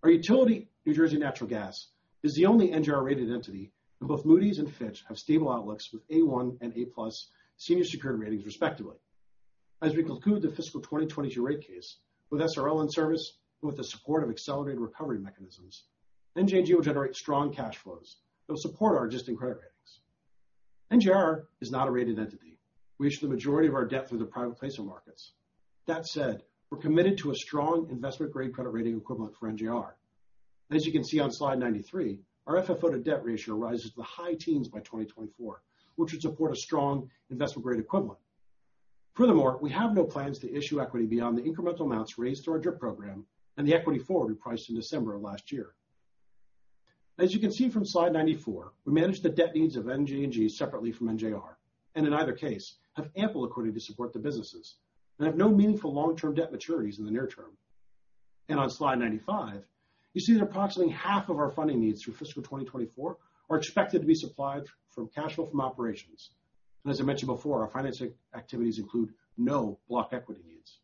S8: Our utility, New Jersey Natural Gas, is the only NJR-rated entity, and both Moody's and Fitch have stable outlooks with A1 and A+ senior secured ratings respectively. As we conclude the fiscal 2020 rate case with SRL in service and with the support of accelerated recovery mechanisms, NJNG will generate strong cash flows that will support our existing credit ratings. NJR is not a rated entity. We issue the majority of our debt through the private placement markets. That said, we're committed to a strong investment-grade credit rating equivalent for NJR. As you can see on slide 93, our FFO to debt ratio rises to the high teens by 2024, which would support a strong investment-grade equivalent. Furthermore, we have no plans to issue equity beyond the incremental amounts raised through our DRIP program and the equity forward we priced in December of last year. As you can see from slide 94, we manage the debt needs of NJNG separately from NJR, and in either case, have ample liquidity to support the businesses and have no meaningful long-term debt maturities in the near term. On slide 95, you see that approximately half of our funding needs through fiscal 2024 are expected to be supplied from cash flow from operations. As I mentioned before, our financing activities include no block equity needs.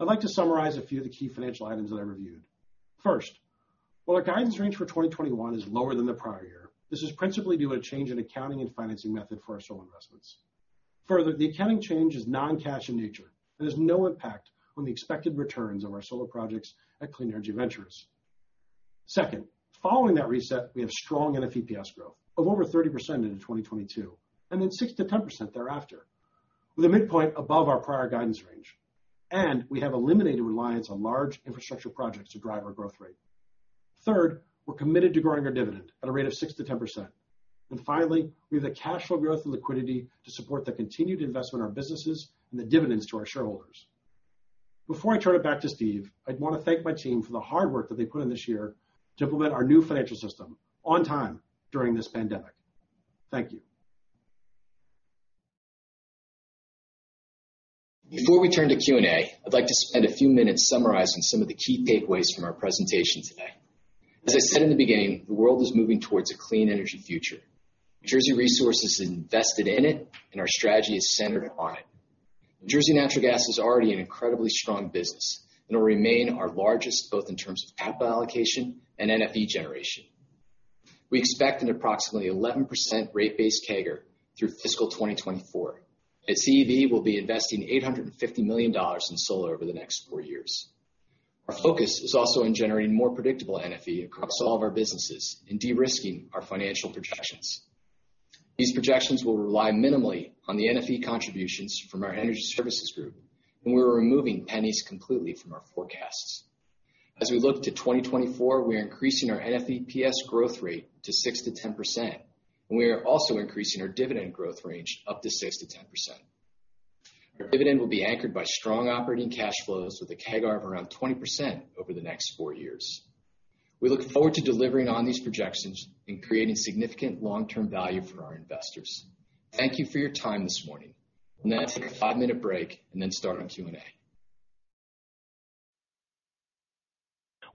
S8: I'd like to summarize a few of the key financial items that I reviewed. First, while our guidance range for 2021 is lower than the prior year, this is principally due to a change in accounting and financing method for our solar investments. The accounting change is non-cash in nature and has no impact on the expected returns of our solar projects at Clean Energy Ventures. Second, following that reset, we have strong NFEPS growth of over 30% into 2022, then 6%-10% thereafter, with a midpoint above our prior guidance range. We have eliminated reliance on large infrastructure projects to drive our growth rate. Third, we're committed to growing our dividend at a rate of 6%-10%. Finally, we have the cash flow growth and liquidity to support the continued investment in our businesses and the dividends to our shareholders. Before I turn it back to Steve, I'd want to thank my team for the hard work that they put in this year to implement our new financial system on time during this pandemic. Thank you.
S2: Before we turn to Q&A, I'd like to spend a few minutes summarizing some of the key takeaways from our presentation today. As I said in the beginning, the world is moving towards a clean energy future. New Jersey Resources is invested in it, and our strategy is centered on it. New Jersey Natural Gas is already an incredibly strong business and will remain our largest, both in terms of CapEx allocation and NFE generation. We expect an approximately 11% rate base CAGR through fiscal 2024. At CEV, we'll be investing $850 million in solar over the next four years. Our focus is also on generating more predictable NFE across all of our businesses and de-risking our financial projections. These projections will rely minimally on the NFE contributions from our NJR Energy Services, and we're removing PennEast completely from our forecasts. As we look to 2024, we're increasing our NFEPS growth rate to 6%-10%. We are also increasing our dividend growth range up to 6%-10%. Our dividend will be anchored by strong operating cash flows with a CAGR of around 20% over the next four years. We look forward to delivering on these projections and creating significant long-term value for our investors. Thank you for your time this morning. We'll now take a five-minute break and then start on Q&A.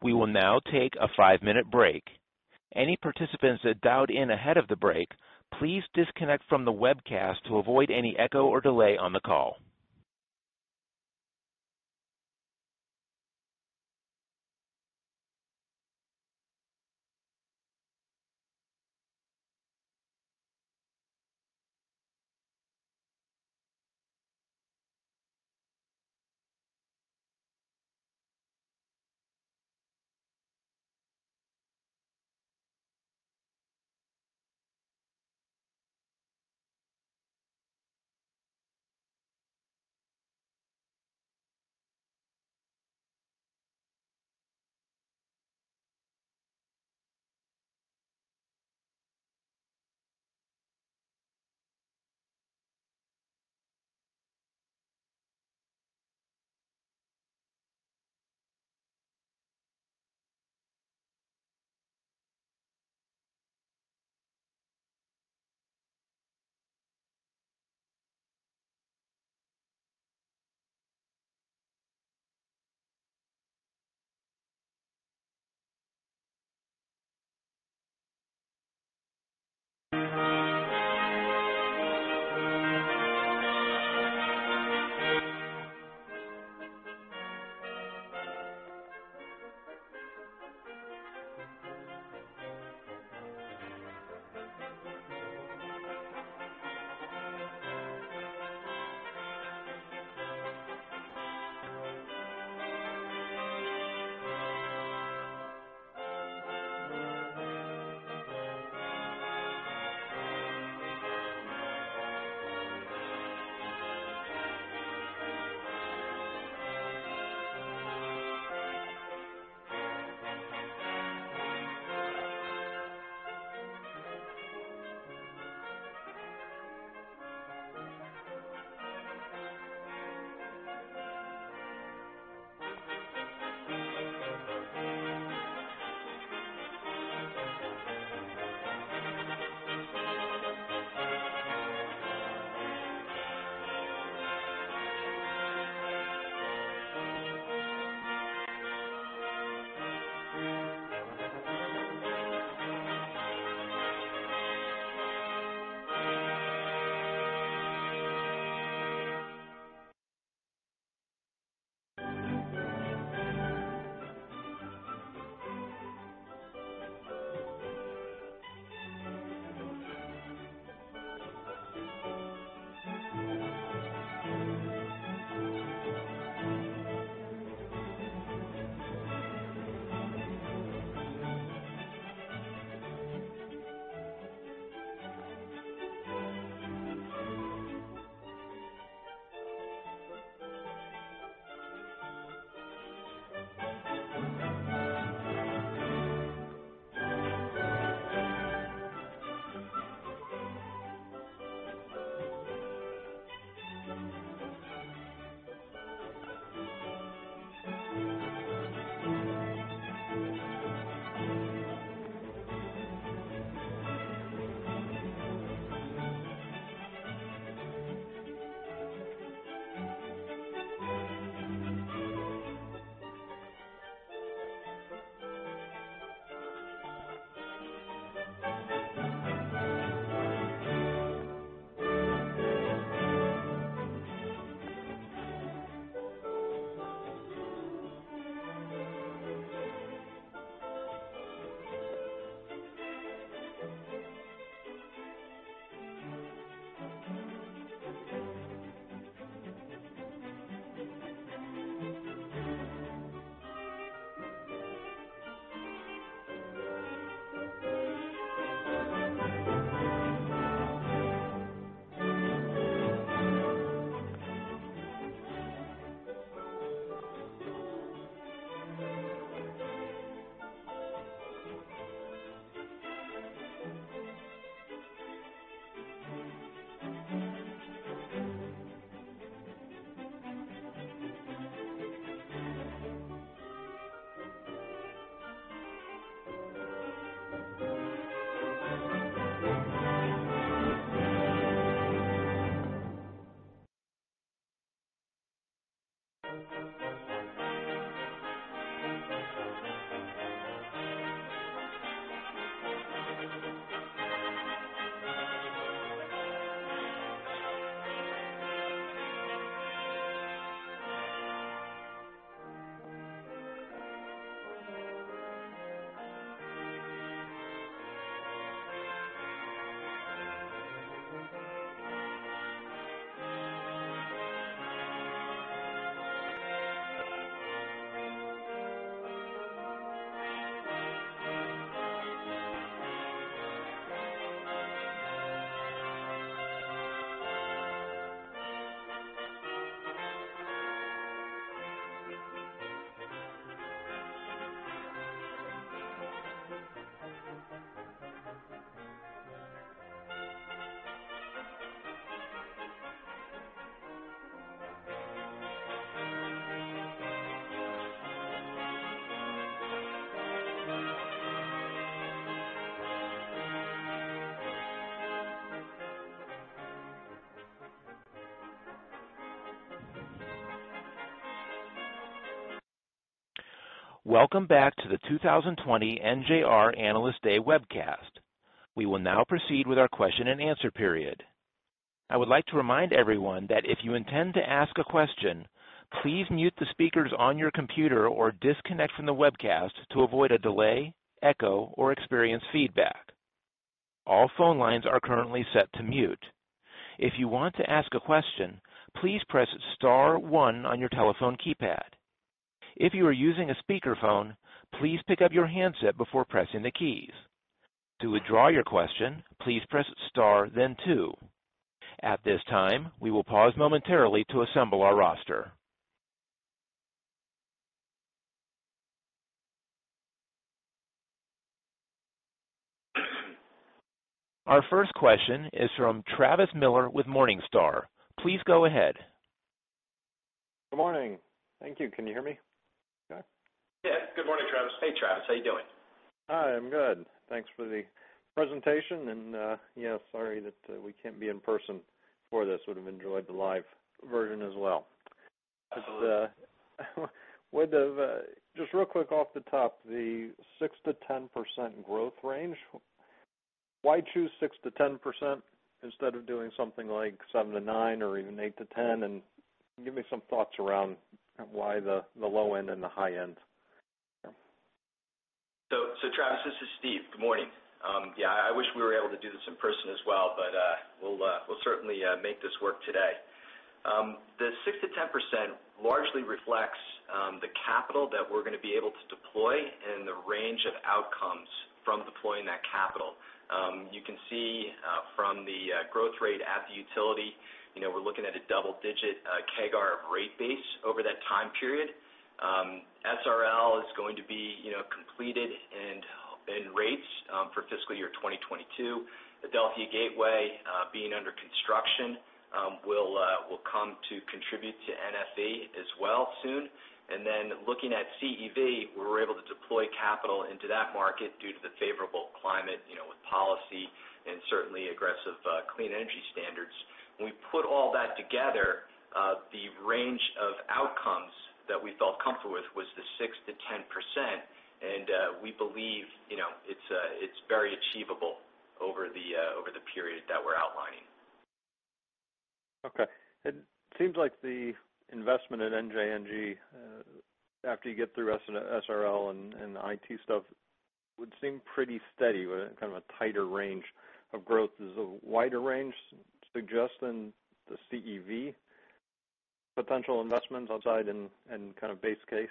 S9: We will now take a five-minute break. Any participants that dialed in ahead of the break, please disconnect from the webcast to avoid any echo or delay on the call. Welcome back to the 2020 NJR Analyst Day webcast. We will now proceed with our question and answer period. I would like to remind everyone that if you intend to ask a question, please mute the speakers on your computer or disconnect from the webcast to avoid a delay, echo, or experience feedback. All phone lines are currently set to mute. If you want to ask a question, please press star one on your telephone keypad. If you are using a speakerphone, please pick up your handset before pressing the keys. To withdraw your question, please press star, then two. At this time, we will pause momentarily to assemble our roster. Our first question is from Travis Miller with Morningstar. Please go ahead.
S10: Good morning. Thank you. Can you hear me okay?
S8: Yeah. Good morning, Travis.
S2: Hey, Travis. How you doing?
S10: Hi, I'm good. Thanks for the presentation, and sorry that we can't be in person for this. Would have enjoyed the live version as well. Just real quick off the top, the six%-10% growth range. Why choose 6%-10% instead of doing something like 7%-9% or even 8%-10%? Give me some thoughts around why the low end and the high end.
S2: Travis, this is Steve. Good morning. Yeah, I wish we were able to do this in person as well, but we'll certainly make this work today. The 6%-10% largely reflects the capital that we're going to be able to deploy and the range of outcomes from deploying that capital. You can see from the growth rate at the utility, we're looking at a double-digit CAGR rate base over that time period. SRL is going to be completed and in rates for fiscal year 2022. Adelphia Gateway, being under construction, will come to contribute to NFE as well soon. Looking at CEV, we were able to deploy capital into that market due to the favorable climate with policy and certainly aggressive clean energy standards. When we put all that together, the range of outcomes that we felt comfortable with was the 6%-10%. We believe it's very achievable over the period that we're outlining.
S10: Okay. It seems like the investment at NJNG, after you get through SRL and the IT stuff, would seem pretty steady with kind of a tighter range of growth. Does the wider range suggest then the CEV potential investments outside in kind of base case?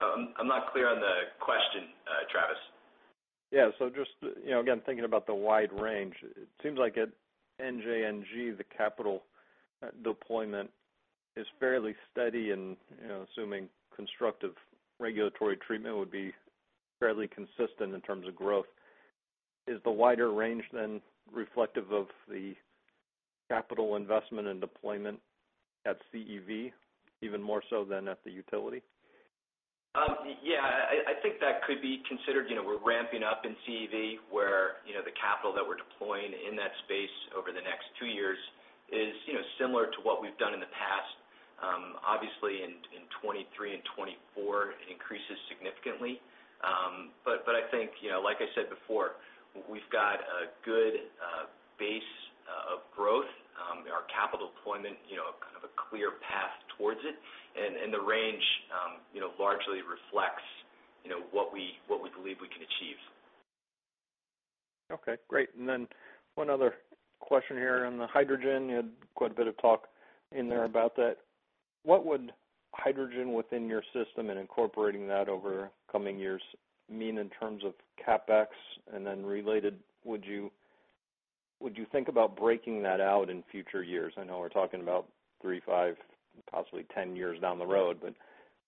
S2: I'm not clear on the question, Travis.
S10: Yeah. Just again, thinking about the wide range, it seems like at NJNG, the capital deployment is fairly steady and assuming constructive regulatory treatment would be fairly consistent in terms of growth. Is the wider range then reflective of the capital investment and deployment at CEV, even more so than at the utility?
S2: Yeah, I think that could be considered. We're ramping up in CEV where the capital that we're deploying in that space over the next two years is similar to what we've done in the past. Obviously, in 2023 and 2024, it increases significantly. I think, like I said before, we've got a good base of growth. Our capital deployment, kind of a clear path towards it. The range largely reflects what we believe we can achieve.
S10: Okay, great. One other question here on the hydrogen. You had quite a bit of talk in there about that. What would hydrogen within your system and incorporating that over coming years mean in terms of CapEx? Then related, would you think about breaking that out in future years? I know we're talking about three, five, possibly 10 years down the road,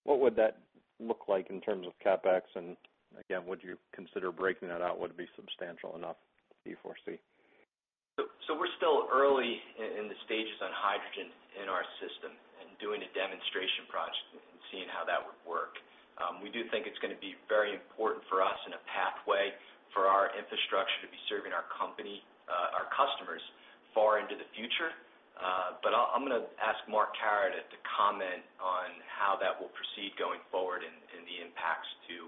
S10: what would that look like in terms of CapEx? Again, would you consider breaking that out? Would it be substantial enough do you foresee?
S2: We're still early in the stages on hydrogen in our system and doing a demonstration project and seeing how that would work. We do think it's going to be very important for us and a pathway for our infrastructure to be serving our customers far into the future. I'm going to ask Mark Kahrer to comment on how that will proceed going forward and the impacts to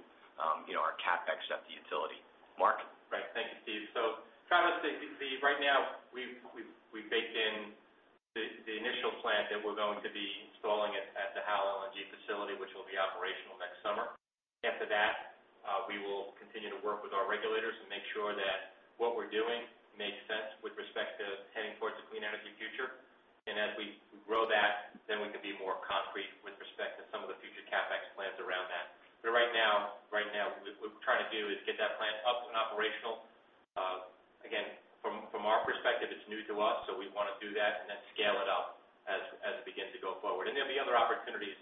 S2: our CapEx at the utility. Mark?
S4: Right. Thank you, Steve. Travis, right now, we've baked in the initial plant that we're going to be installing at the Howell LNG facility, which will be operational next summer. After that, we will continue to work with our regulators to make sure that what we're doing makes sense with respect to heading towards a clean energy future. As we grow that, then we can be more concrete with respect to some of the future CapEx plans around that. Right now, what we're trying to do is get that plant up and operational. Again, from our perspective, it's new to us, so we want to do that and then scale it up as we begin to go forward. There'll be other opportunities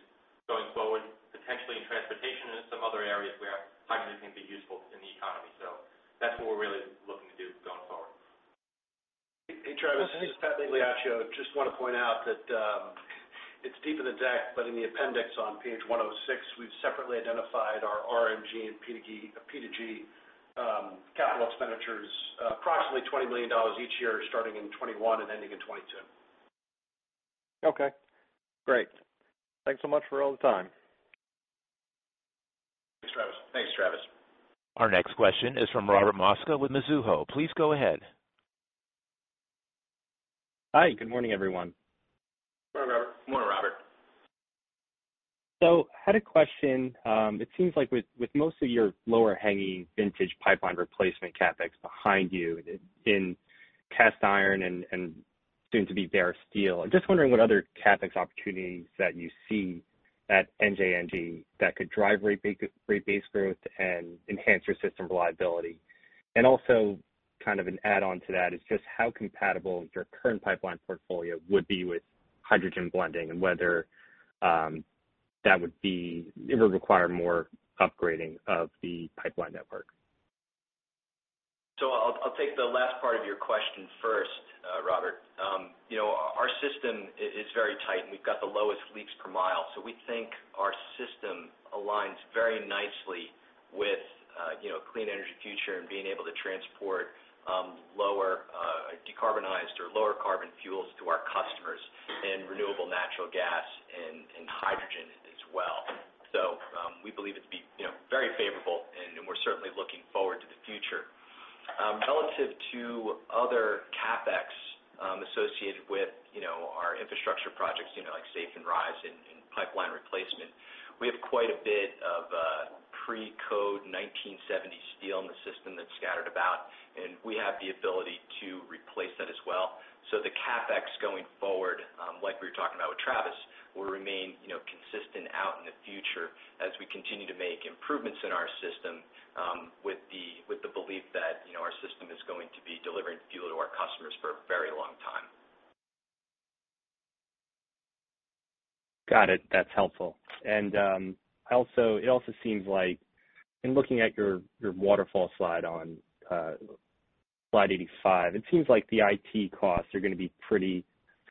S4: going forward, potentially in transportation and in some other areas where hydrogen can be useful in the economy. That's what we're really looking to do going forward.
S8: Hey, Travis, it's Pat Migliaccio. Just want to point out that it's deep in the deck, but in the appendix on page 106, we've separately identified our RNG and P2G capital expenditures, approximately $20 million each year starting in 2021 and ending in 2022.
S10: Okay, great. Thanks so much for all the time.
S4: Thanks, Travis.
S9: Our next question is from Robert Mosca with Mizuho. Please go ahead.
S11: Hi. Good morning, everyone.
S4: Morning, Robert.
S2: Morning, Robert.
S11: Had a question. It seems like with most of your lower-hanging vintage pipeline replacement CapEx behind you in cast iron and soon to be bare steel. I'm just wondering what other CapEx opportunities that you see at NJNG that could drive rate base growth and enhance your system reliability. Also kind of an add-on to that is just how compatible your current pipeline portfolio would be with hydrogen blending and whether that would require more upgrading of the pipeline network.
S2: I'll take the last part of your question first, Robert. Our system is very tight, and we've got the lowest leaks per mile. We think our system aligns very nicely with a clean energy future and being able to transport lower decarbonized or lower carbon fuels to our customers in renewable natural gas and hydrogen as well. We believe it to be very favorable, and we're certainly looking forward to the future. Relative to other CapEx associated with our infrastructure projects, like SAFE and RISE and pipeline replacement, we have quite a bit of pre-code 1970 steel in the system that's scattered about, and we have the ability to replace that as well. The CapEx going forward, like we were talking about with Travis, will remain consistent out in the future as we continue to make improvements in our system with the belief that our system is going to be delivering fuel to our customers for a very long time.
S11: Got it. That's helpful. It also seems like in looking at your waterfall slide on slide 85, it seems like the IT costs are going to be pretty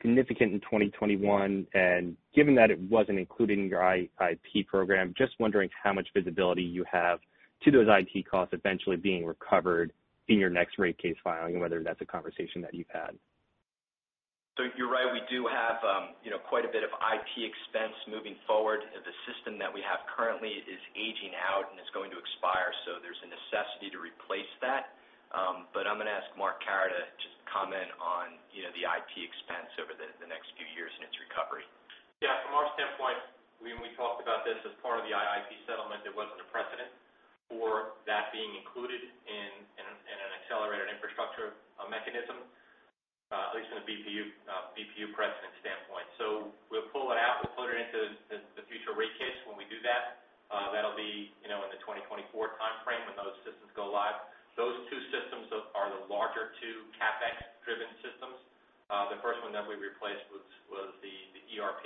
S11: significant in 2021. Given that it wasn't included in your IIP program, just wondering how much visibility you have to those IT costs eventually being recovered in your next rate case filing and whether that's a conversation that you've had.
S2: You're right, we do have quite a bit of IT expense moving forward. The system that we have currently is aging out, and it's going to expire, so there's a necessity to replace that. I'm going to ask Mark Kahrer to just comment on the IT expense over the next few years and its recovery.
S4: Yeah. From our standpoint, when we talked about this as part of the IIP settlement, there wasn't a precedent for that being included in an accelerated infrastructure mechanism, at least from a BPU precedent standpoint. We'll pull it out. We'll put it into the future rate case when we do that. That'll be in the 2024 timeframe when those systems go live. Those two systems are the larger two CapEx-driven systems. The first one that we replaced was the ERP,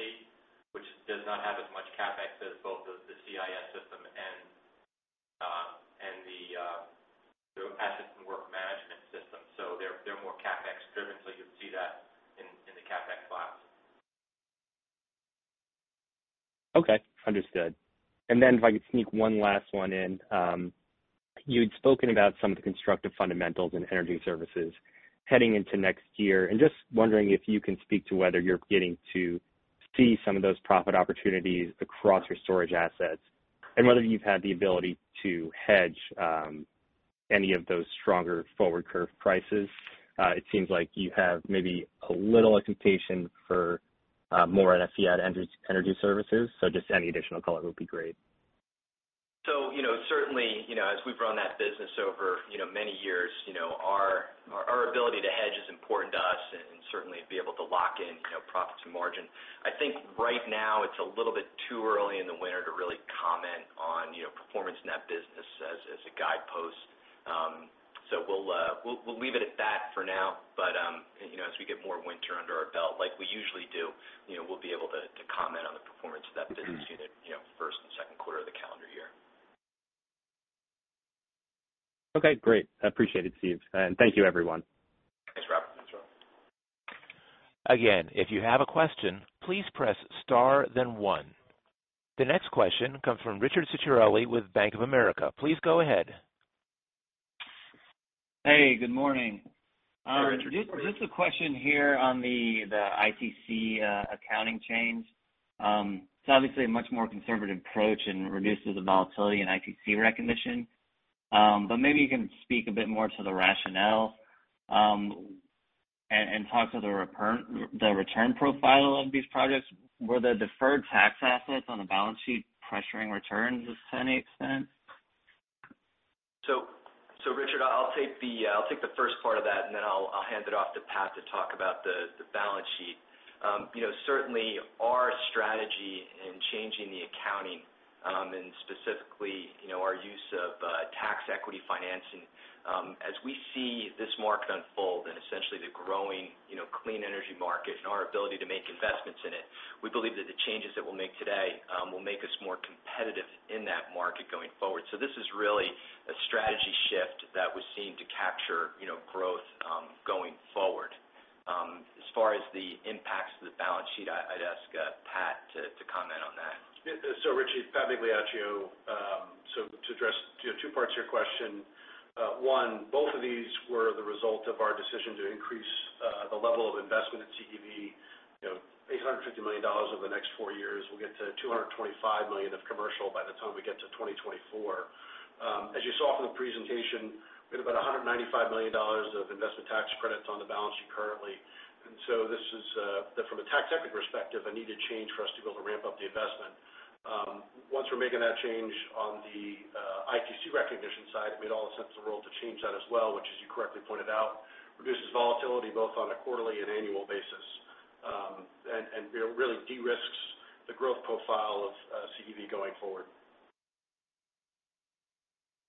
S4: which does not have as much CapEx as both the CIS system and the asset and work management system. They're more CapEx-driven, so you'll see that in the CapEx class.
S11: Okay. Understood. If I could sneak one last one in. You had spoken about some of the constructive fundamentals in NJR Energy Services heading into next year, just wondering if you can speak to whether you're getting to see some of those profit opportunities across your storage assets and whether you've had the ability to hedge any of those stronger forward curve prices. It seems like you have maybe a little expectation for more NFE at NJR Energy Services. Just any additional color would be great.
S2: Certainly, as we've run that business over many years, our ability to hedge is important to us and certainly be able to lock in profits and margin. I think right now it's a little bit too early in the winter to really comment on performance in that business as a guidepost. We'll leave it at that for now. As we get more winter under our belt, like we usually do, we'll be able to comment on the performance of that business unit first and second quarter of the calendar year.
S11: Okay, great. I appreciate it, Steve. Thank you, everyone.
S2: Thanks, Rob.
S4: Thanks, Rob.
S9: Again, if you have a question, please press star then one. The next question comes from Richard Sunderland with Bank of America. Please go ahead.
S12: Hey, good morning.
S2: Hey, Richard.
S12: Just a question here on the ITC accounting change. It's obviously a much more conservative approach and reduces the volatility in ITC recognition. Maybe you can speak a bit more to the rationale, and talk to the return profile of these projects. Were the deferred tax assets on the balance sheet pressuring returns to any extent?
S2: Richard, I'll take the first part of that, and then I'll hand it off to Pat to talk about the balance sheet. Certainly, our strategy in changing the accounting, and specifically, our use of tax equity financing, as we see this market unfold and essentially the growing clean energy market and our ability to make investments in it, we believe that the changes that we'll make today will make us more competitive in that market going forward. This is really a strategy shift that was seen to capture growth going forward. As far as the impacts to the balance sheet, I'd ask Pat to comment on that.
S8: Richie, it's Pat Migliaccio. To address two parts of your question. One, both of these were the result of our decision to increase the level of investment at CEV. $850 million over the next four years, we'll get to $225 million of commercial by the time we get to 2024. As you saw from the presentation, we had about $195 million of investment tax credits on the balance sheet currently. This is, from a tax equity perspective, a needed change for us to be able to ramp up the investment. Once we're making that change on the ITC recognition side, it made all the sense in the world to change that as well, which as you correctly pointed out, reduces volatility both on a quarterly and annual basis. Really de-risks the growth profile of CEV going forward.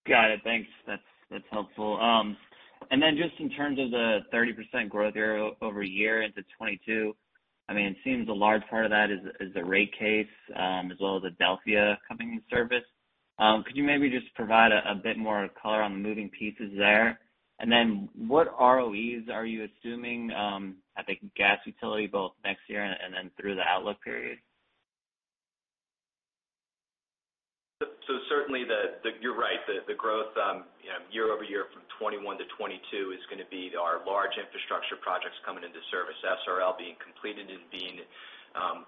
S12: Got it. Thanks. That's helpful. Just in terms of the 30% growth rate YoY into 2022, it seems a large part of that is the rate case, as well as Adelphia coming in service. Could you maybe just provide a bit more color on the moving pieces there? What ROEs are you assuming at the gas utility both next year and then through the outlook period?
S2: Certainly, you're right. The growth YoY from 2021 to 2022 is going to be our large infrastructure projects coming into service, SRL being completed and being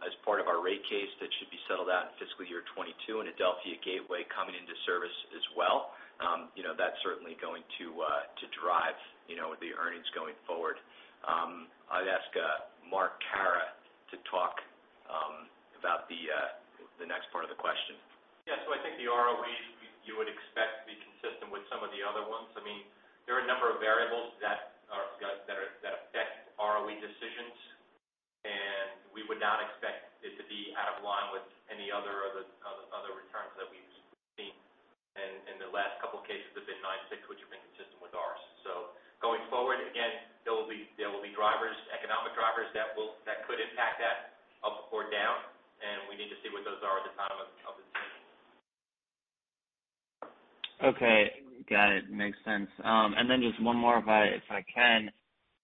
S2: as part of our rate case, that should be settled out in fiscal year 2022, and Adelphia Gateway coming into service as well. That's certainly going to drive the earnings going forward. I'd ask Mark Kahrer to talk about the next part of the question.
S4: Yeah. I think the ROE you would expect to be consistent with some of the other ones. There are a number of variables that affect ROE decisions, and we would not expect it to be out of line with any other of the other returns that we've seen. The last couple of cases have been 9.6, which have been consistent with ours. Going forward, again, there will be economic drivers that could impact that up or down, and we need to see what those are at the time of decision.
S12: Okay. Got it. Makes sense. Just one more if I can.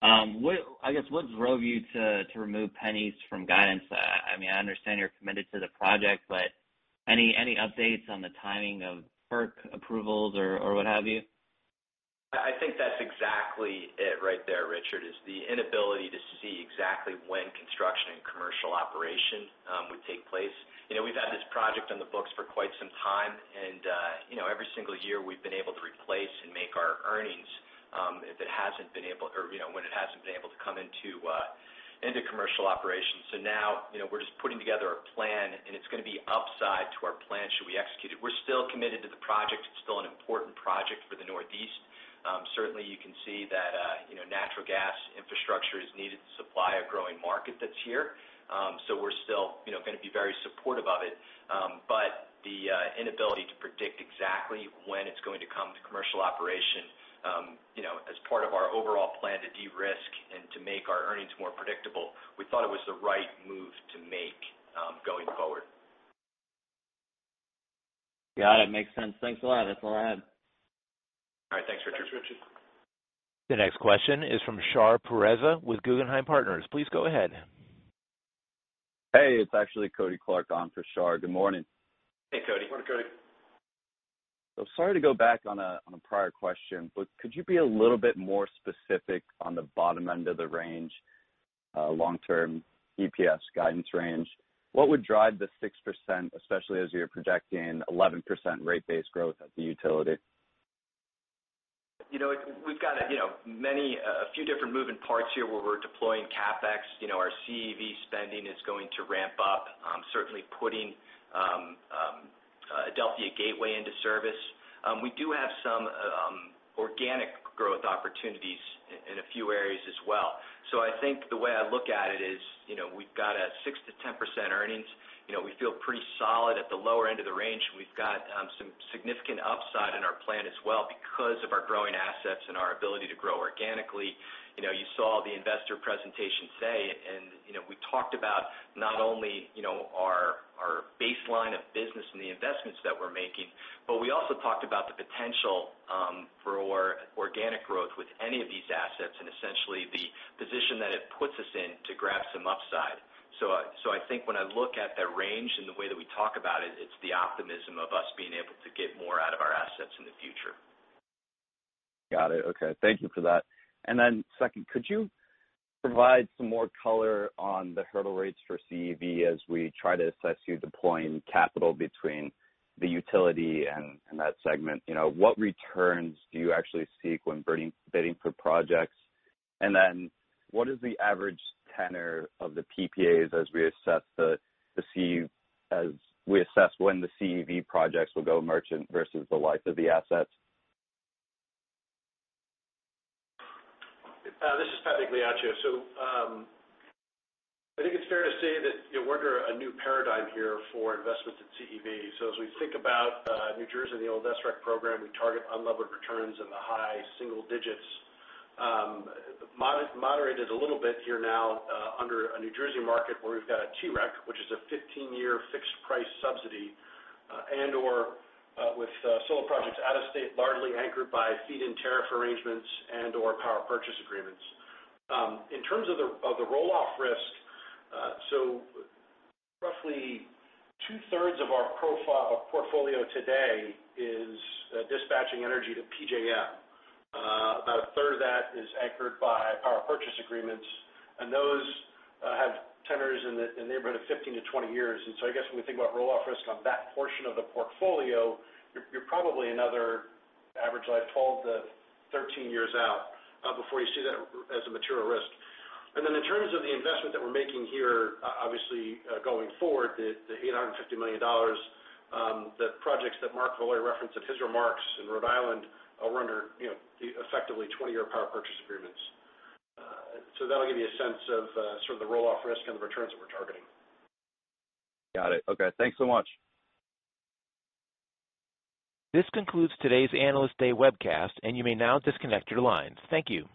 S12: I guess what drove you to remove PennEast from guidance? I understand you're committed to the project, any updates on the timing of FERC approvals or what have you?
S2: I think that's exactly it right there, Richard, is the inability to see exactly when construction and commercial operation would take place. We've had this project on the books for quite some time. Every single year, we've been able to replace and make our earnings when it hasn't been able to come into commercial operations. Now, we're just putting together a plan, and it's going to be upside to our plan should we execute it. We're still committed to the project. It's still an important project for the Northeast. Certainly, you can see that natural gas infrastructure is needed to supply a growing market that's here. We're still going to be very supportive of it. The inability to predict exactly when it's going to come to commercial operation, as part of our overall plan to de-risk and to make our earnings more predictable, we thought it was the right move to make going forward.
S12: Got it. Makes sense. Thanks a lot. That's all I had.
S2: All right. Thanks, Richard.
S8: Thanks, Richard.
S9: The next question is from Shar Pourreza with Guggenheim Partners. Please go ahead.
S13: Hey, it's actually Kody Clark on for Shar. Good morning.
S2: Hey, Kody.
S8: Morning, Kody.
S13: Sorry to go back on a prior question, but could you be a little bit more specific on the bottom end of the range, long-term EPS guidance range? What would drive the 6%, especially as you're projecting 11% rate base growth at the utility?
S2: We've got a few different moving parts here where we're deploying CapEx. Our CEV spending is going to ramp up, certainly putting Adelphia Gateway into service. We do have some organic growth opportunities in a few areas as well. I think the way I look at it is, we've got a 6%-10% earnings. We feel pretty solid at the lower end of the range, and we've got some significant upside in our plan as well because of our growing assets and our ability to grow organically. You saw the investor presentation say, and we talked about not only our baseline of business and the investments that we're making, but we also talked about the potential for organic growth with any of these assets, and essentially the position that it puts us in to grab some upside. I think when I look at the range and the way that we talk about it's the optimism of us being able to get more out of our assets in the future.
S13: Got it. Okay. Thank you for that. Second, could you provide some more color on the hurdle rates for CEV as we try to assess you deploying capital between the utility and that segment? What returns do you actually seek when bidding for projects? What is the average tenor of the PPAs as we assess when the CEV projects will go merchant versus the life of the assets?
S8: This is Pat Migliaccio. I think it's fair to say that we're under a new paradigm here for investments at CEV. As we think about New Jersey and the old SREC program, we target unlevered returns in the high single digits. Moderated a little bit here now under a New Jersey market where we've got a TREC, which is a 15-year fixed price subsidy, and/or with solar projects out of state, largely anchored by feed-in tariff arrangements and/or power purchase agreements. In terms of the roll off risk, roughly 2/3 of our portfolio today is dispatching energy to PJM. About a third of that is anchored by power purchase agreements, and those have tenors in the neighborhood of 15 to 20 years. I guess when we think about rolloff risk on that portion of the portfolio, you're probably another average life 12 to 13 years out, before you see that as a material risk. In terms of the investment that we're making here, obviously, going forward, the $850 million, the projects that Mark Valori referenced in his remarks in Rhode Island are under effectively 20-year power purchase agreements. That'll give you a sense of sort of the rolloff risk and the returns that we're targeting.
S13: Got it. Okay. Thanks so much.
S9: This concludes today's Analyst Day webcast. You may now disconnect your lines. Thank you.